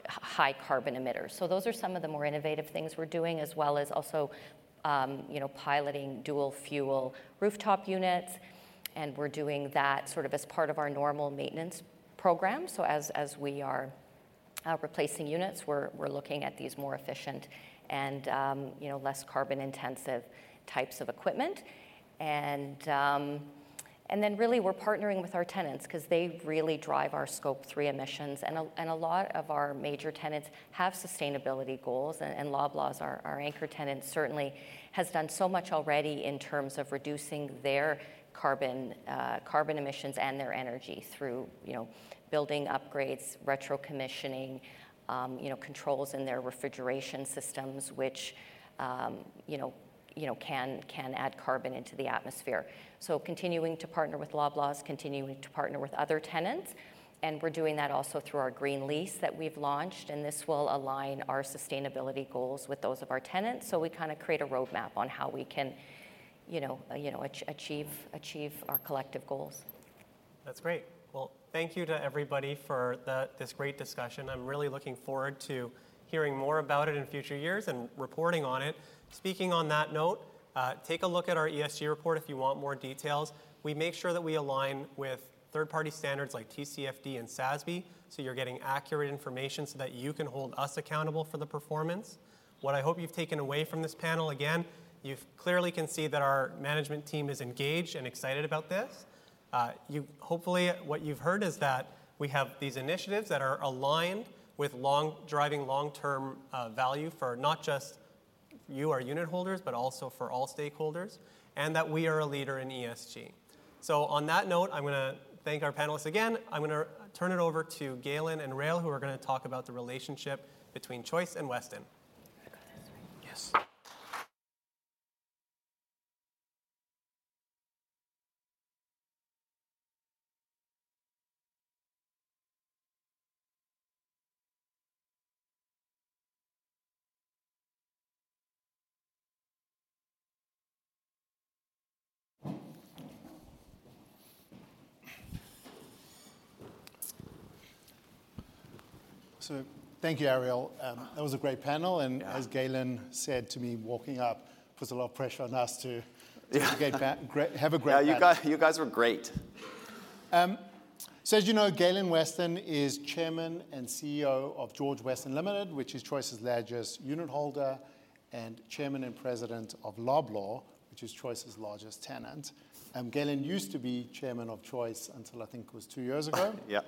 high carbon emitters. Those are some of the more innovative things we're doing, as well as also, you know, piloting dual fuel rooftop units, and we're doing that sort of as part of our normal maintenance program. As we are replacing units, we're looking at these more efficient and, you know, less carbon intensive types of equipment. Really, we're partnering with our tenants because they really drive our Scope three emissions and a lot of our major tenants have sustainability goals and Loblaw, our anchor tenant certainly has done so much already in terms of reducing their carbon emissions and their energy through, you know, building upgrades, retro commissioning, you know, controls in their refrigeration systems, which, you know, can add carbon into the atmosphere. Continuing to partner with Loblaws, continuing to partner with other tenants. We're doing that also through our green lease that we've launched. This will align our sustainability goals with those of our tenants. We kind of create a roadmap on how we can, you know, achieve our collective goals. That's great. Well, thank you to everybody for this great discussion. I'm really looking forward to hearing more about it in future years and reporting on it. Speaking on that note, take a look at our ESG report if you want more details. We make sure that we align with third-party standards like TCFD and SASB, so you're getting accurate information so that you can hold us accountable for the performance. What I hope you've taken away from this panel, again, you've clearly can see that our management team is engaged and excited about this. Hopefully what you've heard is that we have these initiatives that are aligned with driving long-term value for not just you, our unitholders, but also for all stakeholders, and that we are a leader in ESG. On that note, I'm gonna thank our panelists again. I'm gonna turn it over to Galen and Rael, who are going to talk about the relationship between Choice and Weston. Thank you, Ariel. That was a great panel. Yeah... as Galen said to me walking up, puts a lot of pressure on us. Yeah. to get great, have a great panel. Yeah, you guys were great. As you know, Galen Weston is chairman and CEO of George Weston Limited, which is Choice's largest unitholder, and chairman and president of Loblaw, which is Choice's largest tenant. Galen used to be chairman of Choice until I think it was two years ago. Yep.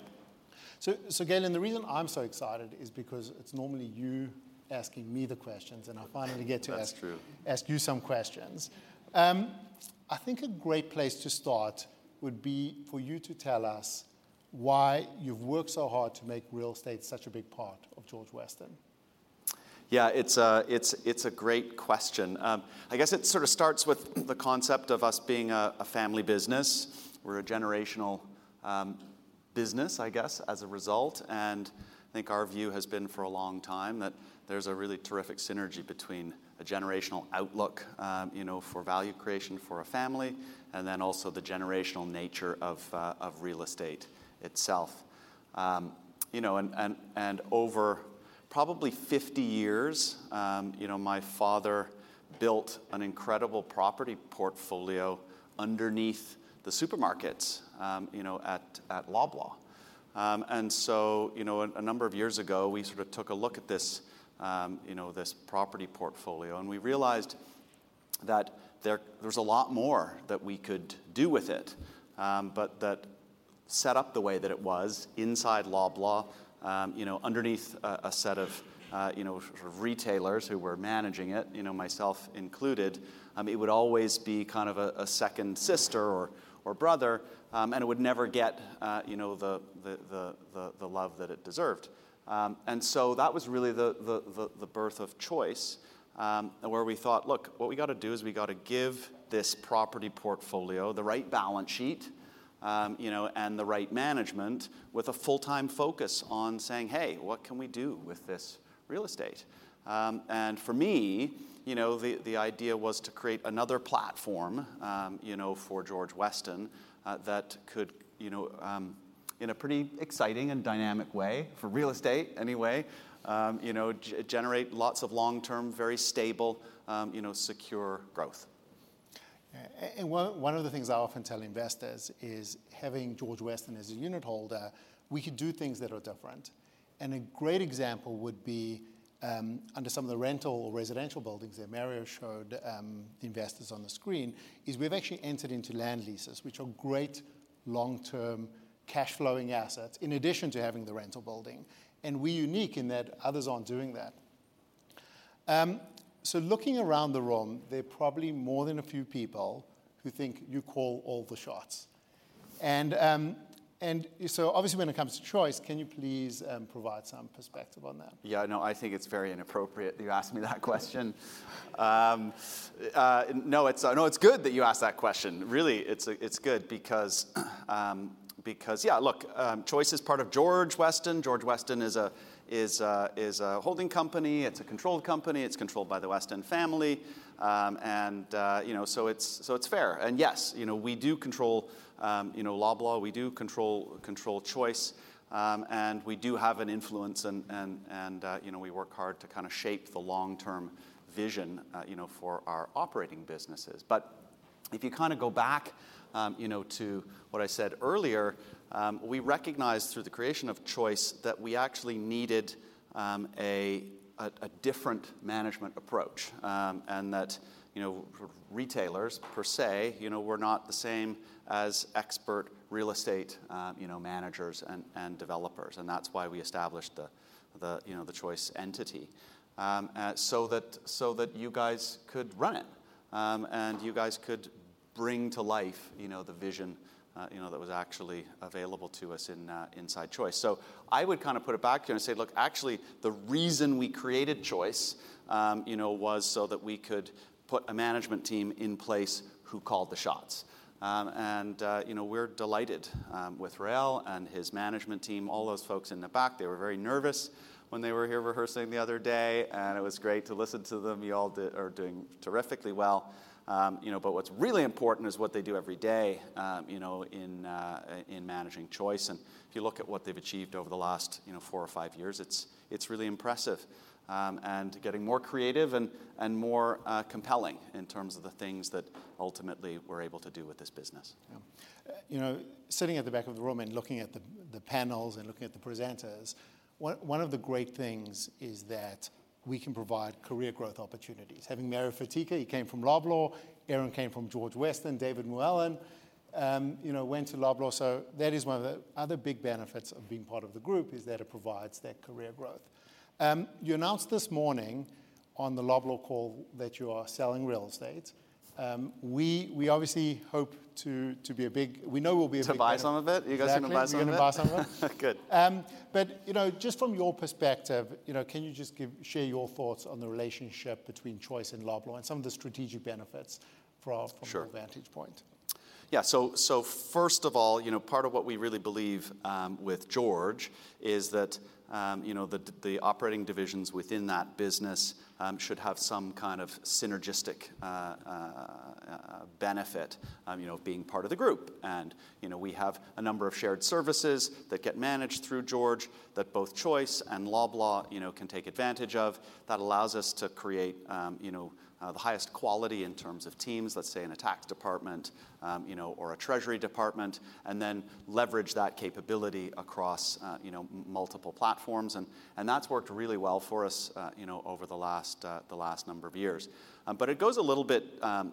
Galen, the reason I'm so excited is because it's normally you asking me the questions, and I finally get to... That's true.... ask you some questions. I think a great place to start would be for you to tell us why you've worked so hard to make real estate such a big part of George Weston. Yeah, it's a great question. I guess it sort of starts with the concept of us being a family business. We're a generational business, I guess, as a result, and I think our view has been for a long time that there's a really terrific synergy between a generational outlook, you know, for value creation for a family, and then also the generational nature of real estate itself. You know, and over probably 50 years, you know, my father built an incredible property portfolio underneath the supermarkets, you know, at Loblaw. You know, a number of years ago, we sort of took a look at this, you know, this property portfolio and we realized that there was a lot more that we could do with it, but that set up the way that it was inside Loblaw, you know, underneath a set of, you know, sort of retailers who were managing it, you know, myself included, it would always be kind of a second sister or brother, and it would never get, you know, the love that it deserved. That was really the birth of Choice, where we thought, look, what we gotta do is we gotta give this property portfolio the right balance sheet, you know, and the right management with a full-time focus on saying, "Hey, what can we do with this real estate?" For me, you know, the idea was to create another platform, you know, for George Weston, that could, you know, in a pretty exciting and dynamic way for real estate anyway, you know, generate lots of long-term, very stable, you know, secure growth. Yeah. One of the things I often tell investors is having George Weston as a unitholder, we could do things that are different. A great example would be, under some of the rental residential buildings that Mario showed, investors on the screen, is we've actually entered into land leases, which are great long-term cash flowing assets in addition to having the rental building, and we're unique in that others aren't doing that. Looking around the room, there are probably more than a few people who think you call all the shots. Obviously when it comes to Choice, can you please provide some perspective on that? No, I think it's very inappropriate you ask me that question. No, it's good that you ask that question. It's, it's good because, yeah, look, Choice is part of George Weston. George Weston is a, is a, is a holding company. It's a controlled company. It's controlled by the Weston family. And, you know, so it's fair. Yes, you know, we do control, you know, Loblaw. We do control Choice. And we do have an influence and, and, you know, we work hard to kinda shape the long-term vision, you know, for our operating businesses. If you kinda go back, you know, to what I said earlier, we recognized through the creation of Choice that we actually needed a different management approach, and that, you know, retailers per se, you know, were not the same as expert real estate, you know, managers and developers. That's why we established the, you know, the Choice entity, so that you guys could run it, and you guys could bring to life, you know, the vision, you know, that was actually available to us in inside Choice. I would kinda put it back to you and say, look, actually, the reason we created Choice, you know, was so that we could put a management team in place who called the shots. you know, we're delighted with Rael and his management team, all those folks in the back. They were very nervous when they were here rehearsing the other day, and it was great to listen to them. You all are doing terrifically well. you know, but what's really important is what they do every day, you know, in managing Choice. If you look at what they've achieved over the last, you know, four or five years, it's really impressive, and getting more creative and more compelling in terms of the things that ultimately we're able to do with this business. Yeah. You know, sitting at the back of the room and looking at the panels and looking at the presenters, one of the great things is that we can provide career growth opportunities. Having Mario Fatica, he came from Loblaw, Erin came from George Weston, David Muallim, you know, went to Loblaw. That is one of the other big benefits of being part of the group is that it provides that career growth. You announced this morning on the Loblaw call that you are selling real estate. We obviously hope to be a big... We know we'll be a big- To buy some of it? You guys gonna buy some of it? Exactly. We're gonna buy some of it. Good. You know, just from your perspective, you know, can you just share your thoughts on the relationship between Choice and Loblaw and some of the strategic benefits from our. Sure... from our vantage point? Yeah. First of all, you know, part of what we really believe, with George Weston is that, you know, the operating divisions within that business, should have some kind of synergistic benefit, you know, being part of the group. You know, we have a number of shared services that get managed through George Weston that both Choice and Loblaw, you know, can take advantage of that allows us to create, you know, the highest quality in terms of teams, let's say in a tax department, you know, or a treasury department, and then leverage that capability across, you know, multiple platforms. That's worked really well for us, you know, over the last number of years. It goes a little bit,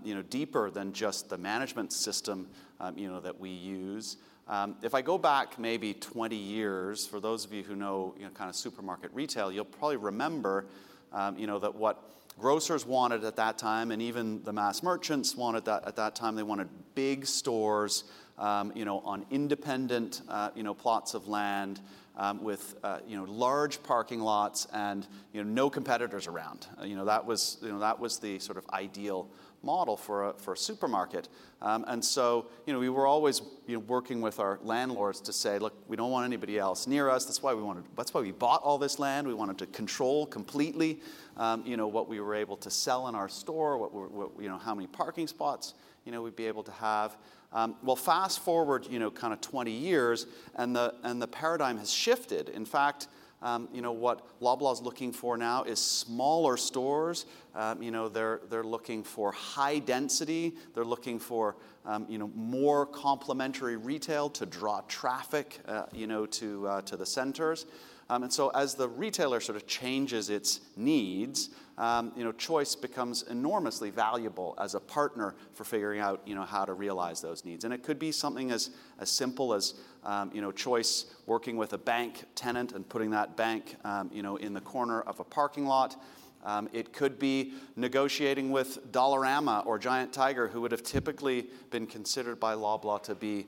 you know, deeper than just the management system, you know, that we use. If I go back maybe 20 years, for those of you who know, you know, kinda supermarket retail, you'll probably remember, you know, that what grocers wanted at that time, and even the mass merchants wanted at that time, they wanted big stores, you know, on independent, you know, plots of land, with, you know, large parking lots and, you know, no competitors around. You know, that was, you know, that was the sort of ideal model for a, for a supermarket. You know, we were always, you know, working with our landlords to say, "Look, we don't want anybody else near us. That's why we bought all this land. We wanted to control completely, you know, what we were able to sell in our store, what we, you know, how many parking spots, you know, we'd be able to have. Well, fast-forward, you know, kinda 20 years and the paradigm has shifted. In fact, you know, what Loblaw is looking for now is smaller stores. They're looking for high density. They're looking for, you know, more complementary retail to draw traffic, you know, to the centers. As the retailer sort of changes its needs, you know, Choice becomes enormously valuable as a partner for figuring out, you know, how to realize those needs. It could be something as simple as, you know, Choice working with a bank tenant and putting that bank, you know, in the corner of a parking lot. It could be negotiating with Dollarama or Giant Tiger, who would have typically been considered by Loblaw to be,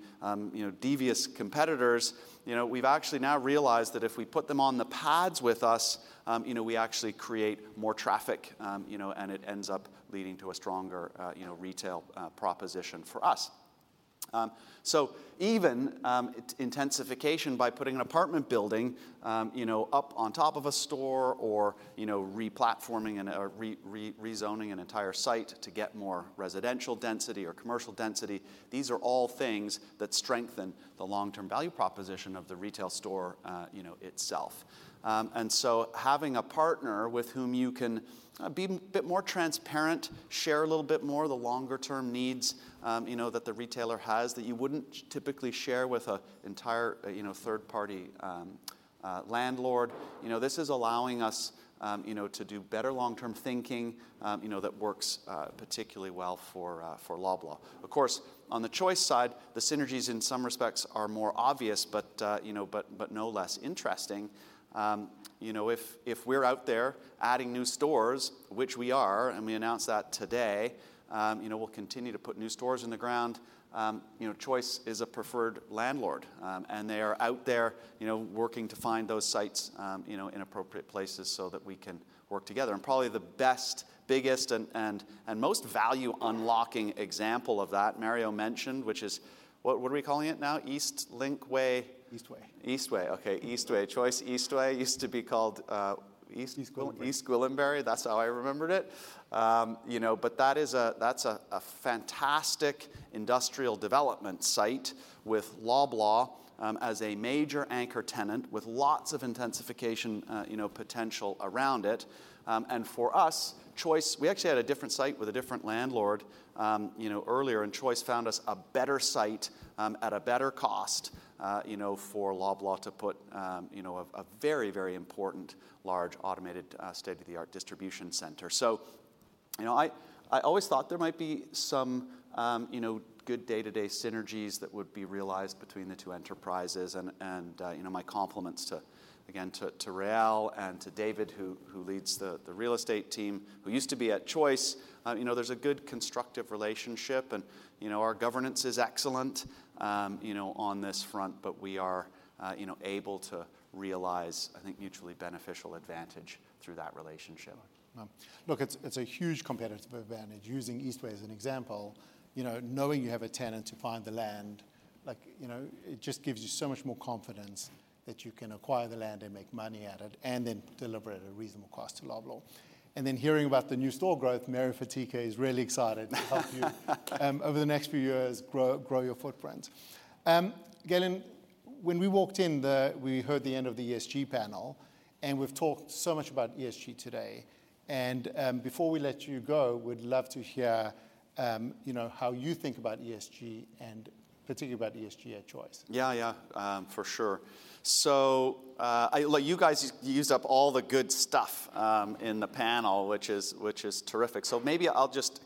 you know, devious competitors. You know, we've actually now realized that if we put them on the pads with us, you know, we actually create more traffic, you know, and it ends up leading to a stronger, you know, retail proposition for us. Even intensification by putting an apartment building, you know, up on top of a store or, you know, re-platforming and, or rezoning an entire site to get more residential density or commercial density, these are all things that strengthen the long-term value proposition of the retail store, you know, itself. Having a partner with whom you can be bit more transparent, share a little bit more of the longer term needs, you know, that the retailer has that you wouldn't typically share with an entire, you know, third party landlord. You know, this is allowing us, you know, to do better long-term thinking, you know, that works particularly well for Loblaw. Of course, on the Choice side, the synergies in some respects are more obvious, but, you know, no less interesting. You know, if we're out there adding new stores, which we are, and we announced that today, you know, we'll continue to put new stores in the ground, you know, Choice is a preferred landlord. They are out there, you know, working to find those sites, you know, in appropriate places so that we can work together. Probably the best, biggest and most value unlocking example of that Mario mentioned, which is, what are we calling it now? East Link Way? Eastway. Eastway. Okay. Eastway. Choice Eastway. Used to be called. East- East- Gwillimbury... Gwillimbury. That's how I remembered it. You know, that's a fantastic industrial development site with Loblaw, as a major anchor tenant with lots of intensification, you know, potential around it. For us, Choice, we actually had a different site with a different landlord, you know, earlier, and Choice found us a better site, at a better cost, you know, for Loblaw to put, you know, a very, very important large automated, state-of-the-art distribution center. You know, I always thought there might be some, you know, good day-to-day synergies that would be realized between the two enterprises and, you know, my compliments to again, to Rael and to David who leads the real estate team, who used to be at Choice. you know, there's a good constructive relationship and, you know, our governance is excellent, you know, on this front, but we are, you know, able to realize, I think, mutually beneficial advantage through that relationship. Look, it's a huge competitive advantage using Eastway as an example. You know, knowing you have a tenant to find the land, like, you know, it just gives you so much more confidence that you can acquire the land and make money at it and then deliver it at a reasonable cost to Loblaw. Hearing about the new store growth, Mario Fatica is really excited to help you over the next few years grow your footprint. Galen Weston, when we walked in the, we heard the end of the ESG panel, and we've talked so much about ESG today. Before we let you go, we'd love to hear, you know, how you think about ESG and particularly about ESG at Choice. Yeah, yeah. For sure. Look, you guys used up all the good stuff, in the panel, which is, which is terrific. Maybe I'll just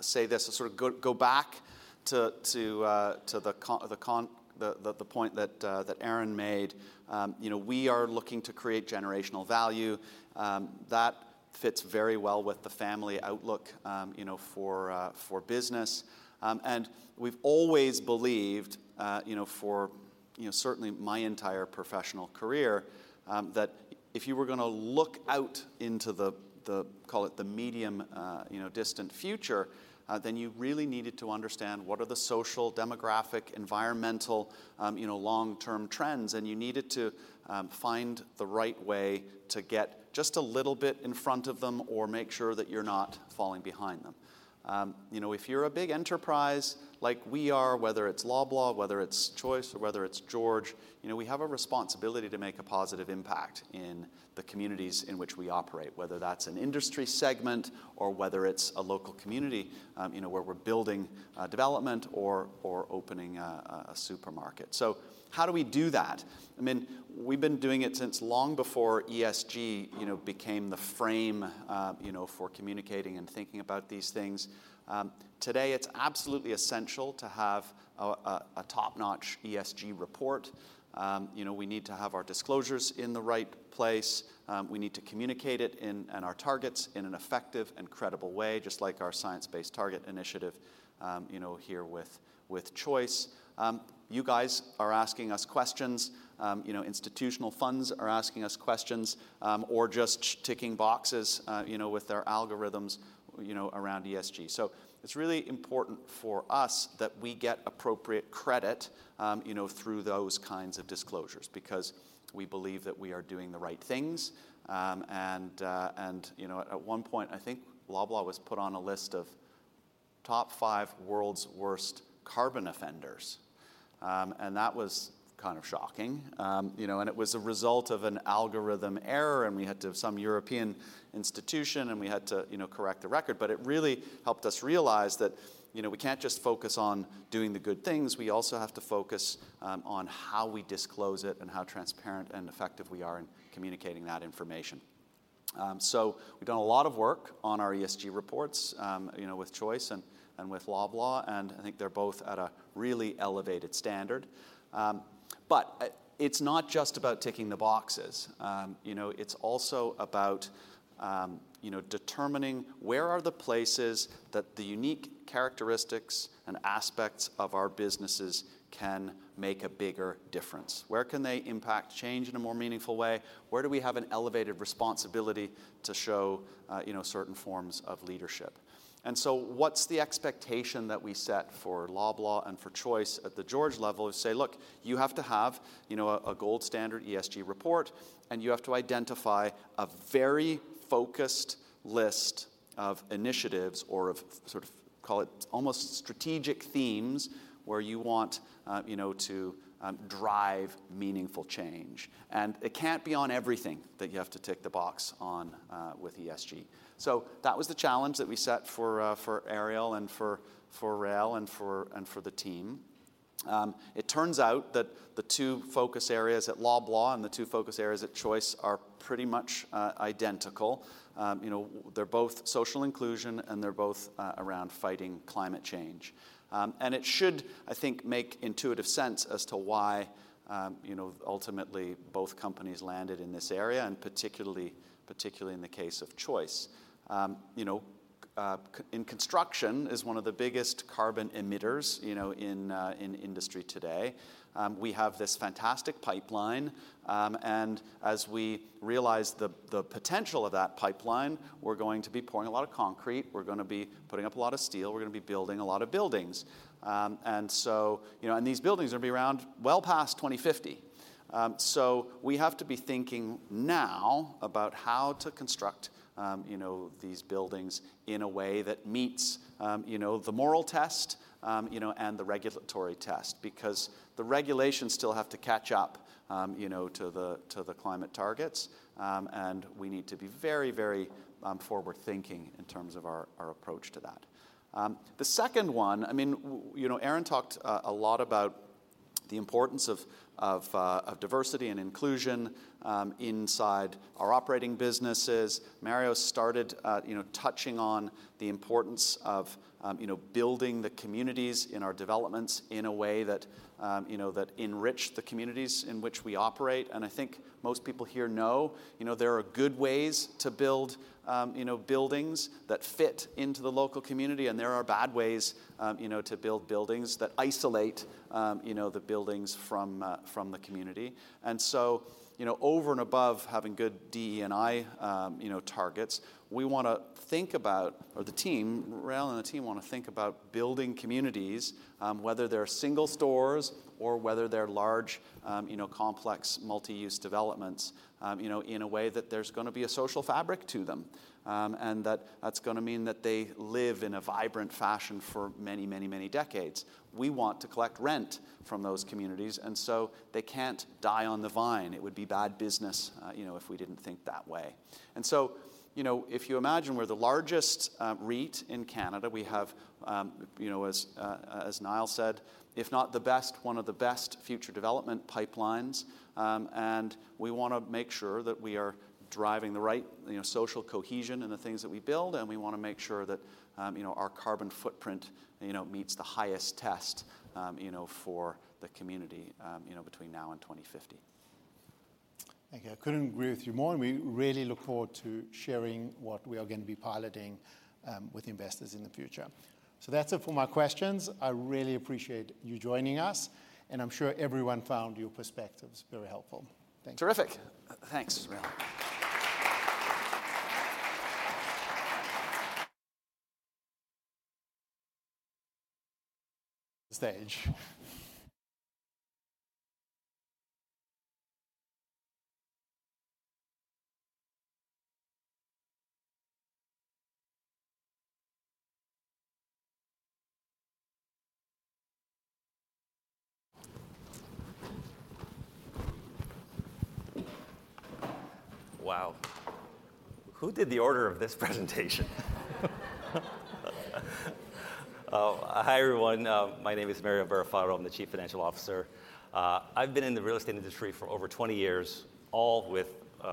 say this to sort of go back to the point that Erin made. You know, we are looking to create generational value. That fits very well with the family outlook, you know, for business. We've always believed, you know, certainly my entire professional career, that if you were going to look out into the call it the medium, distant future, then you really needed to understand what are the social, demographic, environmental, long-term trends, and you needed to find the right way to get just a little bit in front of them or make sure that you're not falling behind them. You know, if you're a big enterprise like we are, whether it's Loblaw, whether it's Choice, or whether it's George, you know, we have a responsibility to make a positive impact in the communities in which we operate, whether that's an industry segment or whether it's a local community, you know, where we're building development or opening a supermarket. How do we do that? I mean, we've been doing it since long before ESG, you know, became the frame, you know, for communicating and thinking about these things. Today, it's absolutely essential to have a top-notch ESG report. You know, we need to have our disclosures in the right place. We need to communicate it in, and our targets, in an effective and credible way, just like our Science Based Targets initiative, you know, here with Choice. You guys are asking us questions. You know, institutional funds are asking us questions, or just ticking boxes, you know, with their algorithms, you know, around ESG. It's really important for us that we get appropriate credit, you know, through those kinds of disclosures because we believe that we are doing the right things. You know, at one point, I think Loblaw was put on a list of top five world's worst carbon offenders. That was kind of shocking. You know, it was a result of an algorithm error, and we had to have some European institution, and we had to, you know, correct the record. It really helped us realize that, you know, we can't just focus on doing the good things. We also have to focus on how we disclose it and how transparent and effective we are in communicating that information. We've done a lot of work on our ESG reports, you know, with Choice and with Loblaw, and I think they're both at a really elevated standard. It's not just about ticking the boxes. You know, it's also about, you know, determining where are the places that the unique characteristics and aspects of our businesses can make a bigger difference. Where can they impact change in a more meaningful way? Where do we have an elevated responsibility to show, you know, certain forms of leadership? What's the expectation that we set for Loblaw and for Choice at the George Weston level is say, "Look, you have to have, you know, a gold standard ESG report, and you have to identify a very focused list of initiatives or of sort of call it almost strategic themes where you want, you know, to drive meaningful change." It can't be on everything that you have to tick the box on with ESG. That was the challenge that we set for Ariel and for Rael and for the team. It turns out that the two focus areas at Loblaw and the two focus areas at Choice are pretty much identical. You know, they're both social inclusion, and they're both around fighting climate change. And it should, I think, make intuitive sense as to why, you know, ultimately both companies landed in this area, and particularly in the case of Choice. You know, in construction is one of the biggest carbon emitters, you know, in industry today. We have this fantastic pipeline, and as we realize the potential of that pipeline, we're going to be pouring a lot of concrete. We're going to be putting up a lot of steel. We're going to be building a lot of buildings. These buildings are going to be around well past 2050. We have to be thinking now about how to construct, you know, these buildings in a way that meets, you know, the moral test, you know, and the regulatory test because the regulations still have to catch up, you know, to the, to the climate targets. We need to be very, very forward-thinking in terms of our approach to that. The second one, I mean, you know, Erin talked a lot about the importance of diversity and inclusion, inside our operating businesses. Mario started, you know, touching on the importance of, you know, building the communities and our developments in a way that, you know, that enrich the communities in which we operate. I think most people here know, you know, there are good ways to build, you know, buildings that fit into the local community, and there are bad ways, you know, to build buildings that isolate, you know, the buildings from the community. You know, over and above having good DE&I, you know, targets, we wanna think about, or the team, Rael and the team want to think about building communities, whether they're single stores or whether they're large, you know, complex multi-use developments, you know, in a way that there's going to be a social fabric to them. That's going to mean that they live in a vibrant fashion for many, many, many decades. We want to collect rent from those communities, and so they can't die on the vine. It would be bad business, you know, if we didn't think that way. You know, if you imagine we're the largest REIT in Canada, we have, you know, as Niall said, if not the best, one of the best future development pipelines, and we want to make sure that we are driving the right, you know, social cohesion in the things that we build, and we want to make sure that, you know, our carbon footprint, you know, meets the highest test, you know, for the community, you know, between now and 2050. Okay, I couldn't agree with you more. We really look forward to sharing what we are going to be piloting with investors in the future. That's it for my questions. I really appreciate you joining us. I'm sure everyone found your perspectives very helpful. Thank you. Terrific. Thanks, Rael. The stage. Wow. Who did the order of this presentation? Hi, everyone. My name is Mario Barrafato. I'm the Chief Financial Officer. I've been in the real estate industry for over 20 years, all with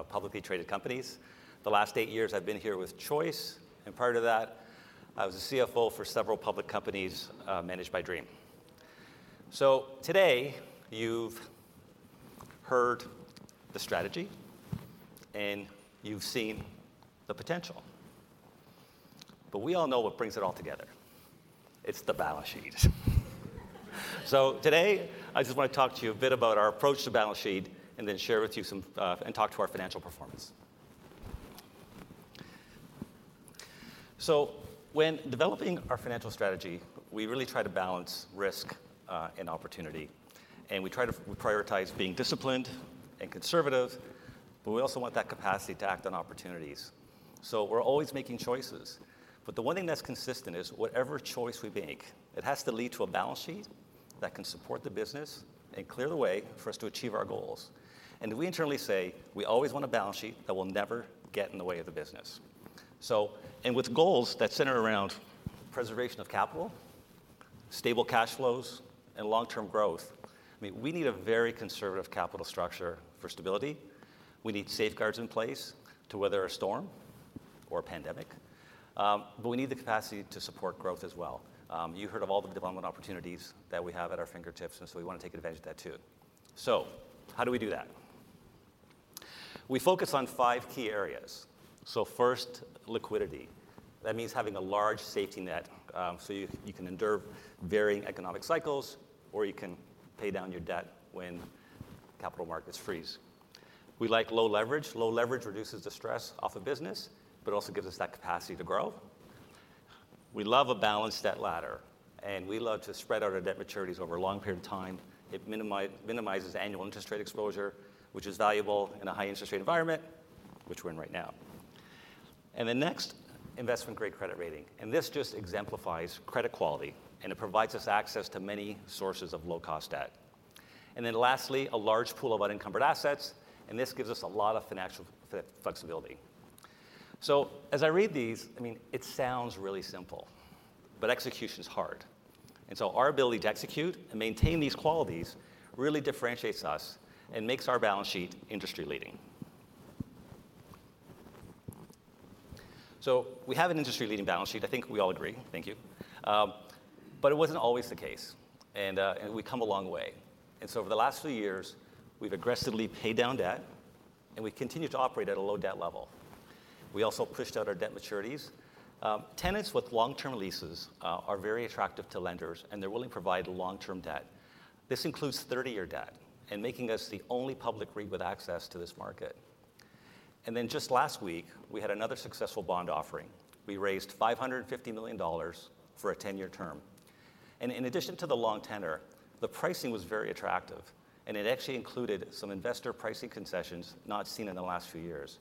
publicly traded companies. The last eight years, I've been here with Choice. Prior to that, I was a CFO for several public companies, managed by Dream. Today, you've heard the strategy and you've seen the potential, but we all know what brings it all together. It's the balance sheet. Today, I just wanna talk to you a bit about our approach to balance sheet and then share with you some and talk to our financial performance. When developing our financial strategy, we really try to balance risk and opportunity, and we try to prioritize being disciplined and conservative, but we also want that capacity to act on opportunities. We're always making choices, but the one thing that's consistent is whatever choice we make, it has to lead to a balance sheet that can support the business and clear the way for us to achieve our goals. We internally say, we always want a balance sheet that will never get in the way of the business. With goals that center around preservation of capital, stable cash flows, and long-term growth, I mean, we need a very conservative capital structure for stability. We need safeguards in place to weather a storm or a pandemic, but we need the capacity to support growth as well. You heard of all the development opportunities that we have at our fingertips, we wanna take advantage of that too. How do we do that? We focus on five key areas. First, liquidity. That means having a large safety net, so you can endure varying economic cycles, or you can pay down your debt when capital markets freeze. We like low leverage. Low leverage reduces the stress off a business, but also gives us that capacity to grow. We love a balanced debt ladder, we love to spread out our debt maturities over a long period of time. It minimizes annual interest rate exposure, which is valuable in a high interest rate environment, which we're in right now. Investment-grade credit rating, this just exemplifies credit quality, it provides us access to many sources of low-cost debt. Lastly, a large pool of unencumbered assets, and this gives us a lot of financial flexibility. As I read these, I mean, it sounds really simple, but execution's hard. Our ability to execute and maintain these qualities really differentiates us and makes our balance sheet industry-leading. We have an industry-leading balance sheet. I think we all agree. Thank you. But it wasn't always the case, and we've come a long way. Over the last few years, we've aggressively paid down debt, and we continue to operate at a low debt level. We also pushed out our debt maturities. Tenants with long-term leases are very attractive to lenders, and they're willing to provide long-term debt. This includes 30-year debt and making us the only public REIT with access to this market. Just last week, we had another successful bond offering. We raised 550 million dollars for a 10-year term. In addition to the long tenor, the pricing was very attractive, and it actually included some investor pricing concessions not seen in the last few years.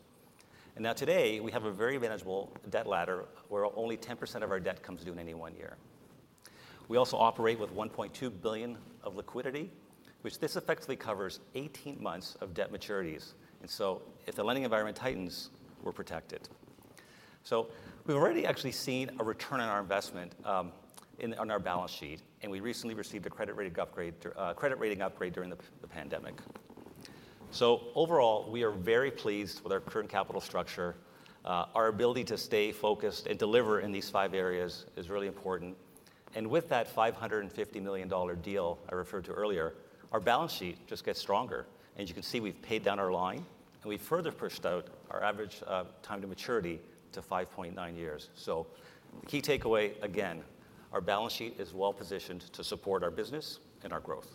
Today, we have a very manageable debt ladder where only 10% of our debt comes due in any one year. We also operate with 1.2 billion of liquidity, which this effectively covers 18 months of debt maturities. If the lending environment tightens, we're protected. We've already actually seen a return on our investment on our balance sheet, and we recently received a credit rating upgrade during the pandemic. Overall, we are very pleased with our current capital structure. Our ability to stay focused and deliver in these five areas is really important. With that 550 million dollar deal I referred to earlier, our balance sheet just gets stronger. As you can see, we've paid down our line, and we further pushed out our average time to maturity to 5.9 years. The key takeaway, again, our balance sheet is well-positioned to support our business and our growth.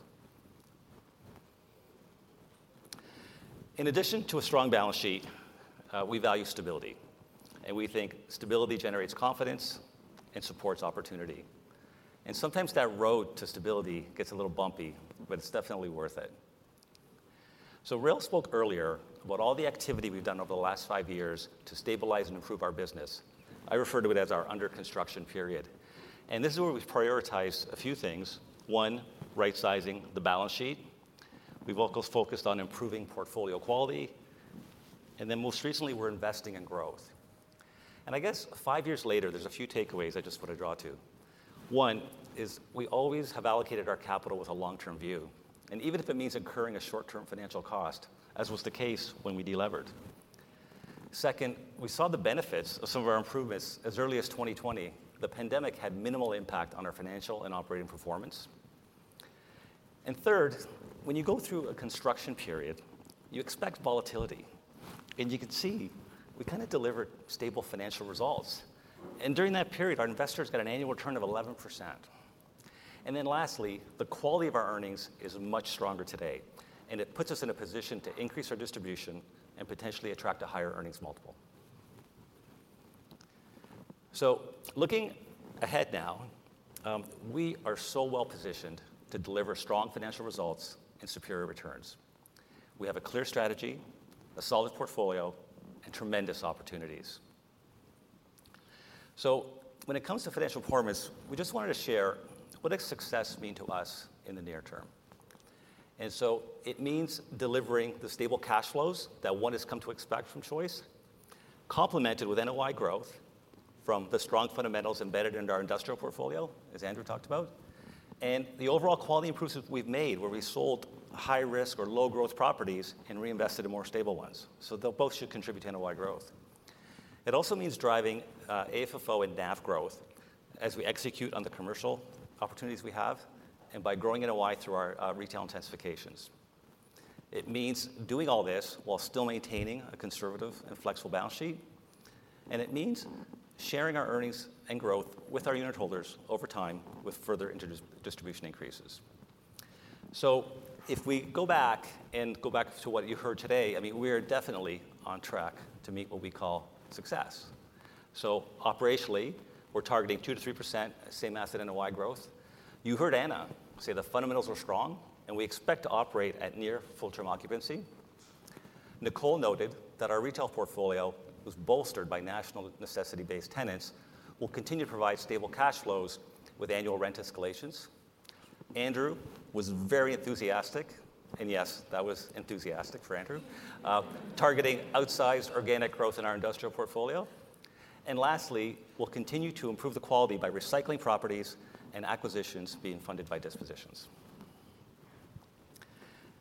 In addition to a strong balance sheet, we value stability, and we think stability generates confidence and supports opportunity. Sometimes that road to stability gets a little bumpy, but it's definitely worth it. Rael spoke earlier about all the activity we've done over the last five years to stabilize and improve our business. I refer to it as our under-construction period. This is where we've prioritized a few things. One, right-sizing the balance sheet. We've also focused on improving portfolio quality. Most recently, we're investing in growth. I guess five years later, there's a few takeaways I just wanna draw to. One is we always have allocated our capital with a long-term view, and even if it means incurring a short-term financial cost, as was the case when we de-levered. Second, we saw the benefits of some of our improvements as early as 2020. The pandemic had minimal impact on our financial and operating performance. Third, when you go through a construction period, you expect volatility. You can see we kind of delivered stable financial results. During that period, our investors got an annual return of 11%. Lastly, the quality of our earnings is much stronger today, and it puts us in a position to increase our distribution and potentially attract a higher earnings multiple. Looking ahead now, we are so well-positioned to deliver strong financial results and superior returns. We have a clear strategy, a solid portfolio, and tremendous opportunities. When it comes to financial performance, we just wanted to share what does success mean to us in the near term. It means delivering the stable cash flows that one has come to expect from Choice, complemented with NOI growth from the strong fundamentals embedded into our industrial portfolio, as Andrew talked about. And the overall quality improvements we've made, where we sold high-risk or low-growth properties and reinvested in more stable ones. They'll both should contribute to NOI growth. It also means driving AFFO and NAV growth as we execute on the commercial opportunities we have and by growing NOI through our retail intensifications. It means doing all this while still maintaining a conservative and flexible balance sheet. It means sharing our earnings and growth with our unitholders over time with further inter- distribution increases. If we go back and go back to what you heard today, I mean, we are definitely on track to meet what we call success. Operationally, we're targeting 2%-3% same asset NOI growth. You heard Ana say the fundamentals are strong, and we expect to operate at near full term occupancy. Nicole noted that our retail portfolio was bolstered by national necessity-based tenants, will continue to provide stable cash flows with annual rent escalations. Andrew was very enthusiastic, yes, that was enthusiastic for Andrew, targeting outsized organic growth in our industrial portfolio. Lastly, we'll continue to improve the quality by recycling properties and acquisitions being funded by dispositions.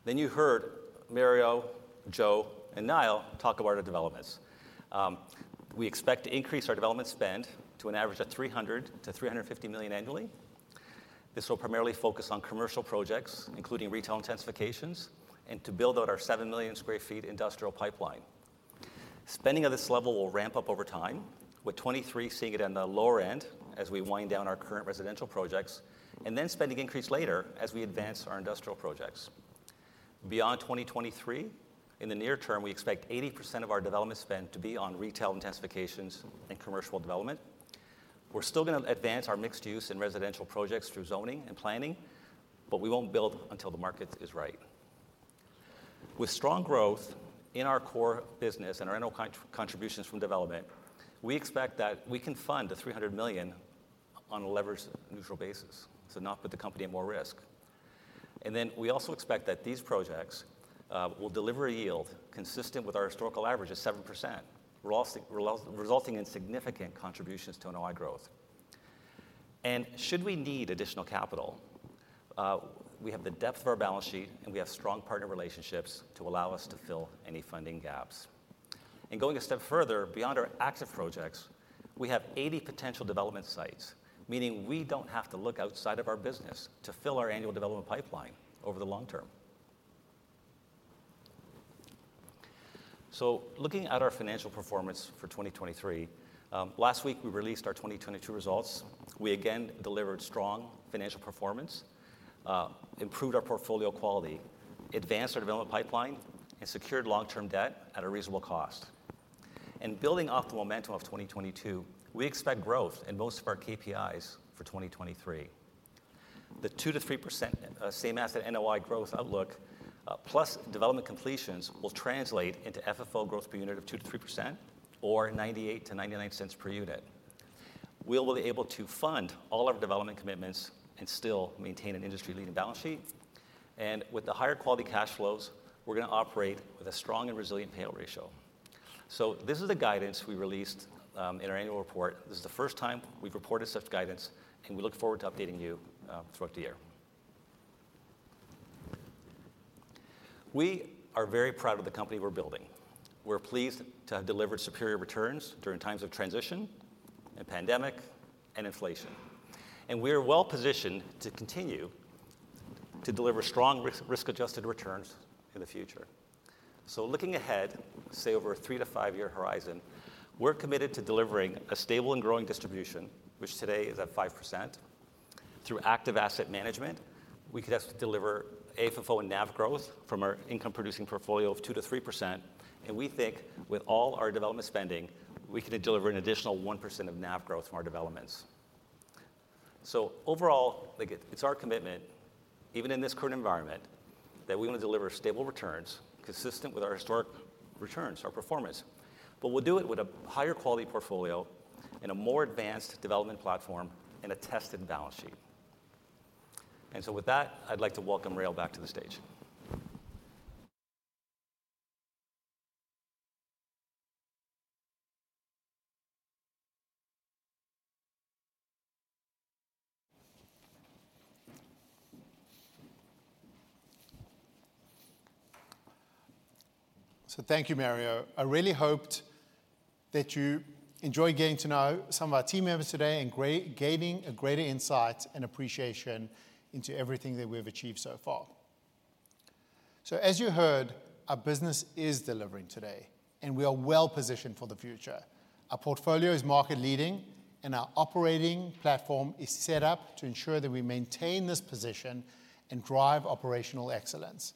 You heard Mario, Joe, and Niall talk about our developments. We expect to increase our development spend to an average of 300 million-350 million annually. This will primarily focus on commercial projects, including retail intensifications, and to build out our 7 million sq ft industrial pipeline. Spending at this level will ramp up over time, with 2023 seeing it on the lower end as we wind down our current residential projects, spending increase later as we advance our industrial projects. Beyond 2023, in the near term, we expect 80% of our development spend to be on retail intensifications and commercial development. We're still gonna advance our mixed-use and residential projects through zoning and planning, but we won't build until the market is right. With strong growth in our core business and our internal contributions from development, we expect that we can fund the 300 million on a leverage-neutral basis, so not put the company at more risk. We also expect that these projects will deliver a yield consistent with our historical average of 7%. Resulting in significant contributions to NOI growth. Should we need additional capital, we have the depth of our balance sheet, and we have strong partner relationships to allow us to fill any funding gaps. Going a step further, beyond our active projects, we have 80 potential development sites, meaning we don't have to look outside of our business to fill our annual development pipeline over the long term. Looking at our financial performance for 2023, last week we released our 2022 results. We again delivered strong financial performance, improved our portfolio quality, advanced our development pipeline, and secured long-term debt at a reasonable cost. Building off the momentum of 2022, we expect growth in most of our KPIs for 2023. The 2%-3% same asset NOI growth outlook, plus development completions will translate into FFO growth per unit of 2%-3% or 0.98-0.99 per unit. We'll be able to fund all our development commitments and still maintain an industry-leading balance sheet. With the higher quality cash flows, we're gonna operate with a strong and resilient payout ratio. This is the guidance we released in our annual report. This is the first time we've reported such guidance, and we look forward to updating you throughout the year. We are very proud of the company we're building. We're pleased to have delivered superior returns during times of transition and pandemic and inflation. We are well-positioned to continue to deliver strong risk-adjusted returns in the future. Looking ahead, say, over a three-to-five-year horizon, we're committed to delivering a stable and growing distribution, which today is at 5%. Through active asset management, we could also deliver AFFO and NAV growth from our income-producing portfolio of 2%-3%. We think with all our development spending, we can deliver an additional 1% of NAV growth from our developments. Overall, like it's our commitment, even in this current environment, that we wanna deliver stable returns consistent with our historic returns, our performance. We'll do it with a higher quality portfolio and a more advanced development platform and a tested balance sheet. With that, I'd like to welcome Rael back to the stage. Thank you, Mario. I really hoped that you enjoy getting to know some of our team members today and gaining a greater insight and appreciation into everything that we have achieved so far. As you heard, our business is delivering today, and we are well positioned for the future. Our portfolio is market-leading, and our operating platform is set up to ensure that we maintain this position and drive operational excellence.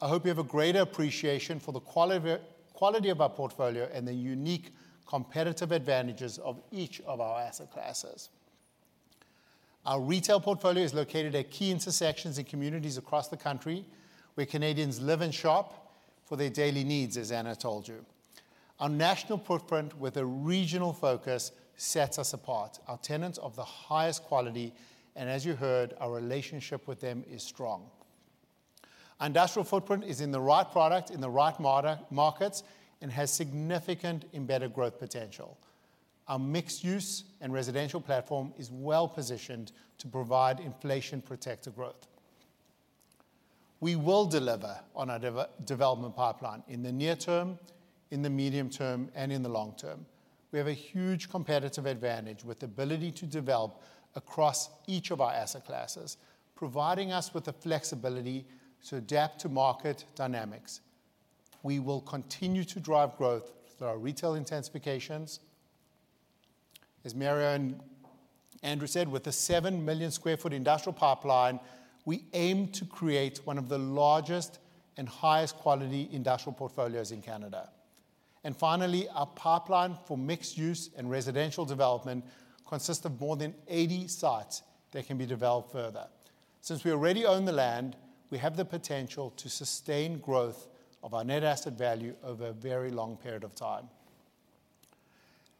I hope you have a greater appreciation for the quality of our portfolio and the unique competitive advantages of each of our asset classes. Our retail portfolio is located at key intersections in communities across the country where Canadians live and shop for their daily needs, as Ana told you. Our national footprint with a regional focus sets us apart. Our tenants are of the highest quality, and as you heard, our relationship with them is strong. Our industrial footprint is in the right product, in the right markets, and has significant embedded growth potential. Our mixed-use and residential platform is well-positioned to provide inflation-protected growth. We will deliver on our development pipeline in the near term, in the medium term, and in the long term. We have a huge competitive advantage with the ability to develop across each of our asset classes, providing us with the flexibility to adapt to market dynamics. We will continue to drive growth through our retail intensifications. As Mario and Andrew said, with a 7 million sq ft industrial pipeline, we aim to create one of the largest and highest quality industrial portfolios in Canada. Finally, our pipeline for mixed use and residential development consists of more than 80 sites that can be developed further. Since we already own the land, we have the potential to sustain growth of our net asset value over a very long period of time.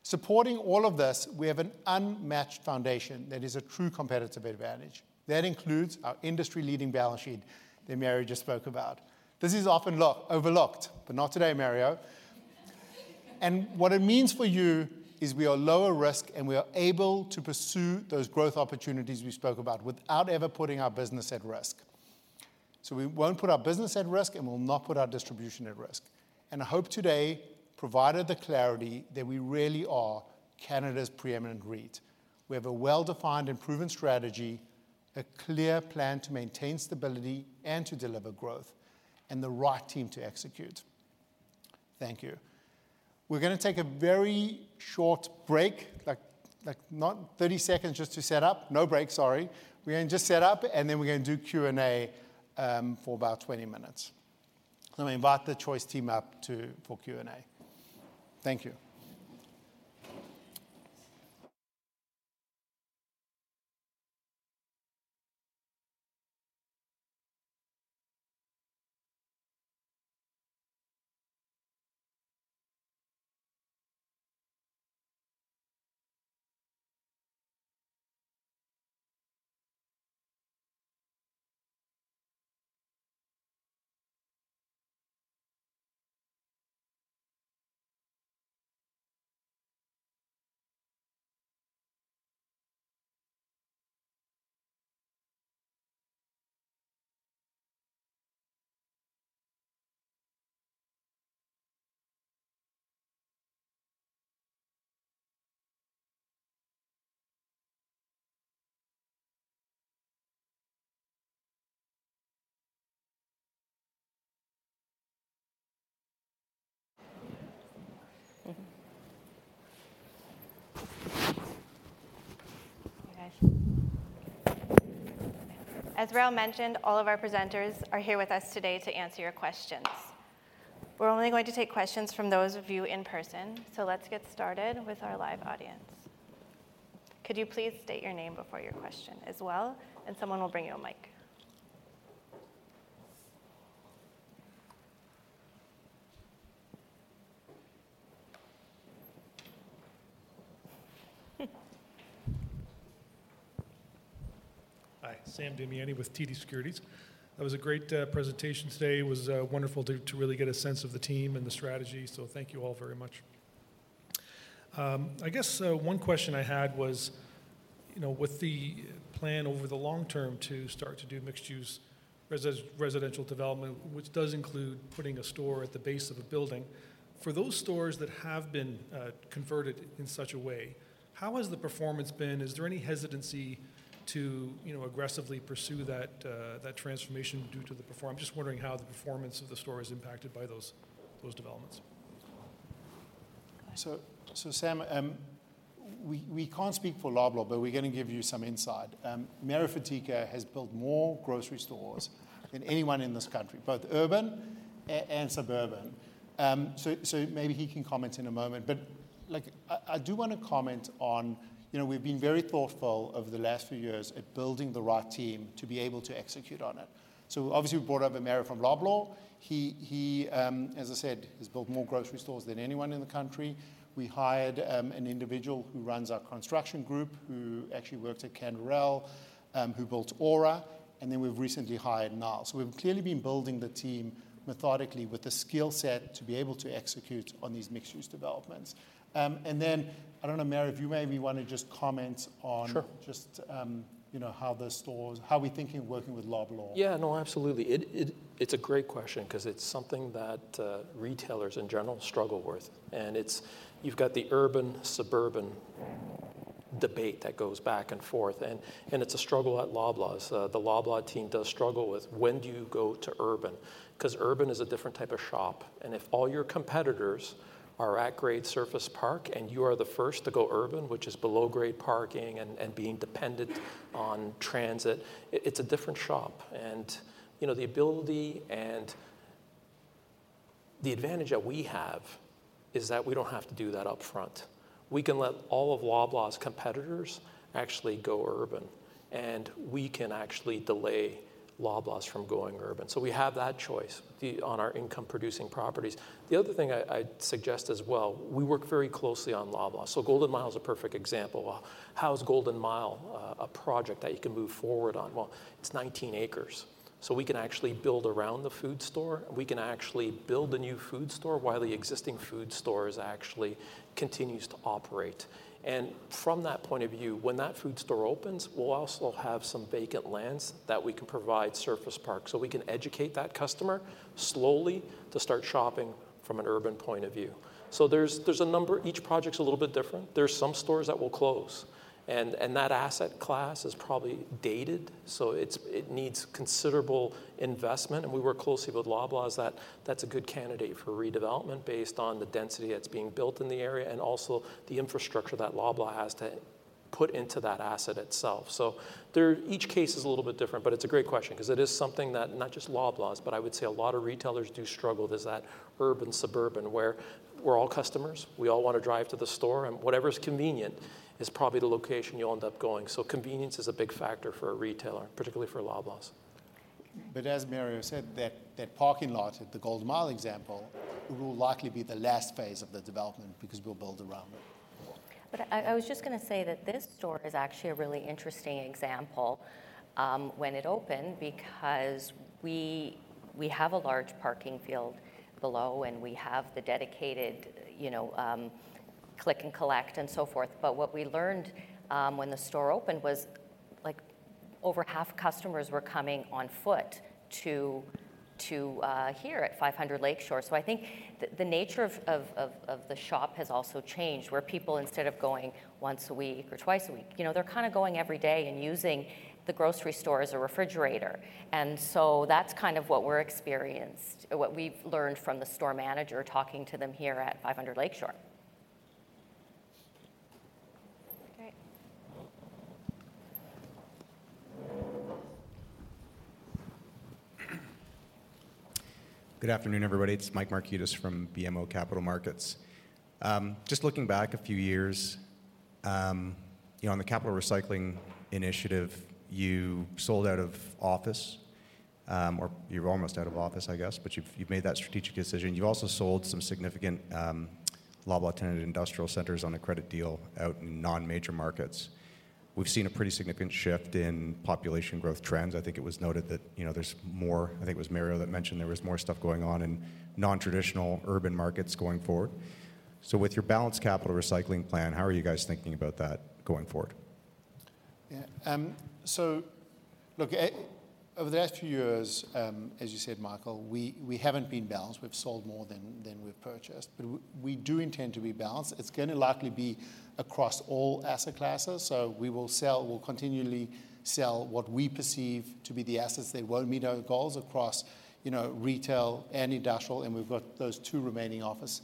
Supporting all of this, we have an unmatched foundation that is a true competitive advantage. That includes our industry-leading balance sheet that Mario just spoke about. This is often overlooked, but not today, Mario. What it means for you is we are lower risk, and we are able to pursue those growth opportunities we spoke about without ever putting our business at risk. We won't put our business at risk, we'll not put our distribution at risk. I hope today provided the clarity that we really are Canada's preeminent REIT. We have a well-defined and proven strategy, a clear plan to maintain stability and to deliver growth, and the right team to execute. Thank you. We're gonna take a very short break, like not 30 seconds just to set up. No break, sorry. We're gonna just set up, and then we're gonna do Q&A for about 20 minutes. Let me invite the Choice team up to, for Q&A. Thank you. As Rael mentioned, all of our presenters are here with us today to answer your questions. We're only going to take questions from those of you in person, let's get started with our live audience. Could you please state your name before your question as well, and someone will bring you a mic. Hi, Sam Damiani with TD Securities. That was a great presentation today. It was wonderful to really get a sense of the team and the strategy. Thank you all very much. I guess one question I had was, you know, with the plan over the long term to start to do mixed-use residential development, which does include putting a store at the base of a building, for those stores that have been converted in such a way, how has the performance been? Is there any hesitancy to, you know, aggressively pursue that transformation due to the performance? I'm just wondering how the performance of the store is impacted by those developments. Sam, we can't speak for Loblaw, but we're gonna give you some insight. Mario Fatica has built more grocery stores than anyone in this country, both urban and suburban. Maybe he can comment in a moment. Like, I do wanna comment on, you know, we've been very thoughtful over the last few years at building the right team to be able to execute on it. Obviously, we brought over Mario from Loblaw. He, as I said, has built more grocery stores than anyone in the country. We hired an individual who runs our construction group who actually worked at Canderel, who built Aura, and then we've recently hired Niall. We've clearly been building the team methodically with the skill set to be able to execute on these mixed-use developments. I don't know, Mario, if you maybe wanna just comment on. Sure... just, you know, how the stores, how we're thinking of working with Loblaw. Yeah, no, absolutely. It's a great question 'cause it's something that retailers, in general, struggle with. It's, you've got the urban/suburban debate that goes back and forth, and it's a struggle at Loblaw's. The Loblaw team does struggle with when do you go to urban, 'cause urban is a different type of shop. If all your competitors are at grade surface park and you are the first to go urban, which is below grade parking and being dependent on transit, it's a different shop. You know, the ability and the advantage that we have is that we don't have to do that up front. We can let all of Loblaw's competitors actually go urban, and we can actually delay Loblaw's from going urban. We have that choice the, on our income-producing properties. The other thing I'd suggest as well, we work very closely on Loblaw. Golden Mile is a perfect example. How is Golden Mile a project that you can move forward on? Well, it's 19 acres, we can actually build around the food store. We can actually build a new food store while the existing food store is actually continues to operate. From that point of view, when that food store opens, we'll also have some vacant lands that we can provide surface park. We can educate that customer slowly to start shopping from an urban point of view. There's a number, each project's a little bit different. There's some stores that will close and that asset class is probably dated, so it needs considerable investment, and we work closely with Loblaw that's a good candidate for redevelopment based on the density that's being built in the area and also the infrastructure that Loblaw has to put into that asset itself. There, each case is a little bit different, but it's a great question 'cause it is something that not just Loblaw, but I would say a lot of retailers do struggle is that urban, suburban where we're all customers. We all wanna drive to the store, and whatever's convenient is probably the location you'll end up going. Convenience is a big factor for a retailer, particularly for Loblaw. As Mario said, that parking lot at the Golden Mile example will likely be the last phase of the development because we'll build around it. I was just gonna say that this store is actually a really interesting example, when it opened because we have a large parking field below, and we have the dedicated, you know, click and collect and so forth. What we learned, when the store opened was, like, over half customers were coming on foot to here at 500 Lakeshore. I think the nature of the shop has also changed, where people, instead of going once a week or twice a week, you know, they're kinda going every day and using the grocery store as a refrigerator. That's kind of what we're experienced, what we've learned from the store manager talking to them here at 500 Lakeshore. Great. Good afternoon, everybody. It's Mike Markidis from BMO Capital Markets. Just looking back a few years, you know, on the capital recycling initiative, you sold out of office, or you're almost out of office, I guess, but you've made that strategic decision. You also sold some significant Loblaw-tenanted industrial centers on a credit deal out in non-major markets. We've seen a pretty significant shift in population growth trends. I think it was noted that, you know, there's more, I think it was Mario that mentioned there was more stuff going on in non-traditional urban markets going forward. With your balanced capital recycling plan, how are you guys thinking about that going forward? Yeah. Look, over the last few years, as you said, Michael, we haven't been balanced. We've sold more than we've purchased, but we do intend to be balanced. It's gonna likely be across all asset classes. We will sell, we'll continually sell what we perceive to be the assets that won't meet our goals across, you know, retail and industrial, and we've got those two remaining office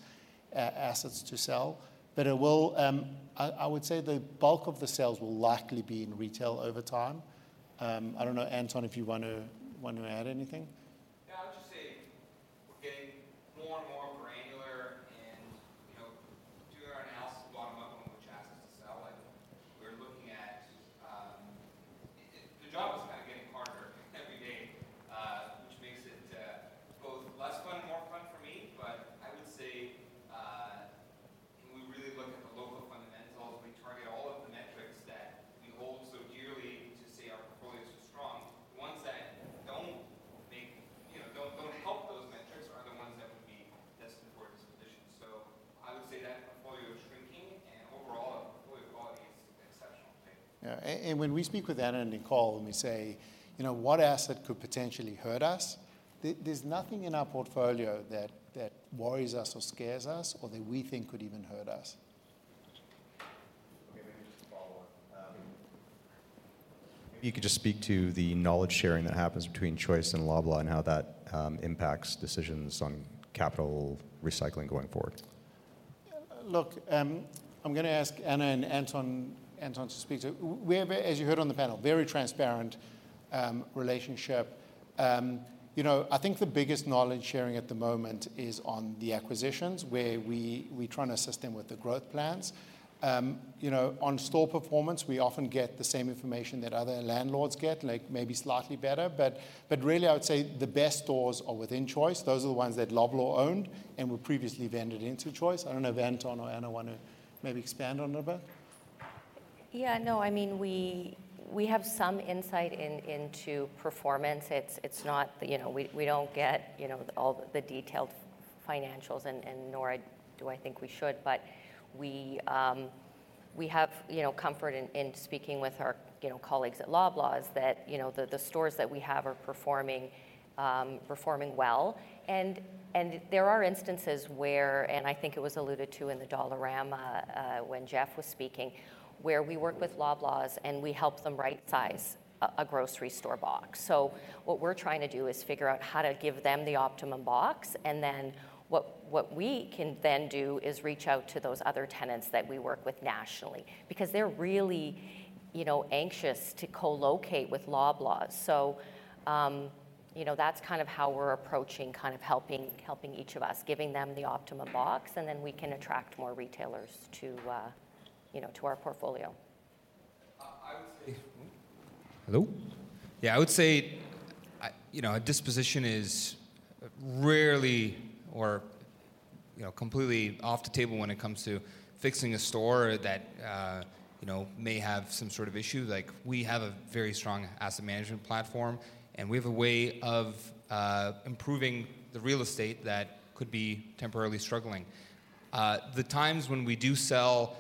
assets to sell. It will, I would say the bulk of the sales will likely be in retail over time. I don't know, Anton, if you want to add anything. Anton to speak to it. We have, as you heard on the panel, very transparent relationship. You know, I think the biggest knowledge sharing at the moment is on the acquisitions where we try and assist them with the growth plans. You know, on store performance, we often get the same information that other landlords get, like maybe slightly better. Really I would say the best stores are within Choice. Those are the ones that Loblaw owned and were previously vended into Choice. I don't know if Anton or Ana wanna maybe expand on it a bit. Yeah, no, I mean, we have some insight into performance. It's not that, you know, we don't get, you know, all the detailed financials and nor do I think we should. We have, you know, comfort in speaking with our, you know, colleagues at Loblaw that, you know, the stores that we have are performing well. There are instances where, and I think it was alluded to in the Dollarama, when Jeff was speaking, where we work with Loblaw and we help them right size a grocery store box. What we're trying to do is figure out how to give them the optimum box, and then what we can then do is reach out to those other tenants that we work with nationally because they're really, you know, anxious to co-locate with Loblaw. You know, that's kind of how we're approaching kind of helping each of us, giving them the optimum box, and then we can attract more retailers to, you know, to our portfolio. I would say. Hello. Yeah, I would say, you know, a disposition is rarely or, you know, completely off the table when it comes to fixing a store that, you know, may have some sort of issue. Like, we have a very strong asset management platform, and we have a way of improving the real estate that could be temporarily struggling. The times when we do sell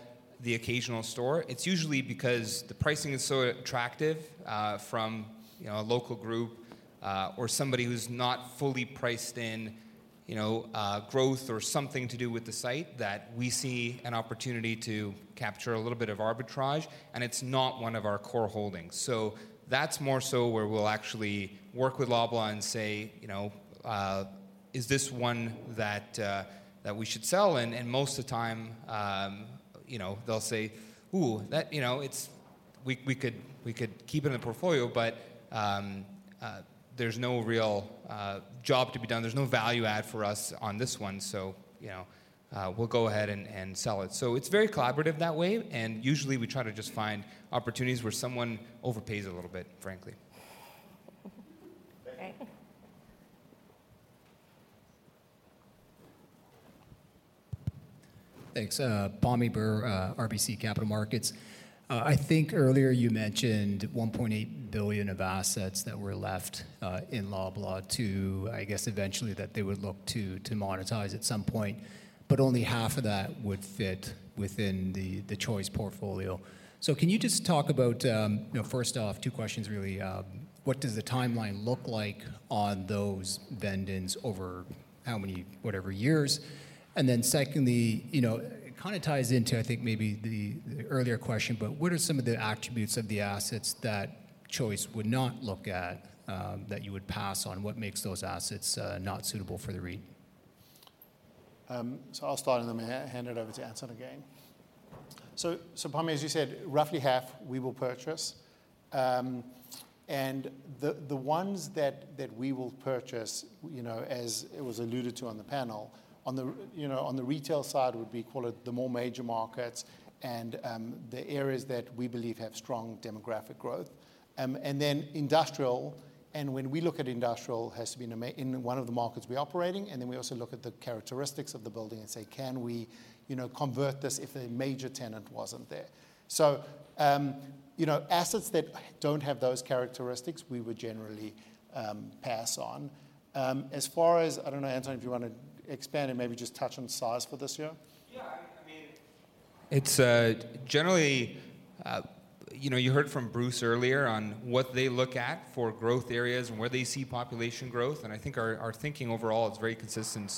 the occasional store, it's usually because the pricing is so attractive, from, you know, a local group, or somebody who's not fully priced in, you know, growth or something to do with the site that we see an opportunity to capture a little bit of arbitrage, and it's not one of our core holdings. That's more so where we'll actually work with Loblaw and say, you know, "Is this one that we should sell?" Most of the time, you know, they'll say, "Ooh, that, you know, we could keep it in the portfolio, but there's no real job to be done. There's no value add for us on this one, so, you know, we'll go ahead and sell it." It's very collaborative that way, and usually we try to just find opportunities where someone overpays a little bit, frankly. Thank you. Okay. Thanks. Pammi Bir, RBC Capital Markets. I think earlier you mentioned 1.8 billion of assets that were left in Loblaw to, I guess, eventually that they would look to monetize at some point, but only half of that would fit within the Choice portfolio. Can you just talk about, you know, first off, two questions really, what does the timeline look like on those vend-ins over how many, whatever years? Secondly, you know, it kind of ties into, I think, maybe the earlier question, but what are some of the attributes of the assets that Choice would not look at that you would pass on? What makes those assets not suitable for the REIT? I'll start and then hand it over to Anton again. Pammi, as you said, roughly half we will purchase. The ones that we will purchase, you know, as it was alluded to on the panel, you know, on the retail side would be, call it, the more major markets and the areas that we believe have strong demographic growth. Industrial, and when we look at industrial, it has to be in one of the markets we operate in, and then we also look at the characteristics of the building and say, "Can we, you know, convert this if a major tenant wasn't there?" Assets that don't have those characteristics, we would generally pass on. As far as, I don't know, Anton, if you wanna expand and maybe just touch on size for this year? Yeah, I mean, it's generally, you know, you heard from Bruce earlier on what they look at for growth areas and where they see population growth. I think our thinking overall is very consistent.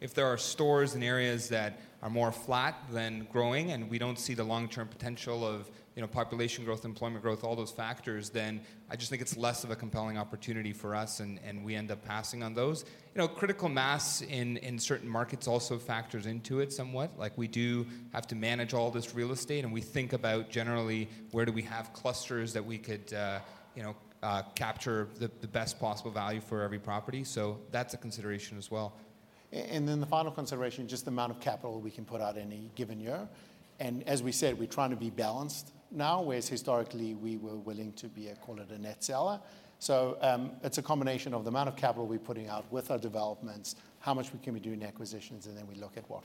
If there are stores in areas that are more flat than growing, and we don't see the long-term potential of, you know, population growth, employment growth, all those factors, then I just think it's less of a compelling opportunity for us, and we end up passing on those. You know, critical mass in certain markets also factors into it somewhat. Like, we do have to manage all this real estate, and we think about generally where do we have clusters that we could, you know, capture the best possible value for every property. That's a consideration as well. Then the final consideration, just the amount of capital we can put out any given year. As we said, we're trying to be balanced now, whereas historically we were willing to be a, call it, a net seller. It's a combination of the amount of capital we're putting out with our developments, how much we can be doing acquisitions, then we look at what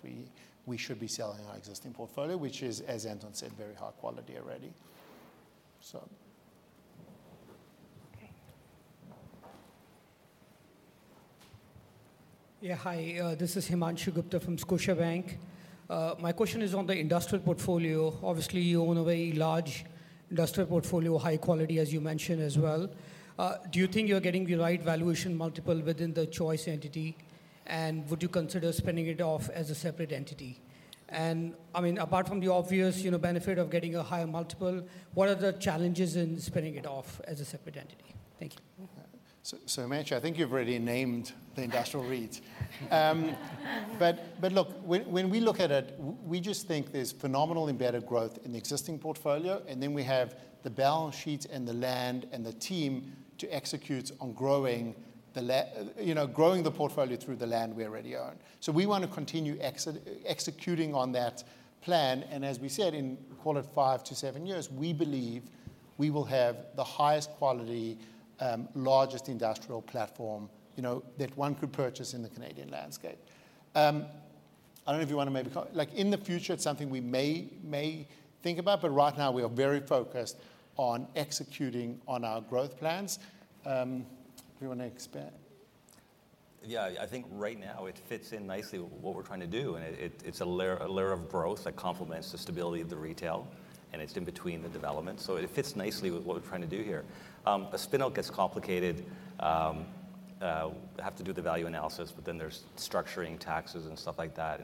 we should be selling in our existing portfolio, which is, as Anton said, very high quality already. Okay. Hi. This is Himanshu Gupta from Scotiabank. My question is on the industrial portfolio. Obviously, you own a very large industrial portfolio, high quality as you mentioned as well. Do you think you're getting the right valuation multiple within the Choice entity? Would you consider spinning it off as a separate entity? I mean, apart from the obvious, you know, benefit of getting a higher multiple, what are the challenges in spinning it off as a separate entity? Thank you. Himanshu, I think you've already named the industrial REIT. Look, when we look at it, we just think there's phenomenal embedded growth in the existing portfolio, and then we have the balance sheet and the land and the team to execute on growing the portfolio through the land we already own. We want to continue executing on that plan. As we said, in call it five to seven years, we believe we will have the highest quality, largest industrial platform, you know, that one could purchase in the Canadian landscape. I don't know if you wanna maybe like, in the future, it's something we may think about, but right now we are very focused on executing on our growth plans. Do you wanna expand? Yeah. I think right now it fits in nicely with what we're trying to do, and it's a layer of growth that complements the stability of the retail, and it's in between the development. It fits nicely with what we're trying to do here. A spin-out gets complicated. Have to do the value analysis, but then there's structuring taxes and stuff like that.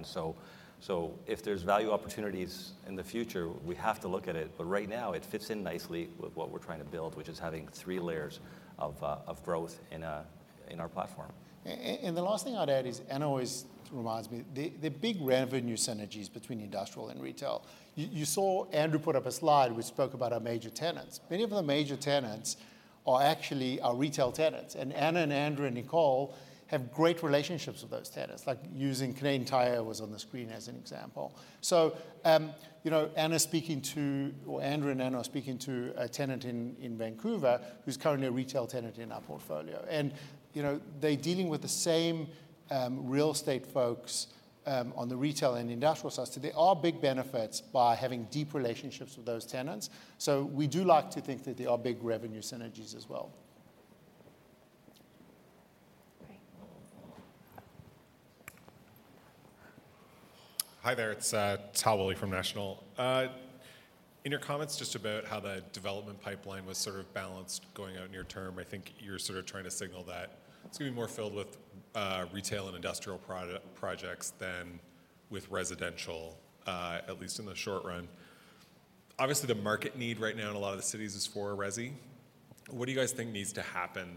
If there's value opportunities in the future, we have to look at it. Right now, it fits in nicely with what we're trying to build, which is having three layers of growth in our platform. The last thing I'd add is, Ana always reminds me, the big revenue synergies between industrial and retail. You saw Andrew put up a slide which spoke about our major tenants. Many of the major tenants are actually our retail tenants. Ana and Andrew and Nicole have great relationships with those tenants, like using Canadian Tire was on the screen as an example. You know, Ana's speaking to, or Andrew and Ana are speaking to a tenant in Vancouver who's currently a retail tenant in our portfolio. You know, they're dealing with the same real estate folks on the retail and industrial side, so there are big benefits by having deep relationships with those tenants. We do like to think that there are big revenue synergies as well. Great. Hi there. It's Tal Woolley from National. In your comments just about how the development pipeline was sort of balanced going out near term, I think you're sort of trying to signal that it's gonna be more filled with retail and industrial projects than with residential, at least in the short run. Obviously, the market need right now in a lot of the cities is for resi. What do you guys think needs to happen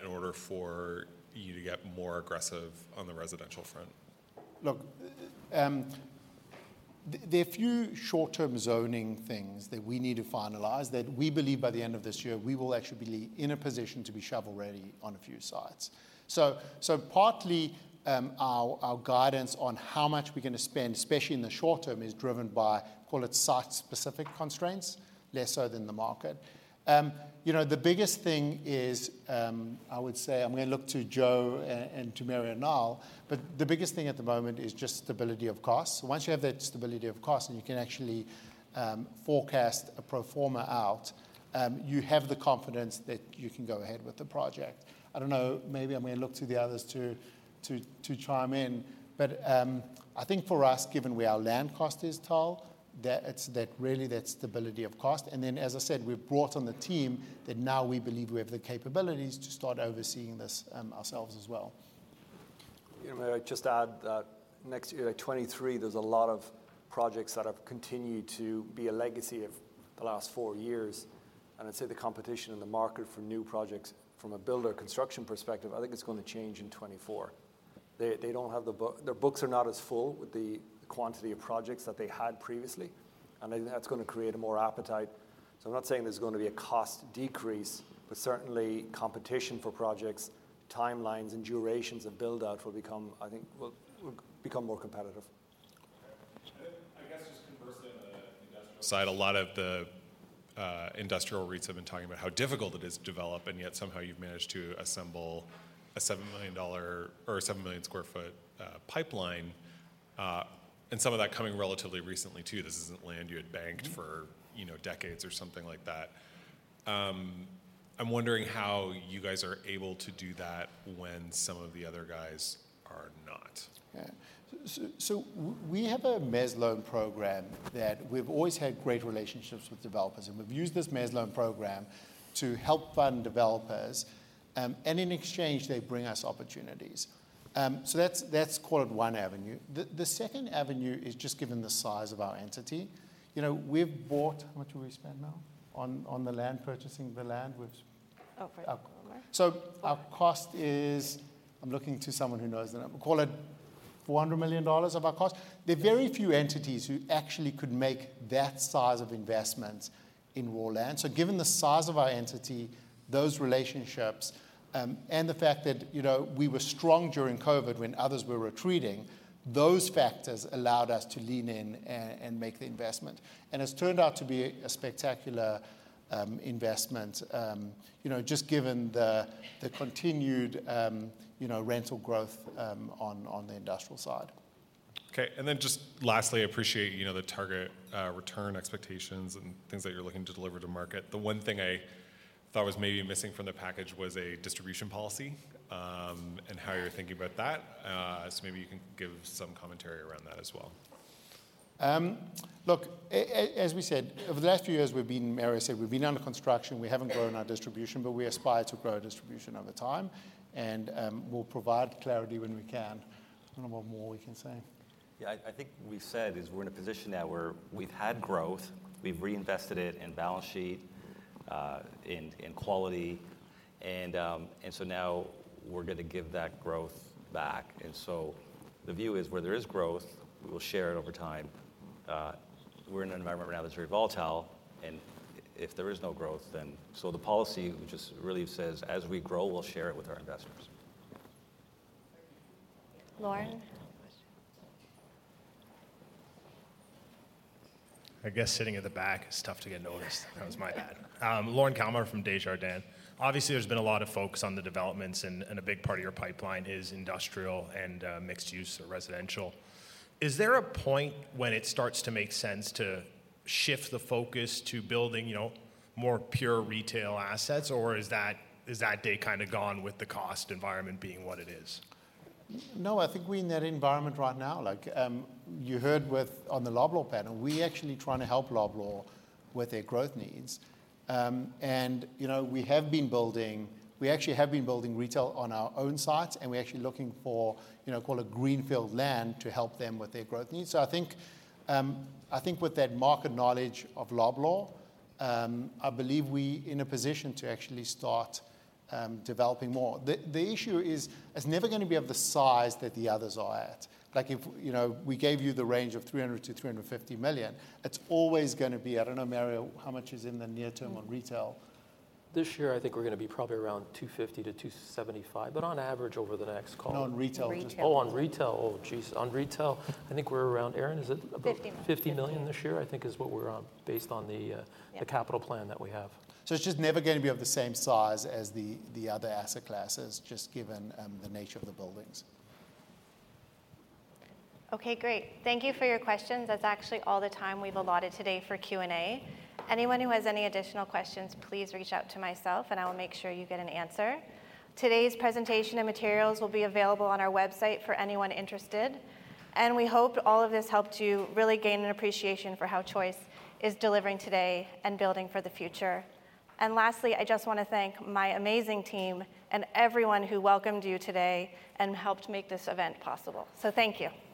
in order for you to get more aggressive on the residential front? Look, there are a few short-term zoning things that we need to finalize that we believe by the end of this year, we will actually be in a position to be shovel-ready on a few sites. Partly, our guidance on how much we're gonna spend, especially in the short term, is driven by, call it, site-specific constraints, less so than the market. You know, the biggest thing is, I would say I'm gonna look to Joe and to Mario and Niall, but the biggest thing at the moment is just stability of cost. Once you have that stability of cost, and you can actually forecast a pro forma out, you have the confidence that you can go ahead with the project. I don't know, maybe I'm gonna look to the others to chime in. I think for us, given where our land cost is, Tal, that it's that really that stability of cost. As I said, we've brought on the team that now we believe we have the capabilities to start overseeing this ourselves as well. You know, may I just add that next year, like 2023, there's a lot of projects that have continued to be a legacy of the last four years. I'd say the competition in the market for new projects from a builder construction perspective, I think it's gonna change in 2024. They don't have their books are not as full with the quantity of projects that they had previously, and I think that's gonna create a more appetite. I'm not saying there's gonna be a cost decrease, but certainly competition for projects, timelines, and durations of build-out will become, I think, will become more competitive. Okay. I guess just conversely on the industrial side, a lot of the industrial REITs have been talking about how difficult it is to develop, and yet somehow you've managed to assemble a 7 million dollar or a 7 million sq ft pipeline, and some of that coming relatively recently too. This isn't land you had banked. Mm-hmm... you know, decades or something like that. I'm wondering how you guys are able to do that when some of the other guys are not. Yeah. We have a mezz loan program that we've always had great relationships with developers, and we've used this mezz loan program to help fund developers, and in exchange, they bring us opportunities. That's called one avenue. The second avenue is just given the size of our entity. You know, we've bought, how much have we spent now on the land, purchasing the land. Oh, right. Okay. Our cost is, I'm looking to someone who knows the number, call it 400 million dollars of our cost. There are very few entities who actually could make that size of investment in raw land. Given the size of our entity, those relationships, and the fact that, you know, we were strong during COVID when others were retreating, those factors allowed us to lean in and make the investment. It's turned out to be a spectacular investment, you know, just given the continued, you know, rental growth on the industrial side. Okay. Just lastly, I appreciate, you know, the target, return expectations and things that you're looking to deliver to market. The one thing I thought was maybe missing from the package was a distribution policy, and how you're thinking about that. Maybe you can give some commentary around that as well. Look, as we said, over the last few years, we've been, Mario said, we've been under construction. We haven't grown our distribution, but we aspire to grow our distribution over time, and we'll provide clarity when we can. I don't know what more we can say. I think we've said is we're in a position now where we've had growth, we've reinvested it in balance sheet, in quality, now we're going to give that growth back. The view is where there is growth, we will share it over time. We're in an environment right now that's very volatile, if there is no growth, the policy just really says, as we grow, we'll share it with our investors. Lorne. I guess sitting at the back, it's tough to get noticed. That was my bad. Lorne Kalmar from Desjardins. Obviously, there's been a lot of focus on the developments, and a big part of your pipeline is industrial and mixed use or residential. Is there a point when it starts to make sense to shift the focus to building, you know, more pure retail assets, or is that day kinda gone with the cost environment being what it is? I think we're in that environment right now. Like, you heard with on the Loblaw panel, we actually trying to help Loblaw with their growth needs. you know, we have been building, we actually have been building retail on our own sites, and we're actually looking for, you know, call it greenfield land to help them with their growth needs. I think, I think with that market knowledge of Loblaw, I believe we in a position to actually start developing more. The issue is it's never gonna be of the size that the others are at. Like if, you know, we gave you the range of 300 million-350 million, it's always gonna be, I don't know, Mario, how much is in the near term on retail? This year, I think we're gonna be probably around 2.50-2.75. On average, No, on retail. Retail. Oh, on retail. Oh, jeez. On retail, I think we're around, Erin, is it about... 50 million.... 50 million this year, I think is what we're on based on the. Yeah... the capital plan that we have. it's just never gonna be of the same size as the other asset classes, just given the nature of the buildings. Okay, great. Thank you for your questions. That's actually all the time we've allotted today for Q&A. Anyone who has any additional questions, please reach out to myself, and I will make sure you get an answer. Today's presentation and materials will be available on our website for anyone interested. We hope all of this helped you really gain an appreciation for how Choice is delivering today and building for the future. Lastly, I just wanna thank my amazing team and everyone who welcomed you today and helped make this event possible. Thank you.